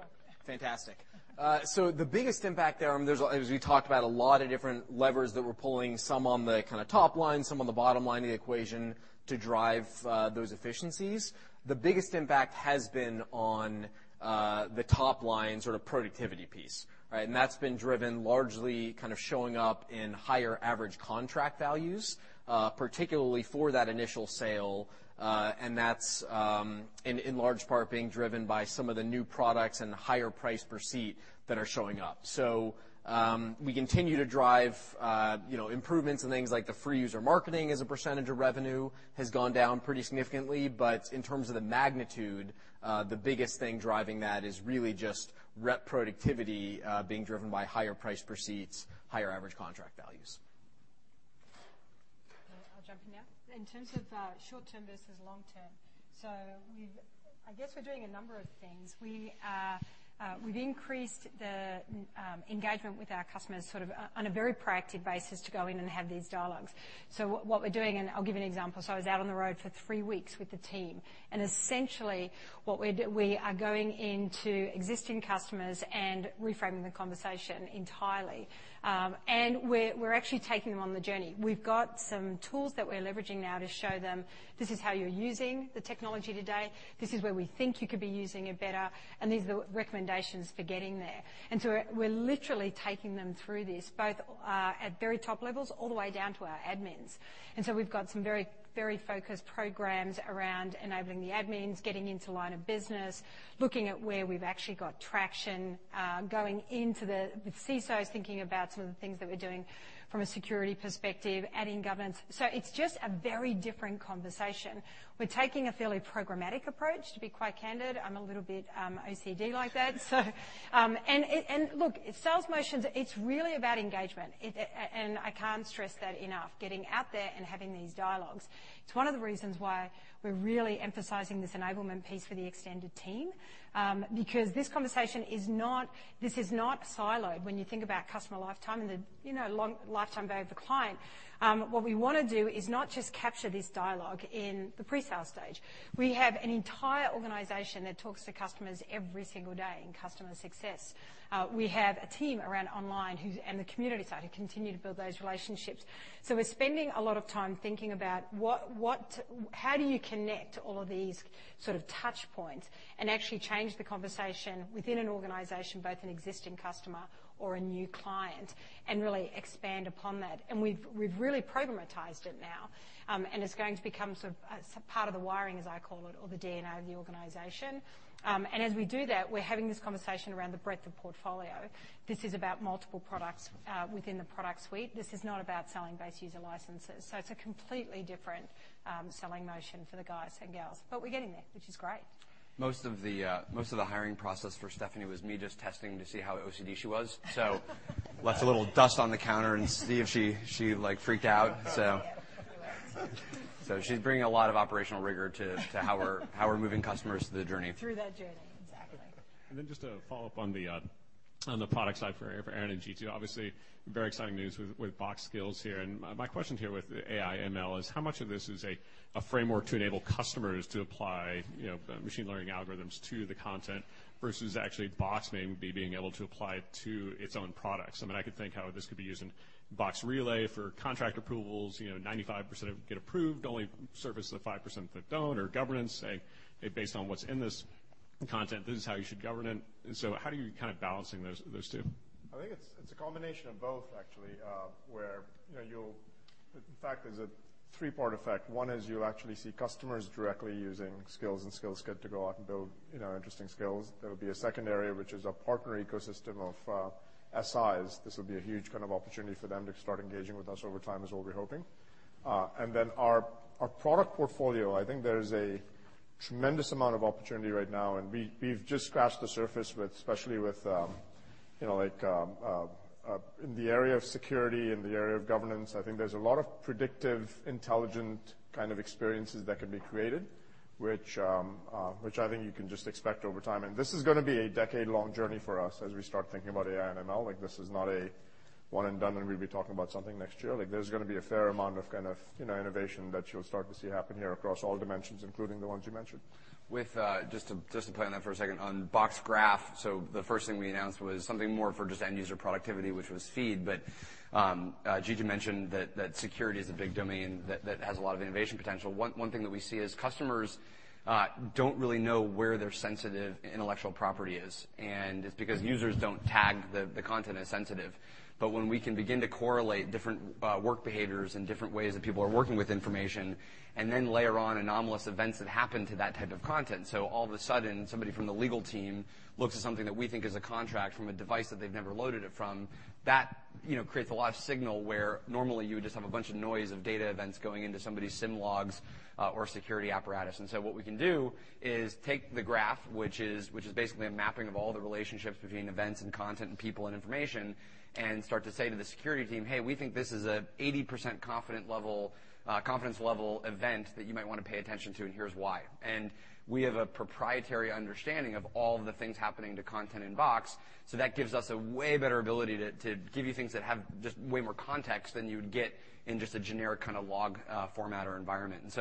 Fantastic. The biggest impact there, as we talked about a lot of different levers that we're pulling, some on the kind of top line, some on the bottom line of the equation to drive those efficiencies. The biggest impact has been on the top line sort of productivity piece. Right? That's been driven largely kind of showing up in higher average contract values, particularly for that initial sale, and that's in large part being driven by some of the new products and higher price per seat that are showing up. We continue to drive improvements in things like the free user marketing as a percentage of revenue has gone down pretty significantly. In terms of the magnitude, the biggest thing driving that is really just rep productivity being driven by higher price per seats, higher average contract values. I'll jump in now. In terms of short-term versus long-term, I guess we're doing a number of things. We've increased the engagement with our customers sort of on a very proactive basis to go in and have these dialogues. What we're doing, and I'll give you an example, I was out on the road for three weeks with the team, essentially we are going into existing customers and reframing the conversation entirely. We're actually taking them on the journey. We've got some tools that we're leveraging now to show them this is how you're using the technology today, this is where we think you could be using it better, and these are the recommendations for getting there. We're literally taking them through this, both at very top levels, all the way down to our admins. We've got some very focused programs around enabling the admins, getting into line of business, looking at where we've actually got traction, going into the CISOs, thinking about some of the things that we're doing from a security perspective, adding governance. It's just a very different conversation. We're taking a fairly programmatic approach, to be quite candid. I'm a little bit OCD like that. Look, sales motions, it's really about engagement, and I can't stress that enough, getting out there and having these dialogues. It's one of the reasons why we're really emphasizing this enablement piece for the extended team. This conversation is not siloed when you think about customer lifetime and the lifetime value of the client. What we want to do is not just capture this dialogue in the pre-sale stage. We have an entire organization that talks to customers every single day in customer success. We have a team around online and the community side who continue to build those relationships. We're spending a lot of time thinking about how do you connect all of these sort of touch points and actually change the conversation within an organization, both an existing customer or a new client, and really expand upon that. We've really programatized it now, and it's going to become sort of part of the wiring, as I call it, or the DNA of the organization. As we do that, we're having this conversation around the breadth of portfolio. This is about multiple products within the product suite. This is not about selling base user licenses. It's a completely different selling motion for the guys and girls. We're getting there, which is great. Most of the hiring process for Stephanie was me just testing to see how OCD she was. Left a little dust on the counter and see if she freaked out, so. Yep. She left. She's bringing a lot of operational rigor how we're moving customers through the journey. Through that journey. Exactly. Just to follow up on the product side for Aaron and Jeetu, obviously very exciting news with Box Skills here. My question here with AI ML is how much of this is a framework to enable customers to apply machine learning algorithms to the content versus actually Box maybe being able to apply it to its own products? I could think how this could be used in Box Relay for contract approvals. 95% of them get approved, only service the 5% that don't, or governance, say, based on what's in this content, this is how you should govern it. How are you kind of balancing those two? I think it's a combination of both, actually, where in fact there's a three-part effect. One is you'll actually see customers directly using Skills and Skills Kit to go out and build interesting skills. There will be a second area, which is a partner ecosystem of SIs. This will be a huge kind of opportunity for them to start engaging with us over time, is what we're hoping. Our product portfolio, I think there's a tremendous amount of opportunity right now, and we've just scratched the surface, especially in the area of security, in the area of governance. I think there's a lot of predictive, intelligent kind of experiences that can be created, which I think you can just expect over time. This is going to be a decade-long journey for us as we start thinking about AI and ML. This is not a one and done. We'll be talking about something next year. There's going to be a fair amount of innovation that you'll start to see happen here across all dimensions, including the ones you mentioned. Just to play on that for a second, on Box Graph. The first thing we announced was something more for just end user productivity, which was Feed. Jeetu mentioned that security is a big domain that has a lot of innovation potential. One thing that we see is customers don't really know where their sensitive intellectual property is. It's because users don't tag the content as sensitive. When we can begin to correlate different work behaviors and different ways that people are working with information. Then layer on anomalous events that happen to that type of content. All of a sudden, somebody from the legal team looks at something that we think is a contract from a device that they've never loaded it from. That creates a lot of signal where normally you would just have a bunch of noise of data events going into somebody's SIEM logs or security apparatus. What we can do is take the graph, which is basically a mapping of all the relationships between events and content and people and information, and start to say to the security team, "Hey, we think this is an 80% confidence level event that you might want to pay attention to. Here's why." We have a proprietary understanding of all the things happening to content in Box. That gives us a way better ability to give you things that have just way more context than you would get in just a generic kind of log format or environment.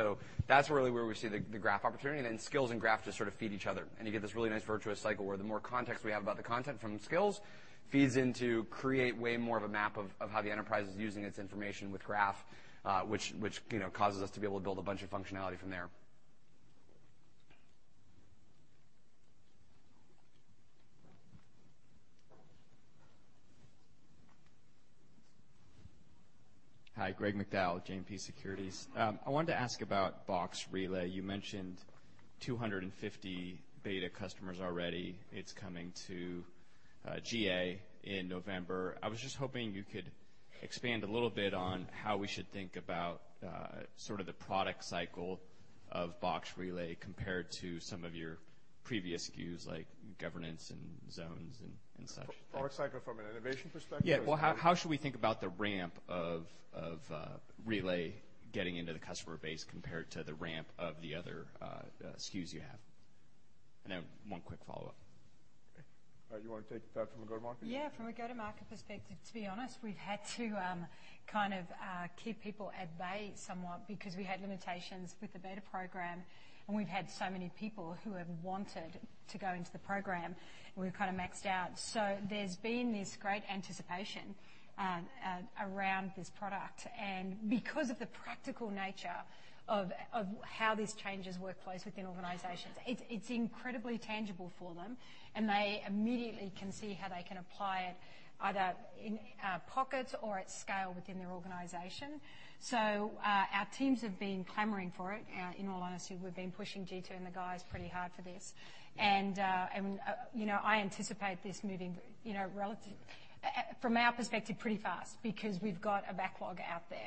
That's really where we see the graph opportunity. Skills and Graph just sort of feed each other. You get this really nice virtuous cycle where the more context we have about the content from Skills feeds into create way more of a map of how the enterprise is using its information with Graph, which causes us to be able to build a bunch of functionality from there. Hi, Greg McDowell with JMP Securities. I wanted to ask about Box Relay. You mentioned 250 beta customers already. It's coming to GA in November. I was just hoping you could expand a little bit on how we should think about sort of the product cycle of Box Relay compared to some of your Previous SKUs like Governance and Zones and such Cycle from an innovation perspective as well? Yeah. Well, how should we think about the ramp of Relay getting into the customer base compared to the ramp of the other SKUs you have? I have one quick follow-up. Okay. You want to take that from a go-to-market? Yeah. From a go-to-market perspective, to be honest, we've had to kind of keep people at bay somewhat because we had limitations with the beta program, and we've had so many people who have wanted to go into the program. We're kind of maxed out. There's been this great anticipation around this product. Because of the practical nature of how these changes workplace within organizations, it's incredibly tangible for them and they immediately can see how they can apply it either in pockets or at scale within their organization. Our teams have been clamoring for it. In all honesty, we've been pushing Jeetu and the guys pretty hard for this. I anticipate this moving, from our perspective, pretty fast because we've got a backlog out there.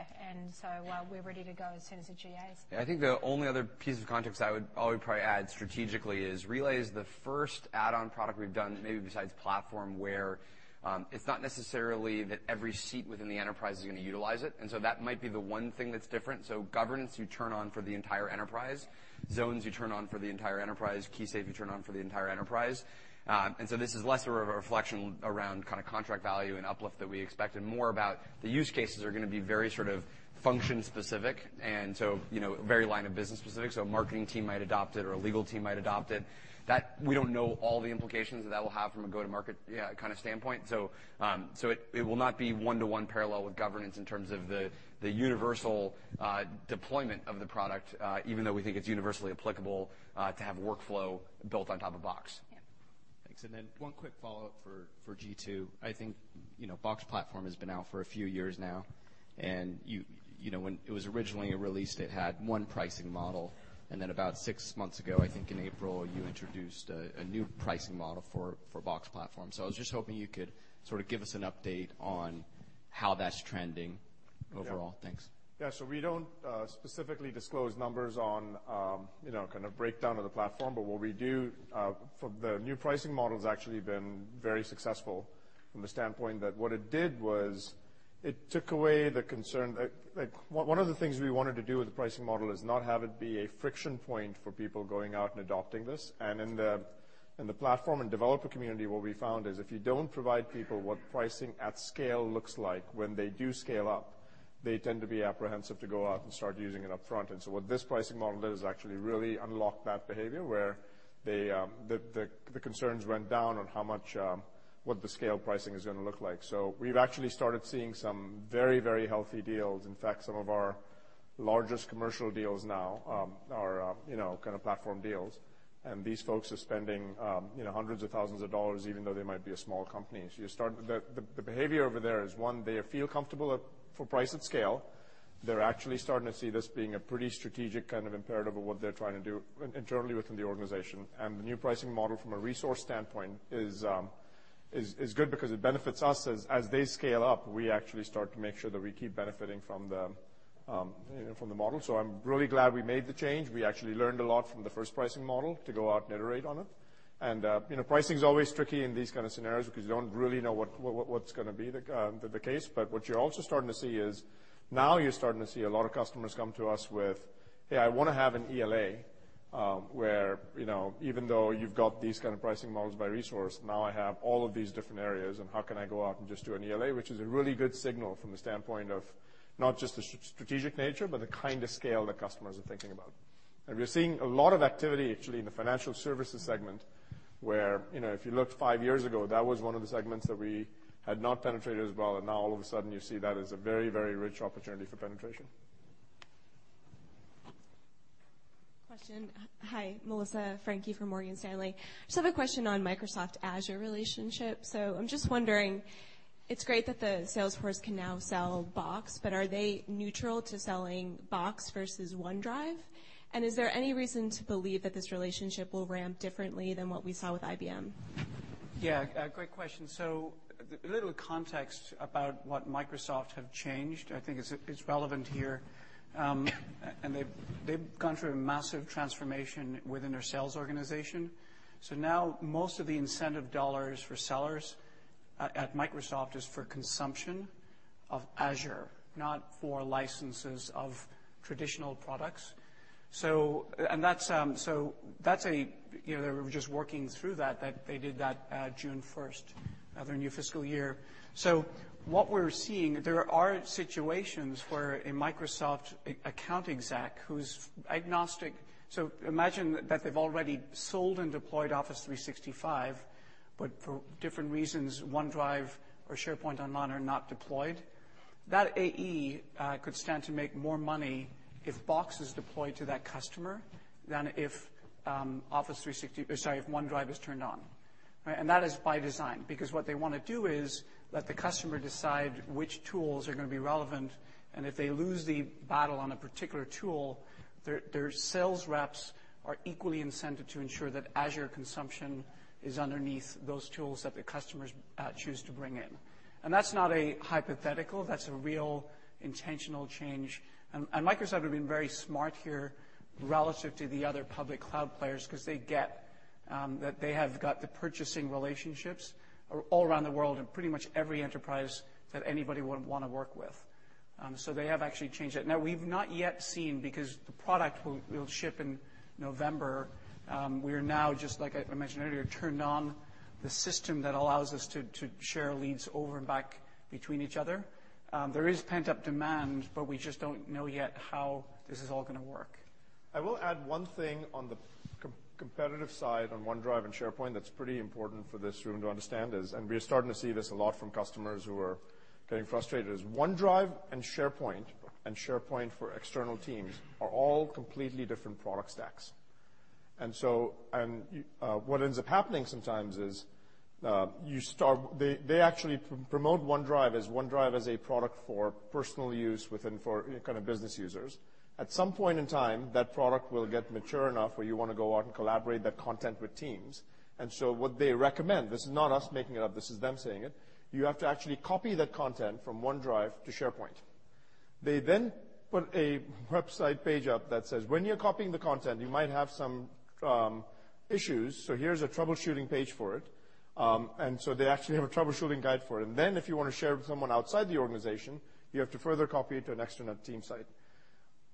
We're ready to go as soon as it GAs. Yeah. I think the only other piece of context I would probably add strategically is Relay is the first add-on product we've done, maybe besides Platform, where it's not necessarily that every seat within the enterprise is going to utilize it. That might be the one thing that's different. Governance, you turn on for the entire enterprise. Zones, you turn on for the entire enterprise. KeySafe, you turn on for the entire enterprise. This is less of a reflection around kind of contract value and uplift that we expect and more about the use cases are going to be very sort of function specific. Very line of business specific. A marketing team might adopt it or a legal team might adopt it. That we don't know all the implications that that will have from a go-to-market kind of standpoint. It will not be one-to-one parallel with Governance in terms of the universal deployment of the product even though we think it's universally applicable, to have workflow built on top of Box. Yeah. Thanks. One quick follow-up for Jeetu. I think Box Platform has been out for a few years now, and when it was originally released, it had one pricing model. About six months ago, I think in April, you introduced a new pricing model for Box Platform. I was just hoping you could sort of give us an update on how that's trending overall. Yeah. Thanks. Yeah. We don't specifically disclose numbers on kind of breakdown of the Platform. What we do, the new pricing model has actually been very successful from the standpoint that what it did was it took away the concern. One of the things we wanted to do with the pricing model is not have it be a friction point for people going out and adopting this. In the Platform and developer community, what we found is if you don't provide people what pricing at scale looks like when they do scale up, they tend to be apprehensive to go out and start using it up front. What this pricing model did is actually really unlock that behavior, where the concerns went down on what the scale pricing is going to look like. We've actually started seeing some very, very healthy deals. In fact, some of our largest commercial deals now are kind of Platform deals. These folks are spending hundreds of thousands of dollars even though they might be a small company. The behavior over there is, one, they feel comfortable for price at scale. They're actually starting to see this being a pretty strategic kind of imperative of what they're trying to do internally within the organization. The new pricing model from a resource standpoint is good because it benefits us. As they scale up, we actually start to make sure that we keep benefiting from the model. I'm really glad we made the change. We actually learned a lot from the first pricing model to go out and iterate on it. Pricing's always tricky in these kind of scenarios because you don't really know what's going to be the case. What you're also starting to see is now you're starting to see a lot of customers come to us with, "Hey, I want to have an ELA," where even though you've got these kind of pricing models by resource, now I have all of these different areas and how can I go out and just do an ELA? Which is a really good signal from the standpoint of not just the strategic nature, but the kind of scale that customers are thinking about. We're seeing a lot of activity actually in the financial services segment where if you looked five years ago, that was one of the segments that we had not penetrated as well, and now all of a sudden you see that as a very, very rich opportunity for penetration. Question. Hi. Melissa Franchi from Morgan Stanley. Just have a question on Microsoft Azure relationship. I'm just wondering, it's great that the sales force can now sell Box, but are they neutral to selling Box versus OneDrive? Is there any reason to believe that this relationship will ramp differently than what we saw with IBM? Yeah. Great question. A little context about what Microsoft have changed, I think is relevant here. They've gone through a massive transformation within their sales organization. Now most of the incentive dollars for sellers at Microsoft is for consumption of Azure, not for licenses of traditional products. They were just working through that. They did that June 1st of their new fiscal year. What we're seeing, there are situations where a Microsoft account exec who's agnostic, imagine that they've already sold and deployed Office 365, but for different reasons, OneDrive or SharePoint Online are not deployed. That AE could stand to make more money if Box is deployed to that customer than if OneDrive is turned on. Right? That is by design, because what they want to do is let the customer decide which tools are going to be relevant, and if they lose the battle on a particular tool, their sales reps are equally incented to ensure that Azure consumption is underneath those tools that the customers choose to bring in. That's not a hypothetical. That's a real intentional change. Microsoft have been very smart here relative to the other public cloud players because they get that they have got the purchasing relationships all around the world in pretty much every enterprise that anybody would want to work with. They have actually changed that. Now we've not yet seen, because the product will ship in November, we are now, just like I mentioned earlier, turned on the system that allows us to share leads over and back between each other. There is pent-up demand, but we just don't know yet how this is all going to work. I will add one thing on the competitive side on OneDrive and SharePoint that's pretty important for this room to understand is, and we are starting to see this a lot from customers who are getting frustrated, is OneDrive and SharePoint, and SharePoint for external teams, are all completely different product stacks. What ends up happening sometimes is they actually promote OneDrive as a product for personal use within business users. At some point in time, that product will get mature enough where you want to go out and collaborate that content with teams. What they recommend, this is not us making it up, this is them saying it, you have to actually copy that content from OneDrive to SharePoint. They then put a website page up that says, "When you're copying the content, you might have some issues, so here's a troubleshooting page for it." They actually have a troubleshooting guide for it. If you want to share it with someone outside the organization, you have to further copy it to an external team site.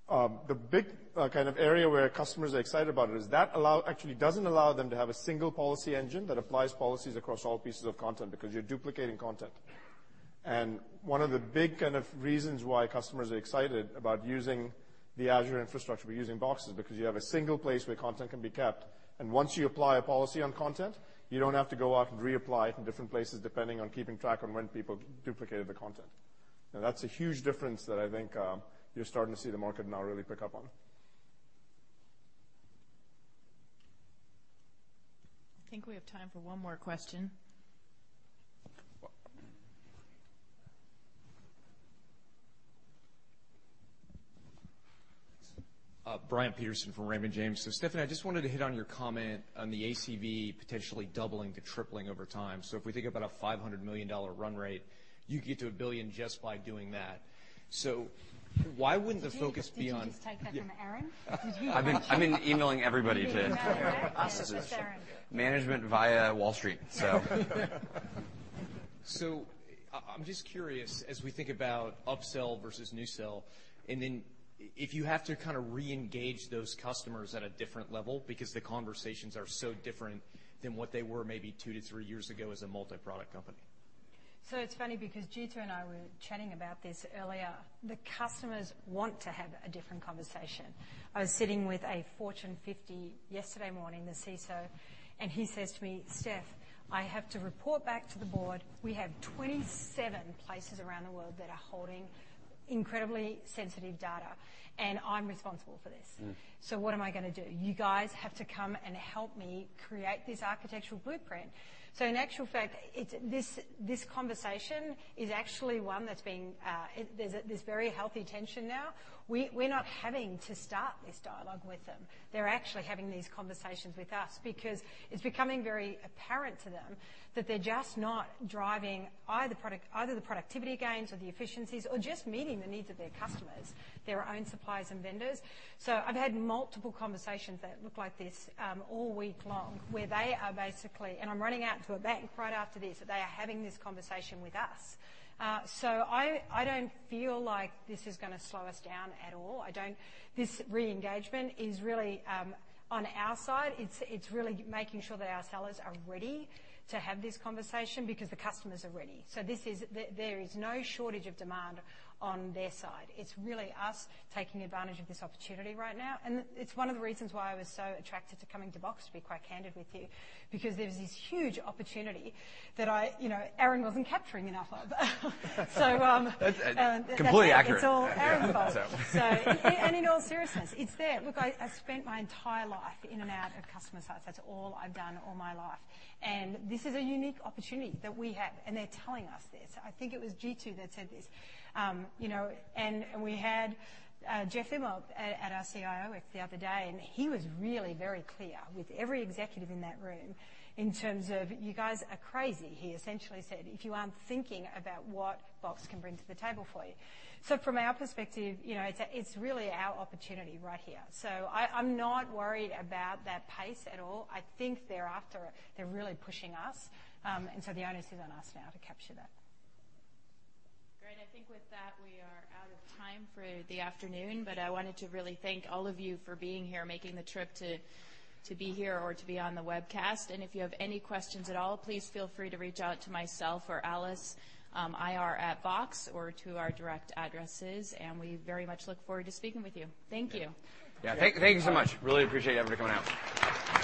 The big area where customers are excited about it is that actually doesn't allow them to have a single policy engine that applies policies across all pieces of content because you're duplicating content. One of the big reasons why customers are excited about using the Azure infrastructure, using Box, is because you have a single place where content can be kept. Once you apply a policy on content, you don't have to go out and reapply it from different places, depending on keeping track on when people duplicated the content. Now that's a huge difference that I think you're starting to see the market now really pick up on. I think we have time for one more question. Brian Peterson from Raymond James. Stephanie, I just wanted to hit on your comment on the ACV potentially doubling to tripling over time. If we think about a $500 million run rate, you get to a billion just by doing that. Why wouldn't the focus be on- Did you just take that from Aaron? I've been emailing everybody to- It's Aaron. management via Wall Street. I'm just curious, as we think about upsell versus new sell, and then if you have to reengage those customers at a different level because the conversations are so different than what they were maybe two to three years ago as a multi-product company. It's funny because Jeetu and I were chatting about this earlier. The customers want to have a different conversation. I was sitting with a Fortune 50 yesterday morning, the CISO, and he says to me, "Steph, I have to report back to the board. We have 27 places around the world that are holding incredibly sensitive data, and I'm responsible for this. What am I going to do? You guys have to come and help me create this architectural blueprint." In actual fact, this conversation is actually one that's been. There's very healthy tension now. We're not having to start this dialogue with them. They're actually having these conversations with us because it's becoming very apparent to them that they're just not driving either the productivity gains or the efficiencies or just meeting the needs of their customers, their own suppliers and vendors. I've had multiple conversations that look like this all week long, where they are basically, and I'm running out to a bank right after this, that they are having this conversation with us. I don't feel like this is going to slow us down at all. This re-engagement is really, on our side, it's really making sure that our sellers are ready to have this conversation because the customers are ready. There is no shortage of demand on their side. It's really us taking advantage of this opportunity right now. It's one of the reasons why I was so attracted to coming to Box, to be quite candid with you, because there was this huge opportunity that Aaron wasn't capturing enough of. That's completely accurate. It's all Aaron's fault. Yeah. In all seriousness, it's there. Look, I've spent my entire life in and out of customer sites. That's all I've done all my life. This is a unique opportunity that we have, and they're telling us this. I think it was Jeetu that said this. We had Jeff Immelt at our CIO the other day, and he was really very clear with every executive in that room in terms of, "You guys are crazy," he essentially said, "if you aren't thinking about what Box can bring to the table for you." From our perspective, it's really our opportunity right here. I'm not worried about that pace at all. I think they're after it. They're really pushing us. The onus is on us now to capture that. Great. I think with that, we are out of time for the afternoon. I wanted to really thank all of you for being here, making the trip to be here or to be on the webcast. If you have any questions at all, please feel free to reach out to myself or Alice, ir@box or to our direct addresses, and we very much look forward to speaking with you. Thank you. Yeah. Thank you so much. Really appreciate everybody coming out.